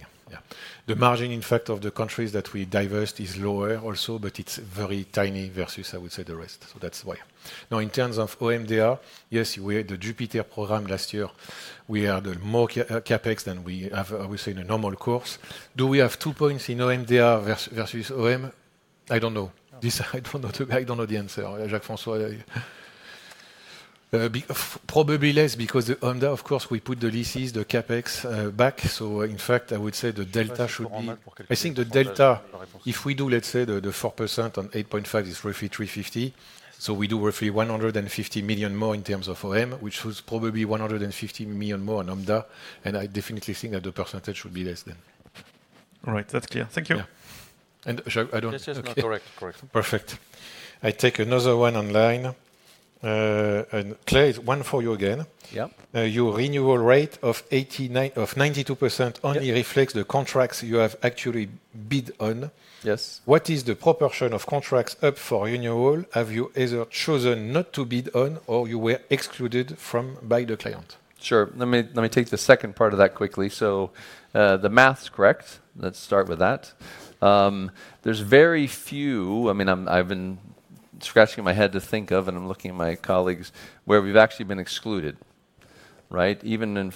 The margin, in fact, of the countries that we divest is lower also, but it is very tiny versus, I would say, the rest. That's why. Now, in terms of OMDR, yes, we had the Jupiter program last year. We had more CapEx than we have, I would say, in a normal course. Do we have two points in OMDR versus OM? I do not know. I do not know the answer. Jacques-François. Probably less because of course, we put the leases, the CapEx back. In fact, I would say the delta should be, I think the delta, if we do, let's say, the 4% on 8.5 is roughly 350 million. We do roughly 150 million more in terms of OM, which was probably 150 million more on OMDR. I definitely think that the percentage should be less than. Right. That is clear. Thank you. I do not. This is not correct. Perfect. I take another one online. Clay, one for you again. Your renewal rate of 92% only reflects the contracts you have actually bid on. What is the proportion of contracts up for renewal? Have you either chosen not to bid on or you were excluded by the client? Sure. Let me take the second part of that quickly. The math's correct. Let's start with that. There's very few, I mean, I've been scratching my head to think of and I'm looking at my colleagues where we've actually been excluded, right? Even in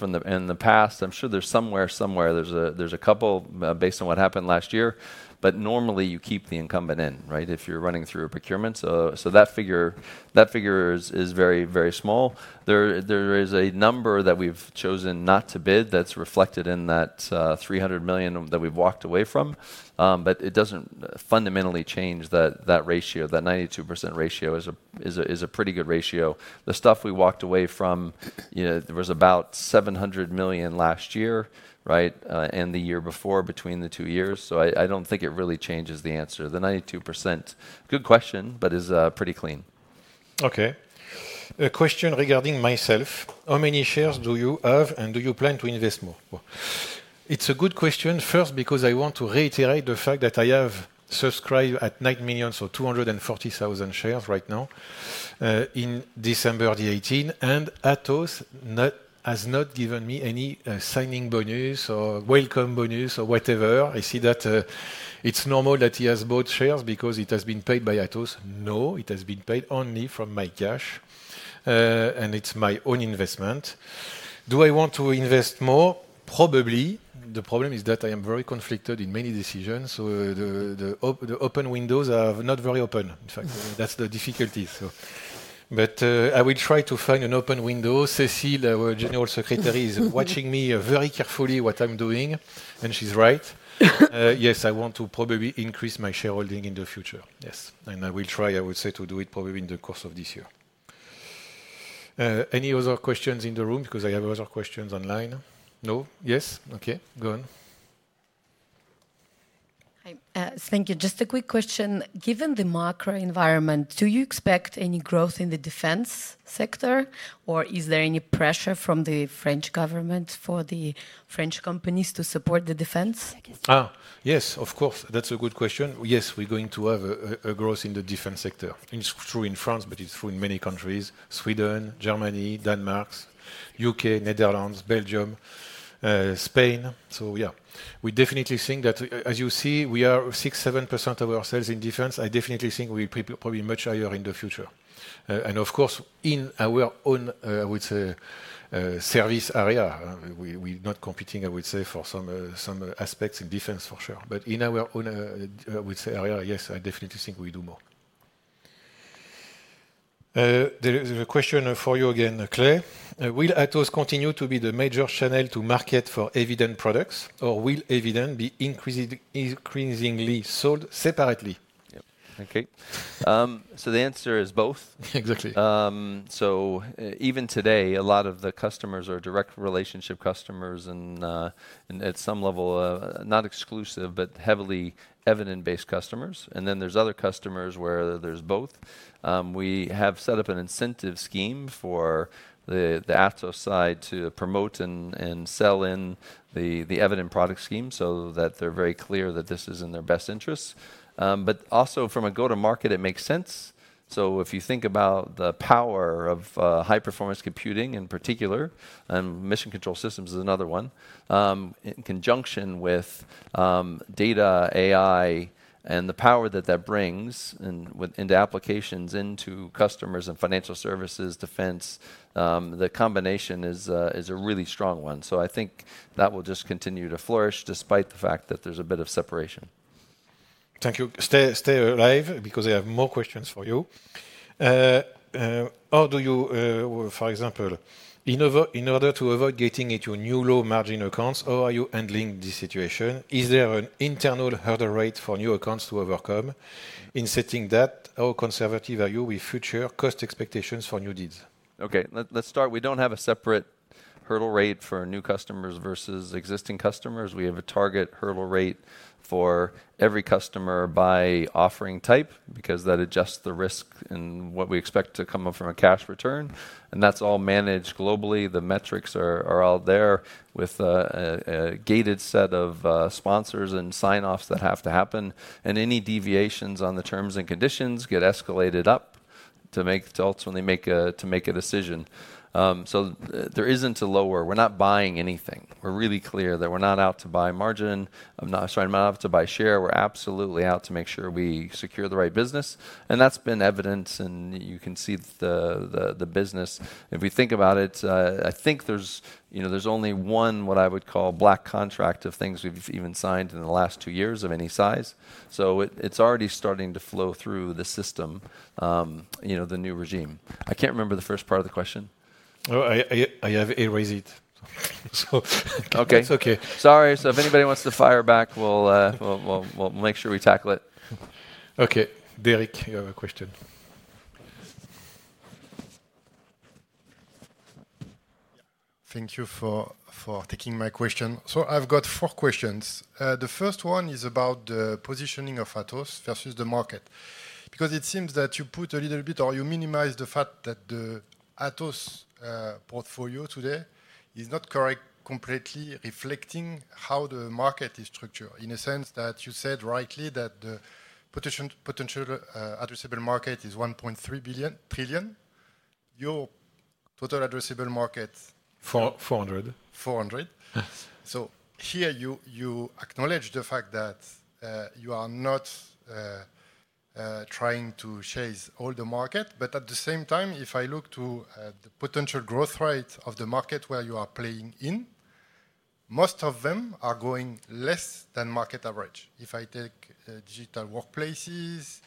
the past, I'm sure there's somewhere, somewhere there's a couple based on what happened last year, but normally you keep the incumbent in, right? If you're running through a procurement. That figure is very, very small. There is a number that we've chosen not to bid that's reflected in that 300 million that we've walked away from, but it doesn't fundamentally change that ratio, that 92% ratio is a pretty good ratio. The stuff we walked away from, there was about 700 million last year, right? And the year before between the two years. I don't think it really changes the answer. The 92%, good question, but is pretty clean. Okay. A question regarding myself. How many shares do you have and do you plan to invest more? It's a good question first because I want to reiterate the fact that I have subscribed at 9 million, so 240,000 shares right now in December 2018. Atos has not given me any signing bonus or welcome bonus or whatever. I see that it's normal that he has both shares because it has been paid by Atos. No, it has been paid only from my cash and it's my own investment. Do I want to invest more? Probably. The problem is that I am very conflicted in many decisions. The open windows are not very open. In fact, that's the difficulty. I will try to find an open window. Cécile, our General Secretary, is watching me very carefully what I'm doing. And she's right. Yes, I want to probably increase my shareholding in the future. Yes. I will try, I would say, to do it probably in the course of this year. Any other questions in the room? Because I have other questions online. No? Yes? Okay. Go on. Hi. Thank you. Just a quick question. Given the macro environment, do you expect any growth in the defense sector? Or is there any pressure from the French government for the French companies to support the defense? Yes, of course. That's a good question. Yes, we're going to have a growth in the defense sector. It's true in France, but it's true in many countries: Sweden, Germany, Denmark, U.K., Netherlands, Belgium, Spain. Yeah, we definitely think that, as you see, we are 6-7% of our sales in defense. I definitely think we'll be probably much higher in the future. Of course, in our own, I would say, service area, we're not competing, I would say, for some aspects in defense for sure. In our own, I would say, area, yes, I definitely think we do more. There is a question for you again, Clay. Will Atos continue to be the major channel to market for Eviden products? Or will Eviden be increasingly sold separately? Okay. The answer is both. Exactly. Even today, a lot of the customers are direct relationship customers and at some level, not exclusive, but heavily Eviden-based customers. Then there are other customers where there is both. We have set up an incentive scheme for the Atos side to promote and sell in the Eviden product scheme so that they are very clear that this is in their best interests. Also from a go-to-market, it makes sense. If you think about the power of high-performance computing in particular, and mission control systems is another one, in conjunction with data, AI, and the power that that brings into applications into customers and financial services, defense, the combination is a really strong one. I think that will just continue to flourish despite the fact that there's a bit of separation. Thank you. Stay alive because I have more questions for you. How do you, for example, in order to avoid getting into new low-margin accounts, how are you handling this situation? Is there an internal hurdle rate for new accounts to overcome? In setting that, how conservative are you with future cost expectations for new deals? Okay. Let's start. We don't have a separate hurdle rate for new customers versus existing customers. We have a target hurdle rate for every customer by offering type because that adjusts the risk in what we expect to come up from a cash return. And that's all managed globally. The metrics are all there with a gated set of sponsors and sign-offs that have to happen. Any deviations on the terms and conditions get escalated up to ultimately make a decision. There is not a lower. We are not buying anything. We are really clear that we are not out to buy margin. I am sorry, not out to buy share. We are absolutely out to make sure we secure the right business. That has been evident, and you can see the business. If we think about it, I think there is only one, what I would call, black contract of things we have even signed in the last two years of any size. It is already starting to flow through the system, the new regime. I cannot remember the first part of the question. I have a raised. Okay. Sorry. If anybody wants to fire back, we will make sure we tackle it. Okay. Derek, you have a question. Thank you for taking my question. I have four questions. The first one is about the positioning of Atos versus the market. Because it seems that you put a little bit or you minimize the fact that the Atos portfolio today is not completely reflecting how the market is structured. In a sense that you said rightly that the potential addressable market is 1.3 trillion. Your total addressable market. 400 billion. 400 billion. Here you acknowledge the fact that you are not trying to chase all the market. At the same time, if I look to the potential growth rate of the market where you are playing in, most of them are going less than market average. If I take digital workplaces,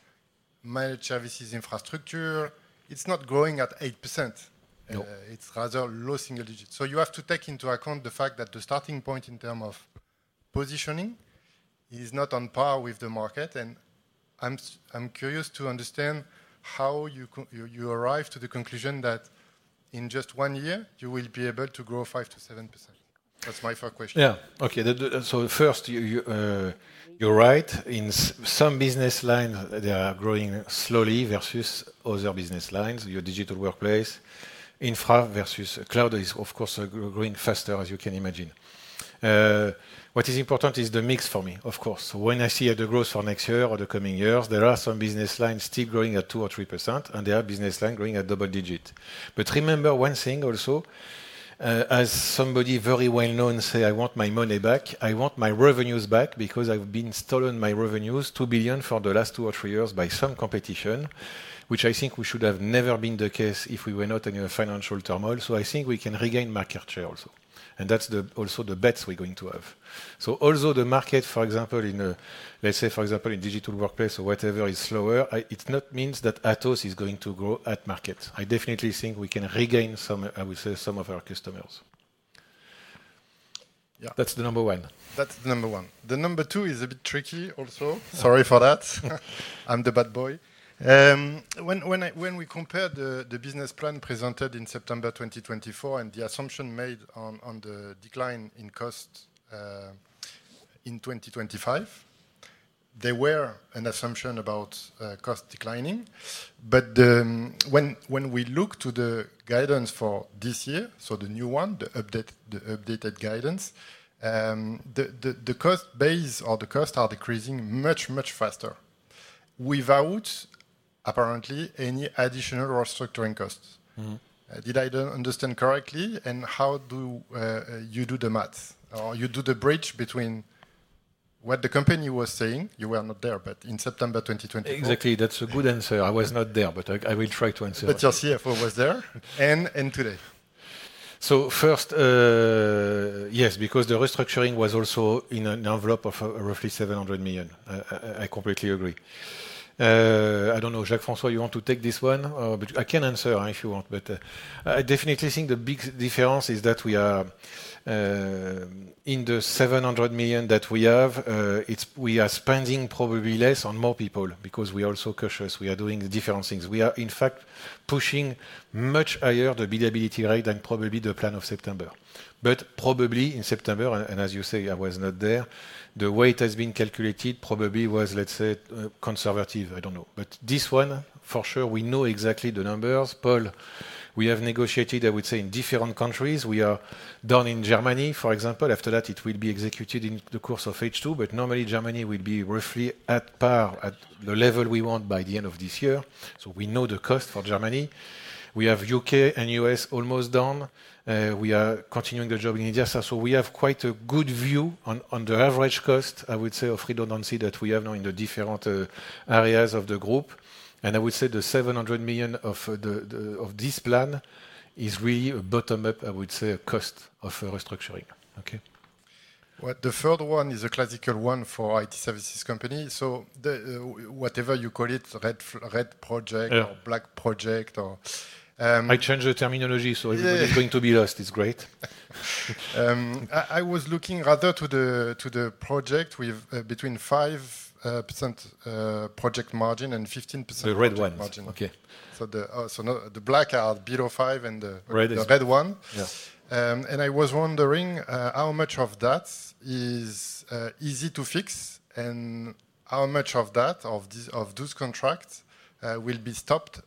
managed services infrastructure, it is not growing at 8%. It is rather low single digits. You have to take into account the fact that the starting point in terms of positioning is not on par with the market. I'm curious to understand how you arrived to the conclusion that in just one year, you will be able to grow 5-7%. That's my first question. Yeah. Okay. First, you're right. In some business lines, they are growing slowly versus other business lines. Your digital workplace, infra versus cloud is, of course, growing faster, as you can imagine. What is important is the mix for me, of course. When I see the growth for next year or the coming years, there are some business lines still growing at 2-3%, and there are business lines growing at double digits. Remember one thing also, as somebody very well-known says, "I want my money back. I want my revenues back because I've been stolen my revenues, 2 billion for the last two or three years by some competition, which I think should have never been the case if we were not in a financial turmoil. I think we can regain market share also. That's also the bets we're going to have. Although the market, for example, in, let's say, for example, in digital workplace or whatever is slower, it means that Atos is going to grow at market. I definitely think we can regain some, I would say, some of our customers. That's the number one. That's the number one. The number two is a bit tricky also. Sorry for that. I'm the bad boy. When we compare the business plan presented in September 2024 and the assumption made on the decline in cost in 2025, there were an assumption about cost declining. When we look to the guidance for this year, the new one, the updated guidance, the cost base or the cost are decreasing much, much faster without apparently any additional restructuring costs. Did I understand correctly? How do you do the math? Or you do the bridge between what the company was saying? You were not there, but in September 2024. Exactly. That's a good answer. I was not there, but I will try to answer. Your CFO was there. Today, first, yes, because the restructuring was also in an envelope of roughly 700 million. I completely agree. I don't know. Jacques-François, you want to take this one? I can answer if you want, but I definitely think the big difference is that we are in the 700 million that we have. We are spending probably less on more people because we are also cautious. We are doing different things. We are, in fact, pushing much higher the bidability rate than probably the plan of September. Probably in September, and as you say, I was not there, the way it has been calculated probably was, let's say, conservative. I don't know. This one, for sure, we know exactly the numbers. Paul, we have negotiated, I would say, in different countries. We are done in Germany, for example. After that, it will be executed in the course of H2. Normally, Germany will be roughly at par at the level we want by the end of this year. We know the cost for Germany. We have U.K. and U.S. almost done. We are continuing the job in India. We have quite a good view on the average cost, I would say, of redundancy that we have now in the different areas of the group. I would say the 700 million of this plan is really a bottom-up, I would say, cost of restructuring. Okay. The third one is a classical one for IT services companies. Whatever you call it, red project or black project. I changed the terminology. Everybody is going to be lost. It's great. I was looking rather to the project with between 5% project margin and 15% project margin, the red ones. The black are below 5 and the red one. I was wondering how much of that is easy to fix and how much of those contracts will be stopped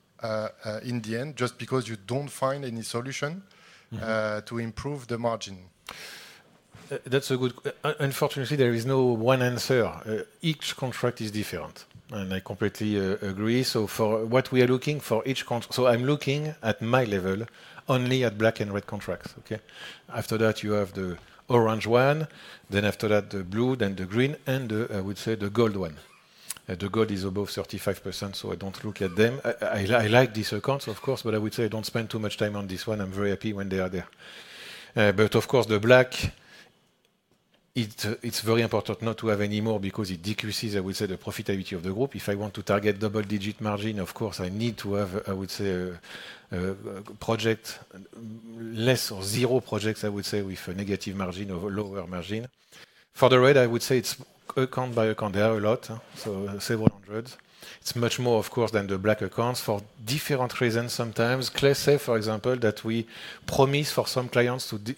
in the end just because you do not find any solution to improve the margin. That is a good question. Unfortunately, there is no one answer. Each contract is different. I completely agree. For what we are looking for each contract, I am looking at my level only at black and red contracts. After that, you have the orange one. After that, the blue, then the green, and I would say the gold one. The gold is above 35%, so I do not look at them. I like these accounts, of course, but I would say I do not spend too much time on this one. I am very happy when they are there. Of course, the black, it's very important not to have any more because it decreases, I would say, the profitability of the group. If I want to target double-digit margin, of course, I need to have, I would say, project less or zero projects, I would say, with a negative margin or lower margin. For the red, I would say it's account by account. There are a lot, so several hundreds. It's much more, of course, than the black accounts for different reasons sometimes. Clay said, for example, that we promised for some clients to,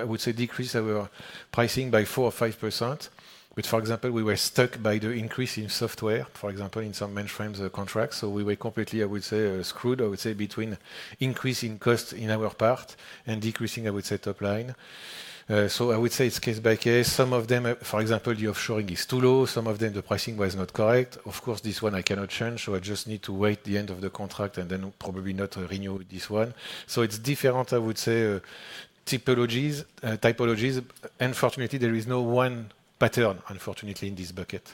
I would say, decrease our pricing by 4% or 5%. For example, we were stuck by the increase in software, for example, in some mainstream contracts. We were completely, I would say, screwed, I would say, between increasing costs in our part and decreasing, I would say, top line. I would say it's case by case. Some of them, for example, the offshoring is too low. Some of them, the pricing was not correct. Of course, this one I cannot change. I just need to wait the end of the contract and then probably not renew this one. It's different, I would say, typologies. Unfortunately, there is no one pattern, unfortunately, in this bucket.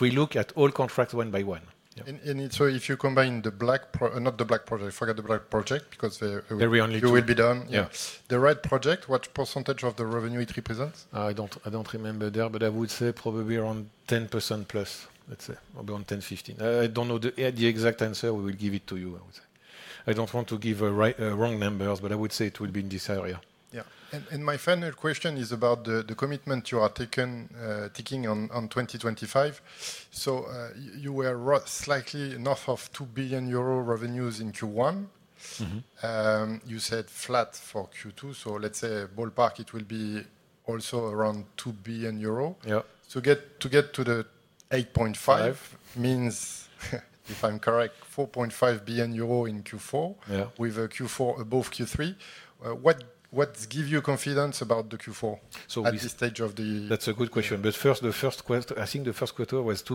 We look at all contracts one by one. If you combine the black, not the black project, I forgot the black project because you will be done. Yeah. The red project, what percentage of the revenue it represents? I don't remember there, but I would say probably around 10% plus, let's say, or around 10-15. I don't know the exact answer. We will give it to you, I would say. I don't want to give wrong numbers, but I would say it will be in this area. Yeah. My final question is about the commitment you are taking on 2025. You were slightly north of 2 billion euro revenues in Q1. You said flat for Q2. Let's say ballpark, it will be also around 2 billion euro. To get to the 8.5 billion means, if I'm correct, 4.5 billion euro in Q4 with a Q4 above Q3. What gives you confidence about the Q4 at this stage of the? That's a good question. First, I think the first quarter was 2,060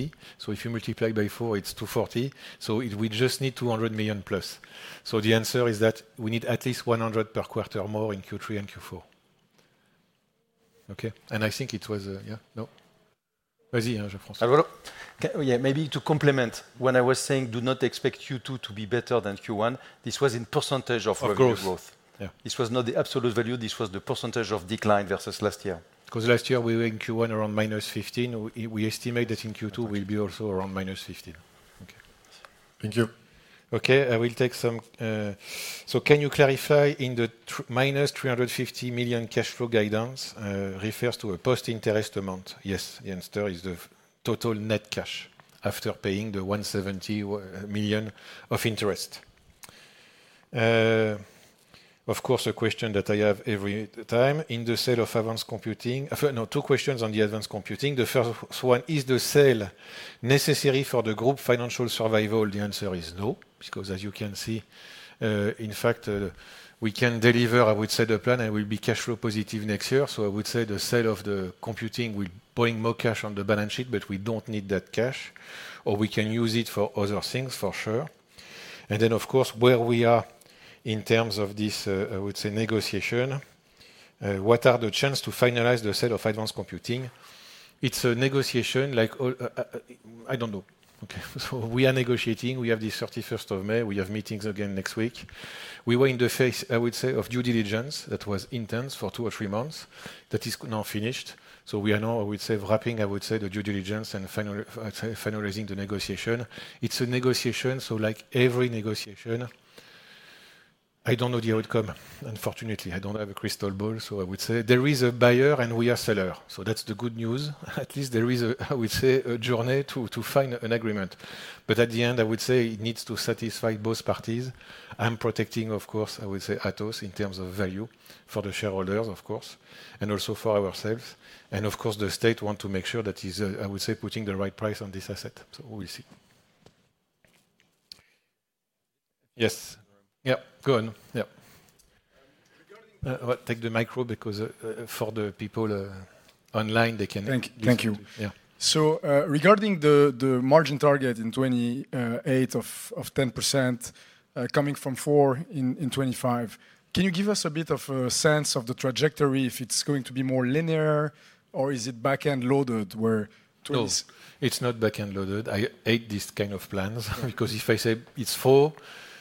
million. If you multiply by 4, it's 8,240 million. We just need 200 million plus. The answer is that we need at least 100 million per quarter more in Q3 and Q4. Okay. I think it was, yeah, no. Vas-y, je pense. Yeah, maybe to complement, when I was saying do not expect Q2 to be better than Q1, this was in % of revenue growth. This was not the absolute value. This was the % of decline versus last year. Because last year we were in Q1 around -15%. We estimate that in Q2 will be also around -15%. Okay. Thank you. Okay, I will take some. Can you clarify if the -350 million cash flow guidance refers to a post-interest amount? Yes, the answer is the total net cash after paying the 170 million of interest. Of course, a question that I have every time in the sale of advanced computing. No, two questions on the advanced computing. The first one is the sale necessary for the group financial survival. The answer is no. Because as you can see, in fact, we can deliver, I would say, the plan and we'll be cash flow positive next year. I would say the sale of the computing will bring more cash on the balance sheet, but we don't need that cash. We can use it for other things, for sure. Of course, where we are in terms of this, I would say, negotiation. What are the chances to finalize the sale of advanced computing? It's a negotiation like I don't know. Okay. We are negotiating. We have this 31st of May. We have meetings again next week. We were in the phase, I would say, of due diligence that was intense for two or three months. That is now finished. We are now, I would say, wrapping the due diligence and finalizing the negotiation. It's a negotiation. Like every negotiation, I don't know the outcome. Unfortunately, I don't have a crystal ball. I would say there is a buyer and we are sellers. That's the good news. At least there is a journey to find an agreement. At the end, it needs to satisfy both parties. I'm protecting, of course, Atos in terms of value for the shareholders, of course, and also for ourselves. The state wants to make sure that he's putting the right price on this asset. We'll see. Yes. Go on. Take the micro because for the people online, they can do. Thank you. Yeah. Regarding the margin target in 2028 of 10% coming from 4% in 2025, can you give us a bit of a sense of the trajectory if it's going to be more linear or is it back-end loaded? It's not back-end loaded. I hate this kind of plans because if I say it's 4%,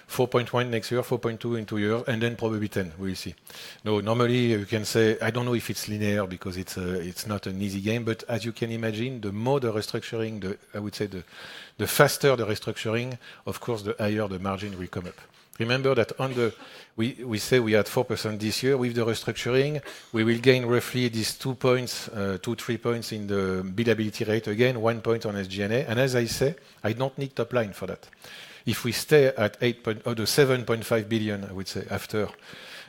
4.1% next year, 4.2% in two years, and then probably 10%, we'll see. No, normally you can say, I don't know if it's linear because it's not an easy game. But as you can imagine, the more the restructuring, I would say the faster the restructuring, of course, the higher the margin will come up. Remember that we had 4% this year; with the restructuring, we will gain roughly these 2-3 percentage points in the bidability rate, again, 1 percentage point on SG&A. As I say, I do not need top line for that. If we stay at 8 billion or the 7.5 billion, I would say, after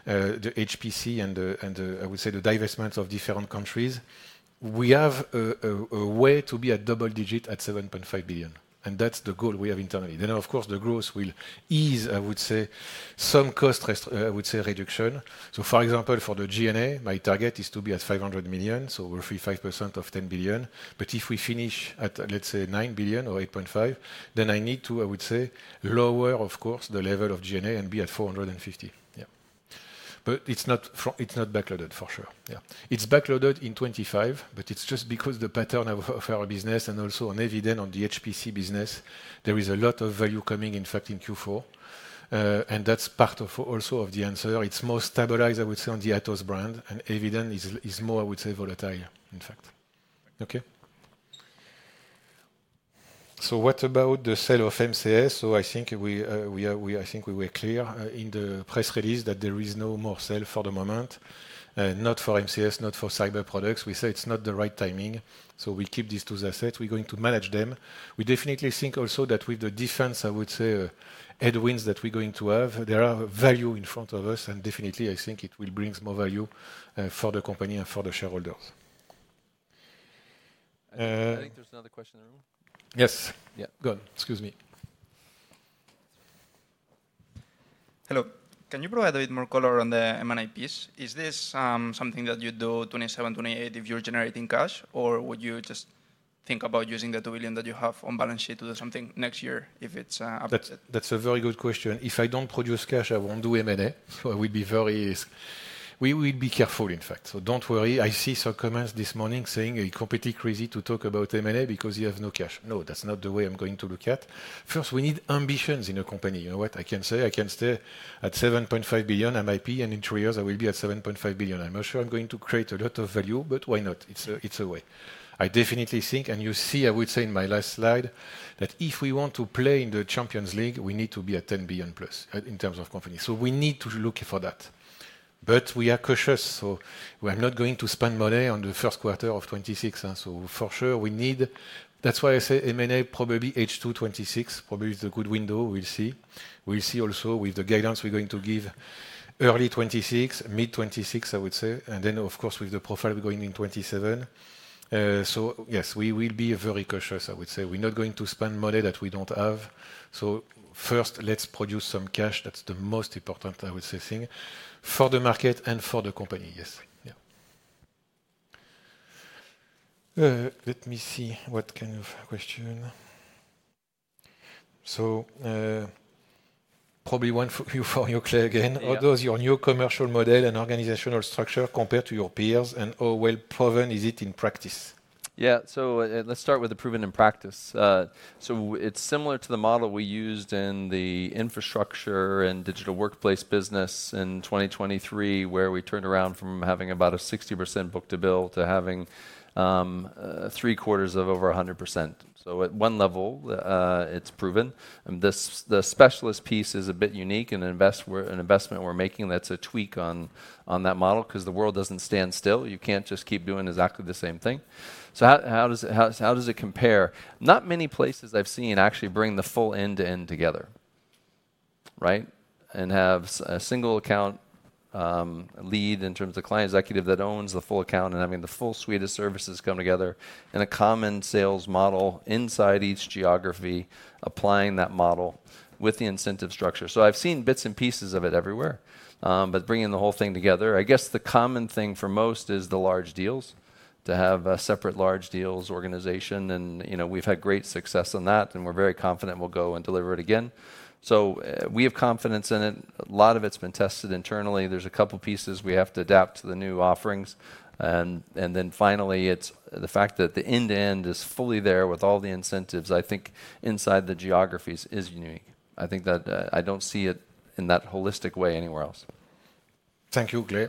the HPC and the divestments of different countries, we have a way to be at double digit at 7.5 billion. That is the goal we have internally. Of course, the growth will ease, I would say, some cost reduction. For example, for the G&A, my target is to be at 500 million, so roughly 5% of 10 billion. If we finish at, let's say, 9 billion or 8.5 billion, then I need to lower, of course, the level of G&A and be at 450 million. Yeah. It is not backloaded for sure. Yeah. It's backloaded in 2025, but it's just because the pattern of our business and also on Eviden on the HPC business, there is a lot of value coming, in fact, in Q4. That's part of also of the answer. It's more stabilized, I would say, on the Atos brand. Eviden is more, I would say, volatile, in fact. Okay. What about the sale of MCS? I think we were clear in the press release that there is no more sale for the moment. Not for MCS, not for cyber products. We say it's not the right timing. We keep these two assets. We're going to manage them. We definitely think also that with the defense, I would say, headwinds that we're going to have, there are value in front of us. Definitely, I think it will bring more value for the company and for the shareholders. I think there's another question in the room. Yes. Yeah. Go on. Excuse me. Hello. Can you provide a bit more color on the M&A piece? Is this something that you do 2027, 2028 if you're generating cash? Or would you just think about using the 2 billion that you have on balance sheet to do something next year if it's updated? That's a very good question. If I don't produce cash, I won't do M&A. I will be very, we will be careful, in fact. Don't worry. I see some comments this morning saying he's completely crazy to talk about M&A because he has no cash. No, that's not the way I'm going to look at it. First, we need ambitions in a company. You know what? I can say I can stay at 7.5 billion MIP and in three years, I will be at 7.5 billion. I'm not sure I'm going to create a lot of value, but why not? It's a way. I definitely think, and you see, I would say in my last slide that if we want to play in the Champions League, we need to be at 10 billion plus in terms of company. We need to look for that. We are cautious. We're not going to spend money on the first quarter of 2026. For sure, we need, that's why I say M&A probably H2 2026 probably is a good window. We'll see. We'll see also with the guidance we're going to give early 2026, mid 2026, I would say. Of course, with the profile going in 2027. Yes, we will be very cautious, I would say. We're not going to spend money that we don't have. First, let's produce some cash. That's the most important, I would say, thing for the market and for the company. Yes. Yeah. Let me see what kind of question. Probably one for you, Clay, again. How does your new commercial model and organizational structure compare to your peers? And how well proven is it in practice? Yeah. Let's start with the proven in practice. It's similar to the model we used in the infrastructure and digital workplace business in 2023, where we turned around from having about a 60% book to bill to having three quarters of over 100%. At one level, it's proven. The specialist piece is a bit unique and an investment we're making that's a tweak on that model because the world doesn't stand still. You can't just keep doing exactly the same thing. How does it compare? Not many places I've seen actually bring the full end-to-end together, right? And have a single account lead in terms of client executive that owns the full account and having the full suite of services come together in a common sales model inside each geography, applying that model with the incentive structure. I've seen bits and pieces of it everywhere, but bringing the whole thing together. I guess the common thing for most is the large deals, to have a separate large deals organization. We've had great success on that, and we're very confident we'll go and deliver it again. We have confidence in it. A lot of it's been tested internally. There's a couple of pieces we have to adapt to the new offerings. Finally, it's the fact that the end-to-end is fully there with all the incentives, I think inside the geographies is unique. I think that I don't see it in that holistic way anywhere else. Thank you, Clay.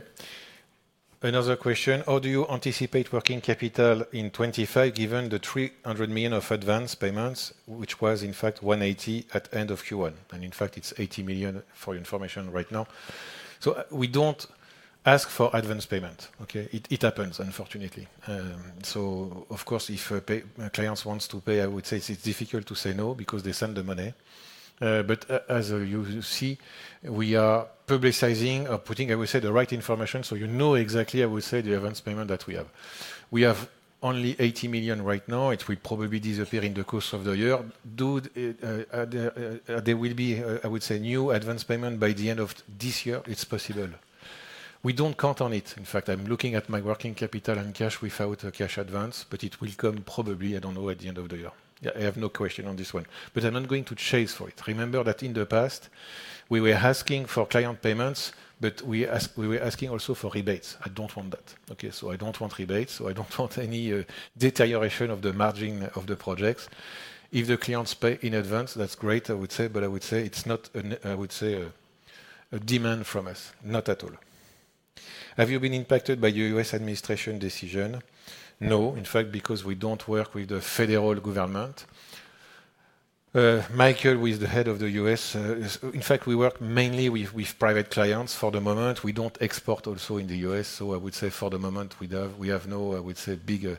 Another question. How do you anticipate working capital in 2025 given the 300 million of advance payments, which was in fact 180 million at the end of Q1? In fact, it's 80 million for your information right now. We don't ask for advance payment. It happens, unfortunately. Of course, if a client wants to pay, I would say it's difficult to say no because they send the money. As you see, we are publicizing or putting, I would say, the right information. You know exactly, I would say, the advance payment that we have. We have only 80 million right now. It will probably disappear in the course of the year. There will be, I would say, new advance payment by the end of this year. It's possible. We don't count on it. In fact, I'm looking at my working capital and cash without a cash advance, but it will come probably, I don't know, at the end of the year. I have no question on this one, but I'm not going to chase for it. Remember that in the past, we were asking for client payments, but we were asking also for rebates. I don't want that. Okay. I don't want rebates. I don't want any deterioration of the margin of the projects. If the clients pay in advance, that's great, I would say, but I would say it's not, I would say, a demand from us. Not at all. Have you been impacted by the U.S. administration decision? No. In fact, because we don't work with the federal government. Michael, who is the head of the U.S., in fact, we work mainly with private clients for the moment. We don't export also in the U.S. So I would say for the moment, we have no, I would say, big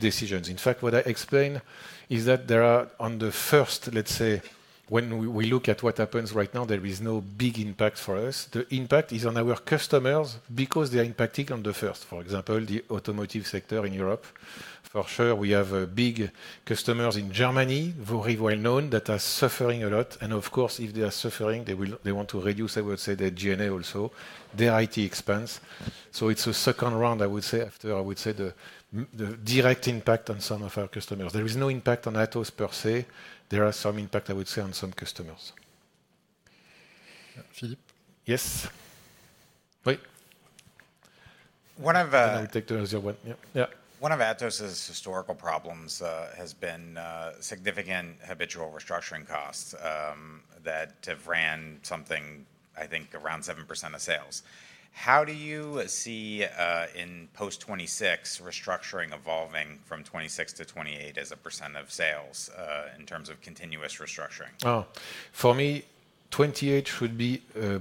decisions. In fact, what I explain is that there are on the first, let's say, when we look at what happens right now, there is no big impact for us. The impact is on our customers because they are impacted on the first. For example, the automotive sector in Europe. For sure, we have big customers in Germany, very well known, that are suffering a lot. If they are suffering, they want to reduce, I would say, their G&A also, their IT expense. It is a second round, I would say, after, I would say, the direct impact on some of our customers. There is no impact on Atos per se. There are some impacts, I would say, on some customers. Philippe? Yes? Oui. One of Atos's historical problems has been significant habitual restructuring costs that have ran something, I think, around 7% of sales. How do you see in post-2026 restructuring evolving from 2026 to 2028 as a percent of sales in terms of continuous restructuring? Oh, for me, 2028 should be a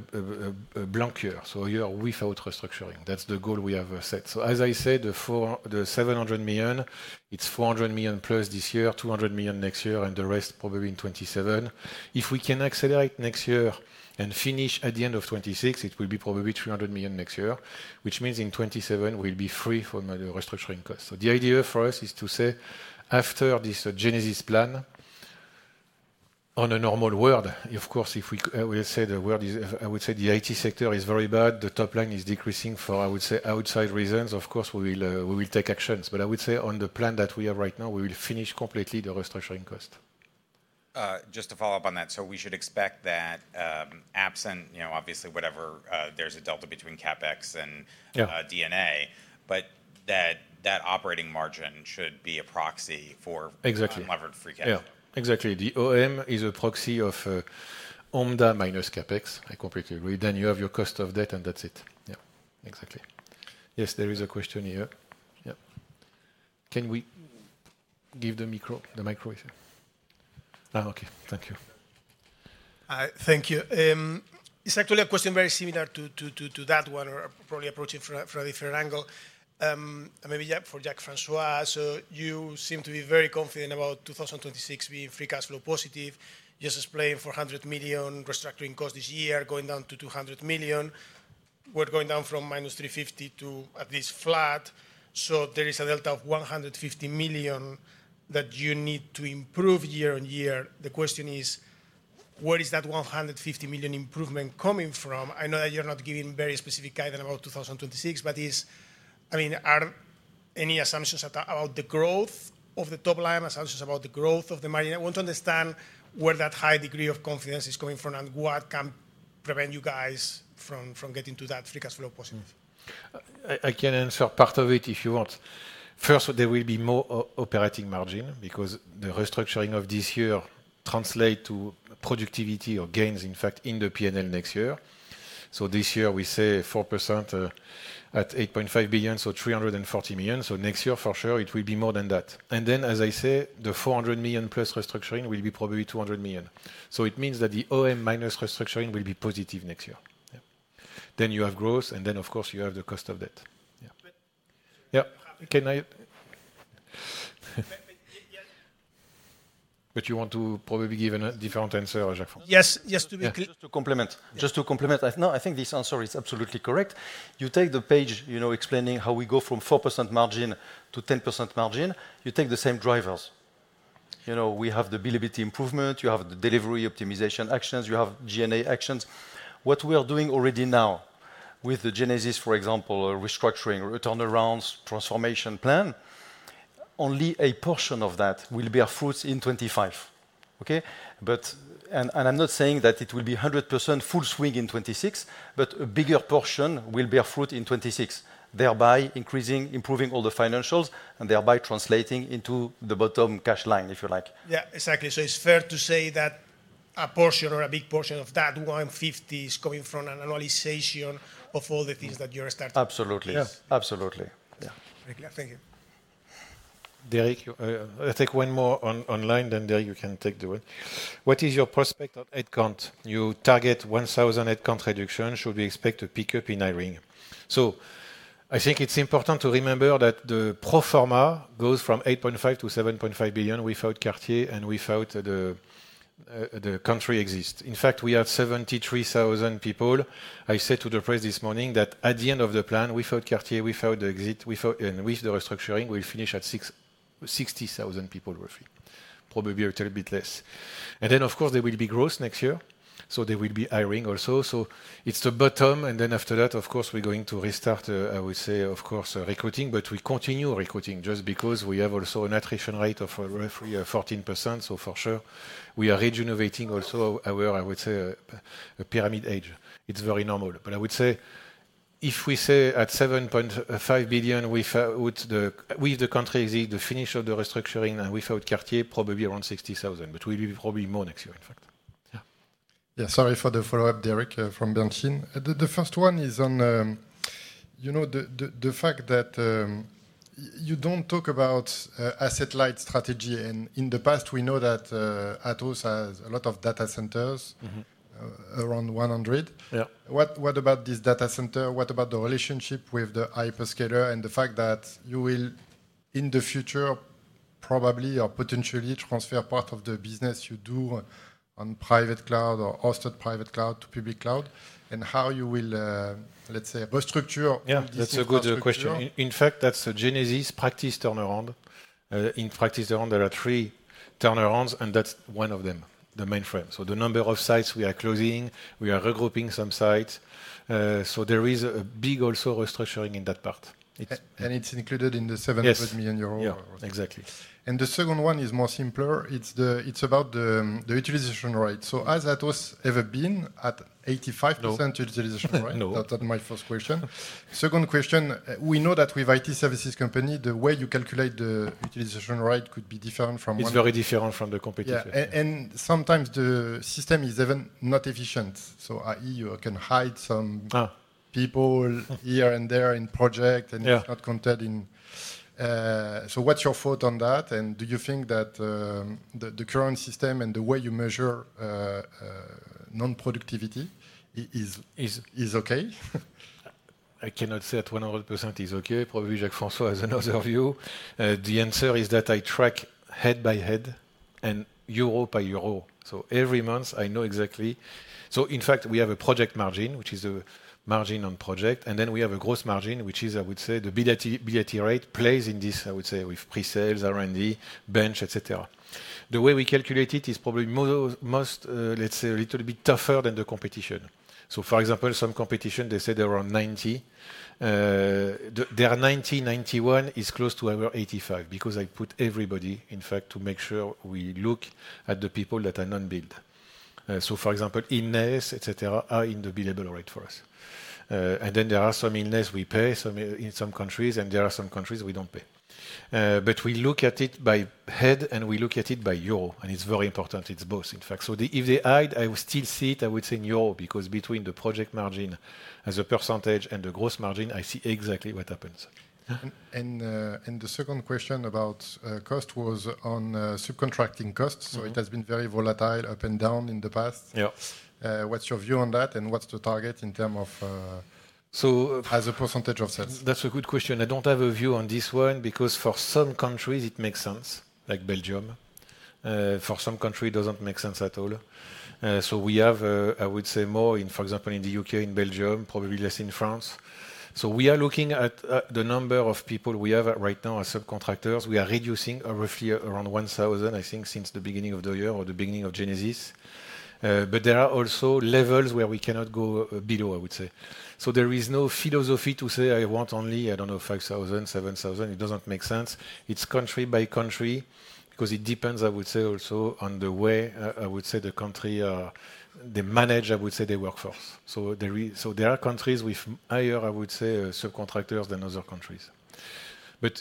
blank year. A year without restructuring. That is the goal we have set. As I said, the 700 million, it's 400 million plus this year, 200 million next year, and the rest probably in 2027. If we can accelerate next year and finish at the end of 2026, it will be probably 300 million next year, which means in 2027 we'll be free from the restructuring costs. The idea for us is to say, after this Genesis plan, on a normal world, of course, if we say the world is, I would say the IT sector is very bad, the top line is decreasing for, I would say, outside reasons, of course, we will take actions. I would say on the plan that we have right now, we will finish completely the restructuring cost. Just to follow up on that. We should expect that absent, you know, obviously, whatever, there is a delta between CapEx and D&A, but that operating margin should be a proxy for levered free cash. Exactly. The OM is a proxy of OMDA minus CapEx, I completely agree. Then you have your cost of debt and that's it. Yeah. Exactly. Yes, there is a question here. Can we give the micro? The micro is here. Okay. Thank you. Thank you. It's actually a question very similar to that one, or probably approaching from a different angle. Maybe for Jacques-François, you seem to be very confident about 2026 being free cash flow positive. You just explained 400 million restructuring cost this year going down to 200 million. We are going down from minus 350 million to at least flat. There is a delta of 150 million that you need to improve year on year. The question is, where is that 150 million improvement coming from? I know that you're not giving very specific guidance about 2026, but I mean, are there any assumptions about the growth of the top line, assumptions about the growth of the margin? I want to understand where that high degree of confidence is coming from and what can prevent you guys from getting to that free cash flow positive. I can answer part of it if you want. First, there will be more operating margin because the restructuring of this year translates to productivity or gains, in fact, in the P&L next year. This year, we say 4% at 8.5 billion, so 340 million. Next year, for sure, it will be more than that. As I say, the 400 million-plus restructuring will be probably 200 million. It means that the OM minus restructuring will be positive next year. You have growth, and then, of course, you have the cost of debt. Yeah. You want to probably give a different answer or Jacques? Yes. Yes. Just to complement. Just to complement. No, I think this answer is absolutely correct. You take the page explaining how we go from 4% margin to 10% margin. You take the same drivers. You know, we have the bilibility improvement. You have the delivery optimization actions. You have G&A actions. What we are doing already now with the Genesis, for example, restructuring turnarounds transformation plan, only a portion of that will bear fruit in 2025. Okay? I'm not saying that it will be 100% full swing in 2026, but a bigger portion will bear fruit in 2026, thereby increasing, improving all the financials, and thereby translating into the bottom cash line, if you like. Yeah, exactly. It is fair to say that a portion or a big portion of that 150 is coming from an annualization of all the things that you're starting. Absolutely. Absolutely. Yeah. Thank you. Derek, I take one more online. Then Derek, you can take the word. What is your prospect on headcount? You target 1,000 headcount reduction. Should we expect a pickup in Irene? I think it is important to remember that the pro forma goes from 8.5 billion to 7.5 billion without Cartier and without the country exit. In fact, we have 73,000 people. I said to the press this morning that at the end of the plan, without Cartier, without the exit, and with the restructuring, we'll finish at 60,000 people roughly, probably a little bit less. Of course, there will be growth next year. There will be hiring also. It's the bottom. After that, of course, we're going to restart, I would say, of course, recruiting, but we continue recruiting just because we have also an attrition rate of roughly 14%. For sure, we are rejuvenating also our, I would say, pyramid age. It's very normal. I would say if we say at 7.5 billion with the country exit, the finish of the restructuring and without Cartier, probably around 60,000, but we'll be probably more next year, in fact. Yeah. Sorry for the follow-up, Derek, from Bernstein. The first one is on, you know, the fact that you do not talk about asset light strategy. In the past, we know that Atos has a lot of data centers, around 100. What about this data center? What about the relationship with the hyperscaler and the fact that you will, in the future, probably or potentially transfer part of the business you do on private cloud or hosted private cloud to public cloud and how you will, let's say, restructure? Yeah, that's a good question. In fact, that's a Genesis practice turnaround. In practice turnaround, there are three turnarounds, and that's one of them, the mainframe. The number of sites we are closing, we are regrouping some sites. There is a big also restructuring in that part. It is included in the 700 million euro? Yeah, exactly. The second one is more simpler. It's about the utilization rate. Has Atos ever been at 85% utilization rate? That's my first question. Second question, we know that with IT services company, the way you calculate the utilization rate could be different from one. It's very different from the competitor. Sometimes the system is even not efficient. I.e., you can hide some people here and there in project and it's not counted in. What's your thought on that? Do you think that the current system and the way you measure non-productivity is okay? I cannot say at 100% is okay. Probably Jacques-François has another view. The answer is that I track head by head and euro by euro. Every month, I know exactly. In fact, we have a project margin, which is the margin on project. We have a gross margin, which is, I would say, the BAT rate plays in this, I would say, with pre-sales, R&D, bench, etc. The way we calculate it is probably most, let's say, a little bit tougher than the competition. For example, some competition, they say there are 90. There are 90, 91 is close to our 85 because I put everybody, in fact, to make sure we look at the people that are non-bid. For example, illness, etc., are in the billable rate for us. There are some illness we pay in some countries, and there are some countries we do not pay. We look at it by head, and we look at it by euro. It is very important. It is both, in fact. If they hide, I will still see it, I would say, in EUR because between the project margin as a percentage and the gross margin, I see exactly what happens. The second question about cost was on subcontracting costs. It has been very volatile, up and down in the past. What's your view on that? What's the target in terms of as a percentage of sales? That's a good question. I don't have a view on this one because for some countries, it makes sense, like Belgium. For some countries, it doesn't make sense at all. We have, I would say, more in, for example, in the U.K., in Belgium, probably less in France. We are looking at the number of people we have right now as subcontractors. We are reducing roughly around 1,000, I think, since the beginning of the year or the beginning of Genesis. There are also levels where we cannot go below, I would say. There is no philosophy to say I want only, I do not know, 5,000, 7,000. It does not make sense. It is country by country because it depends, I would say, also on the way, I would say, the country they manage, I would say, their workforce. There are countries with higher, I would say, subcontractors than other countries.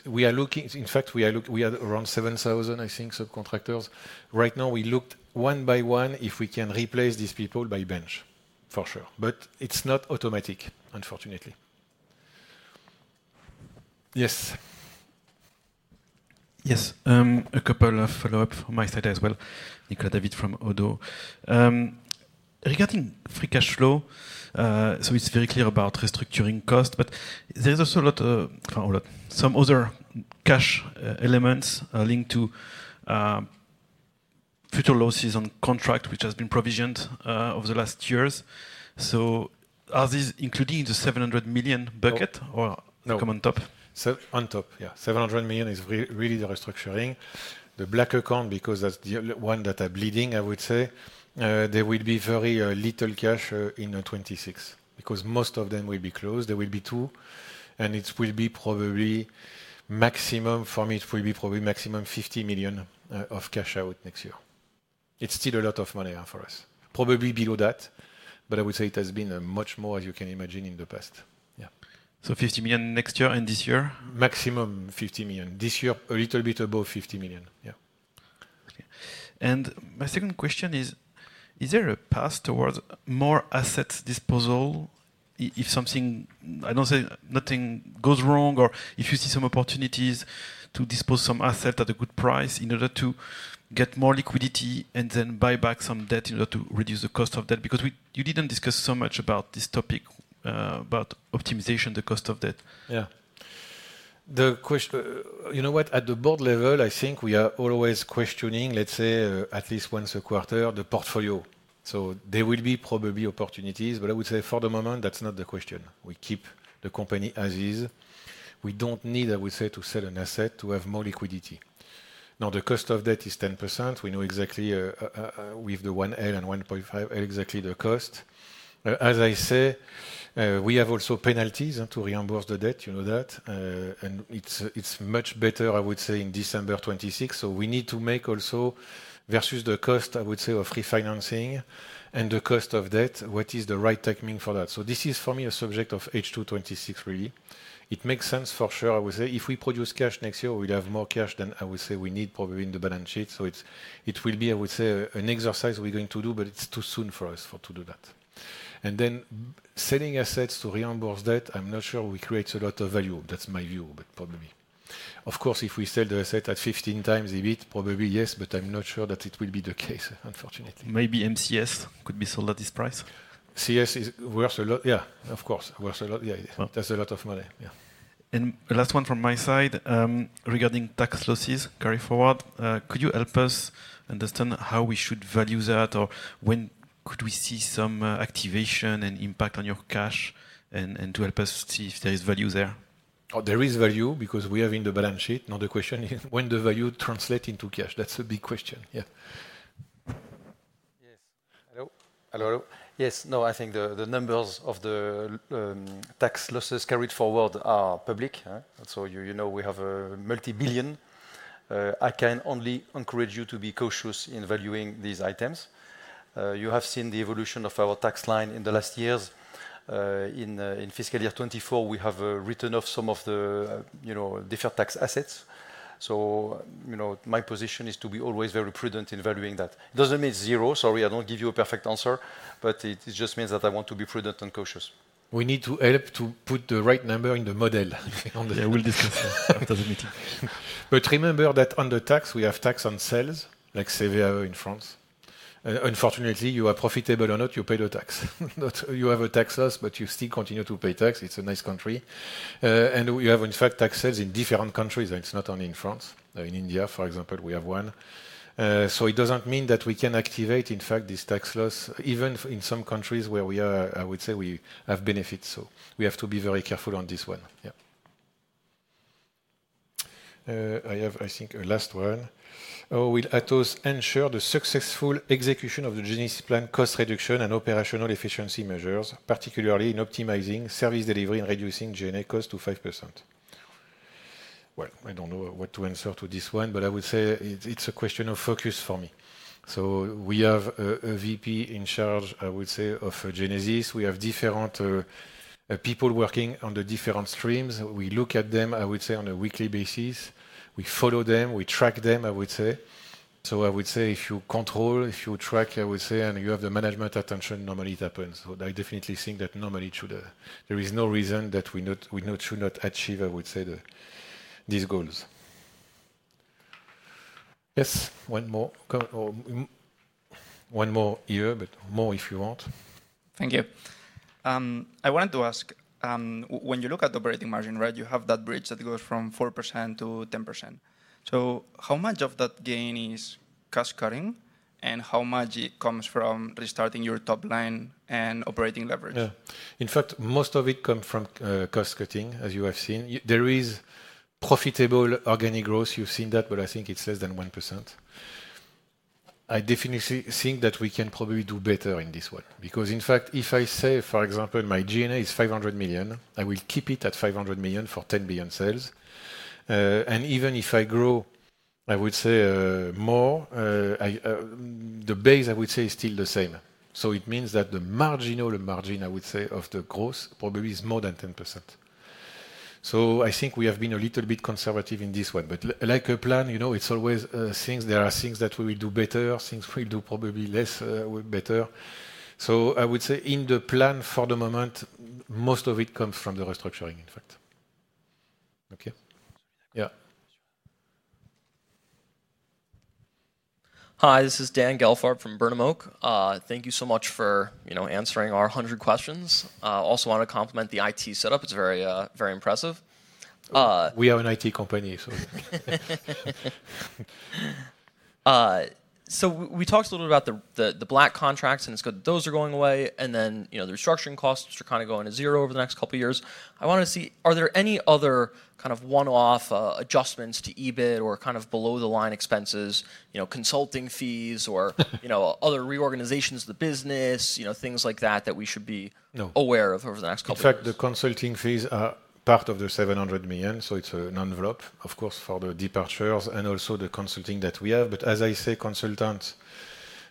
We are looking, in fact, we are around 7,000, I think, subcontractors. Right now, we looked one by one if we can replace these people by bench, for sure. It is not automatic, unfortunately. Yes. Yes. A couple of follow-ups from my side as well. Nicholas David from Odo. Regarding free cash flow, it's very clear about restructuring costs, but there's also a lot, some other cash elements linked to future losses on contract, which has been provisioned over the last years. Are these included in the 700 million bucket or come on top? On top, yeah. 700 million is really the restructuring. The black account, because that's the one that is bleeding, I would say, there will be very little cash in 2026 because most of them will be closed. There will be two. It will be probably maximum, for me, it will be probably maximum 50 million of cash out next year. It's still a lot of money for us. Probably below that, but I would say it has been much more, as you can imagine, in the past. Yeah. 50 million next year and this year? Maximum 50 million. This year, a little bit above 50 million. Yeah. My second question is, is there a path towards more asset disposal if something, I do not say nothing goes wrong or if you see some opportunities to dispose some asset at a good price in order to get more liquidity and then buy back some debt in order to reduce the cost of debt? Because you did not discuss so much about this topic, about optimization of the cost of debt. Yeah. You know what? At the board level, I think we are always questioning, let us say, at least once a quarter, the portfolio. There will be probably opportunities, but I would say for the moment, that is not the question. We keep the company as is. We do not need, I would say, to sell an asset to have more liquidity. Now, the cost of debt is 10%. We know exactly with the 1L and 1.5L, exactly the cost. As I say, we have also penalties to reimburse the debt. You know that. It is much better, I would say, in December 2026. We need to make also versus the cost, I would say, of refinancing and the cost of debt, what is the right timing for that? This is, for me, a subject of H2 2026, really. It makes sense for sure, I would say. If we produce cash next year, we will have more cash than I would say we need probably in the balance sheet. It will be, I would say, an exercise we are going to do, but it is too soon for us to do that. Selling assets to reimburse debt, I am not sure we create a lot of value. That is my view, but probably. Of course, if we sell the asset at 15 times EBIT, probably yes, but I'm not sure that it will be the case, unfortunately. Maybe MCS could be sold at this price? CS is worth a lot. Yeah, of course. Worth a lot. Yeah. That's a lot of money. Yeah. Last one from my side regarding tax losses, carry forward. Could you help us understand how we should value that or when could we see some activation and impact on your cash and to help us see if there is value there? There is value because we have in the balance sheet. Now the question is when the value translates into cash. That's a big question. Yeah. Yes. Hello? Hello. Yes. No, I think the numbers of the tax losses carried forward are public. So you know we have a multi-billion. I can only encourage you to be cautious in valuing these items. You have seen the evolution of our tax line in the last years. In fiscal year 2024, we have written off some of the different tax assets. My position is to be always very prudent in valuing that. It does not mean zero. Sorry, I do not give you a perfect answer, but it just means that I want to be prudent and cautious. We need to help to put the right number in the model. I will discuss it after the meeting. Remember that under tax, we have tax on sales, like Sevilla in France. Unfortunately, you are profitable or not, you pay the tax. You have a tax loss, but you still continue to pay tax. It is a nice country. You have, in fact, tax sales in different countries. It is not only in France. In India, for example, we have one. It does not mean that we can activate, in fact, this tax loss even in some countries where we are, I would say, we have benefits. We have to be very careful on this one. Yeah. I have, I think, a last one. Will Atos ensure the successful execution of the Genesis plan, cost reduction, and operational efficiency measures, particularly in optimizing service delivery and reducing G&A cost to 5%? I do not know what to answer to this one, but I would say it is a question of focus for me. We have a VP in charge, I would say, of Genesis. We have different people working on the different streams. We look at them, I would say, on a weekly basis. We follow them. We track them, I would say. I would say if you control, if you track, I would say, and you have the management attention, normally it happens. I definitely think that normally it should. There is no reason that we should not achieve, I would say, these goals. Yes. One more. One more here, but more if you want. Thank you. I wanted to ask, when you look at the operating margin, right, you have that bridge that goes from 4% to 10%. How much of that gain is cost cutting and how much comes from restarting your top line and operating leverage? In fact, most of it comes from cost cutting, as you have seen. There is profitable organic growth. You have seen that, but I think it is less than 1%. I definitely think that we can probably do better in this one because, in fact, if I say, for example, my G&A is 500 million, I will keep it at 500 million for 10 billion sales. And even if I grow, I would say, more, the base, I would say, is still the same. It means that the marginal margin, I would say, of the growth probably is more than 10%. I think we have been a little bit conservative in this one. Like a plan, you know, it's always things. There are things that we will do better, things we'll do probably less better. I would say in the plan for the moment, most of it comes from the restructuring, in fact. Okay. Yeah. Hi, this is Dan Galfard from Burnham Oak. Thank you so much for answering our hundred questions. Also want to compliment the IT setup. It's very impressive. We are an IT company, so. We talked a little bit about the black contracts and it's good those are going away. The restructuring costs are kind of going to zero over the next couple of years. I wanted to see, are there any other kind of one-off adjustments to EBIT or kind of below-the-line expenses, consulting fees or other reorganizations of the business, things like that that we should be aware of over the next couple of years? In fact, the consulting fees are part of the 700 million. It's an envelope, of course, for the departures and also the consulting that we have. As I say, consultants,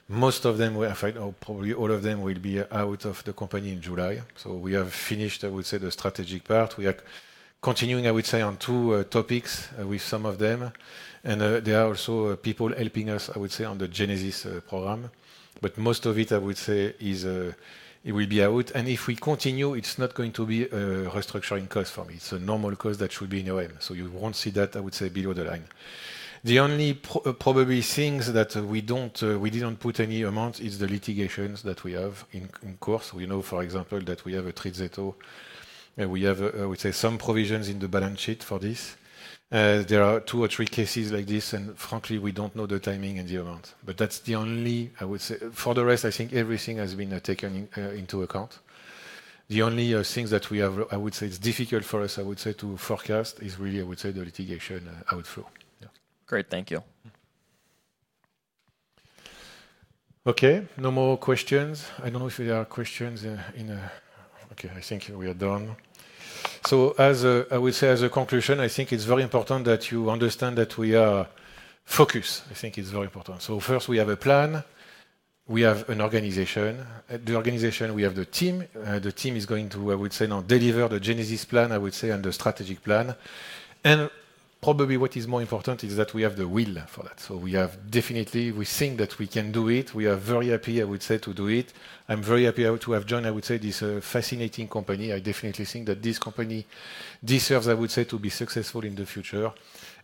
most of them, in fact, probably all of them will be out of the company in July. We have finished, I would say, the strategic part. We are continuing, I would say, on two topics with some of them. There are also people helping us, I would say, on the Genesis program. Most of it, I would say, it will be out. If we continue, it's not going to be a restructuring cost for me. It's a normal cost that should be in OM. You won't see that, I would say, below the line. The only probably things that we didn't put any amount is the litigations that we have in course. We know, for example, that we have a Trizetto, and we have, I would say, some provisions in the balance sheet for this. There are two or three cases like this, and frankly, we don't know the timing and the amount. That's the only, I would say, for the rest, I think everything has been taken into account. The only things that we have, I would say, it's difficult for us, I would say, to forecast is really, I would say, the litigation outflow. Great. Thank you. Okay. No more questions. I don't know if there are questions in. Okay. I think we are done. I would say as a conclusion, I think it's very important that you understand that we are focused. I think it's very important. First, we have a plan. We have an organization. The organization, we have the team. The team is going to, I would say, now deliver the Genesis plan, I would say, and the strategic plan. Probably what is more important is that we have the will for that. We have definitely, we think that we can do it. We are very happy, I would say, to do it. I'm very happy to have joined, I would say, this fascinating company. I definitely think that this company deserves, I would say, to be successful in the future.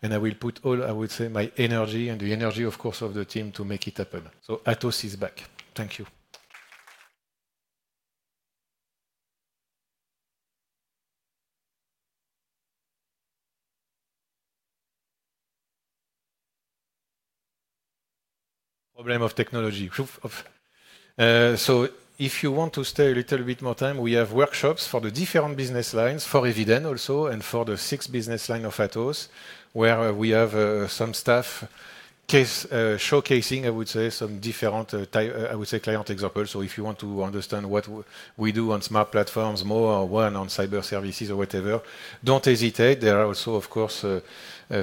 I will put all, I would say, my energy and the energy, of course, of the team to make it happen. Atos is back. Thank you. Problem of technology. If you want to stay a little bit more time, we have workshops for the different business lines, for Eviden also and for the six business lines of Atos, where we have some staff showcasing, I would say, some different, I would say, client examples. If you want to understand what we do on smart platforms, more or one on cyber services or whatever, don't hesitate. There are also, of course,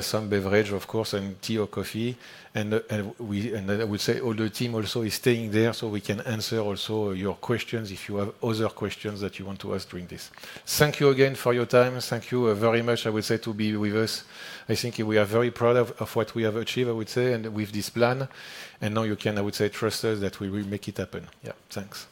some beverage, of course, and tea or coffee. I would say all the team also is staying there so we can answer also your questions if you have other questions that you want to ask during this. Thank you again for your time. Thank you very much, I would say, to be with us. I think we are very proud of what we have achieved, I would say, and with this plan. Now you can, I would say, trust us that we will make it happen. Yeah. Thanks.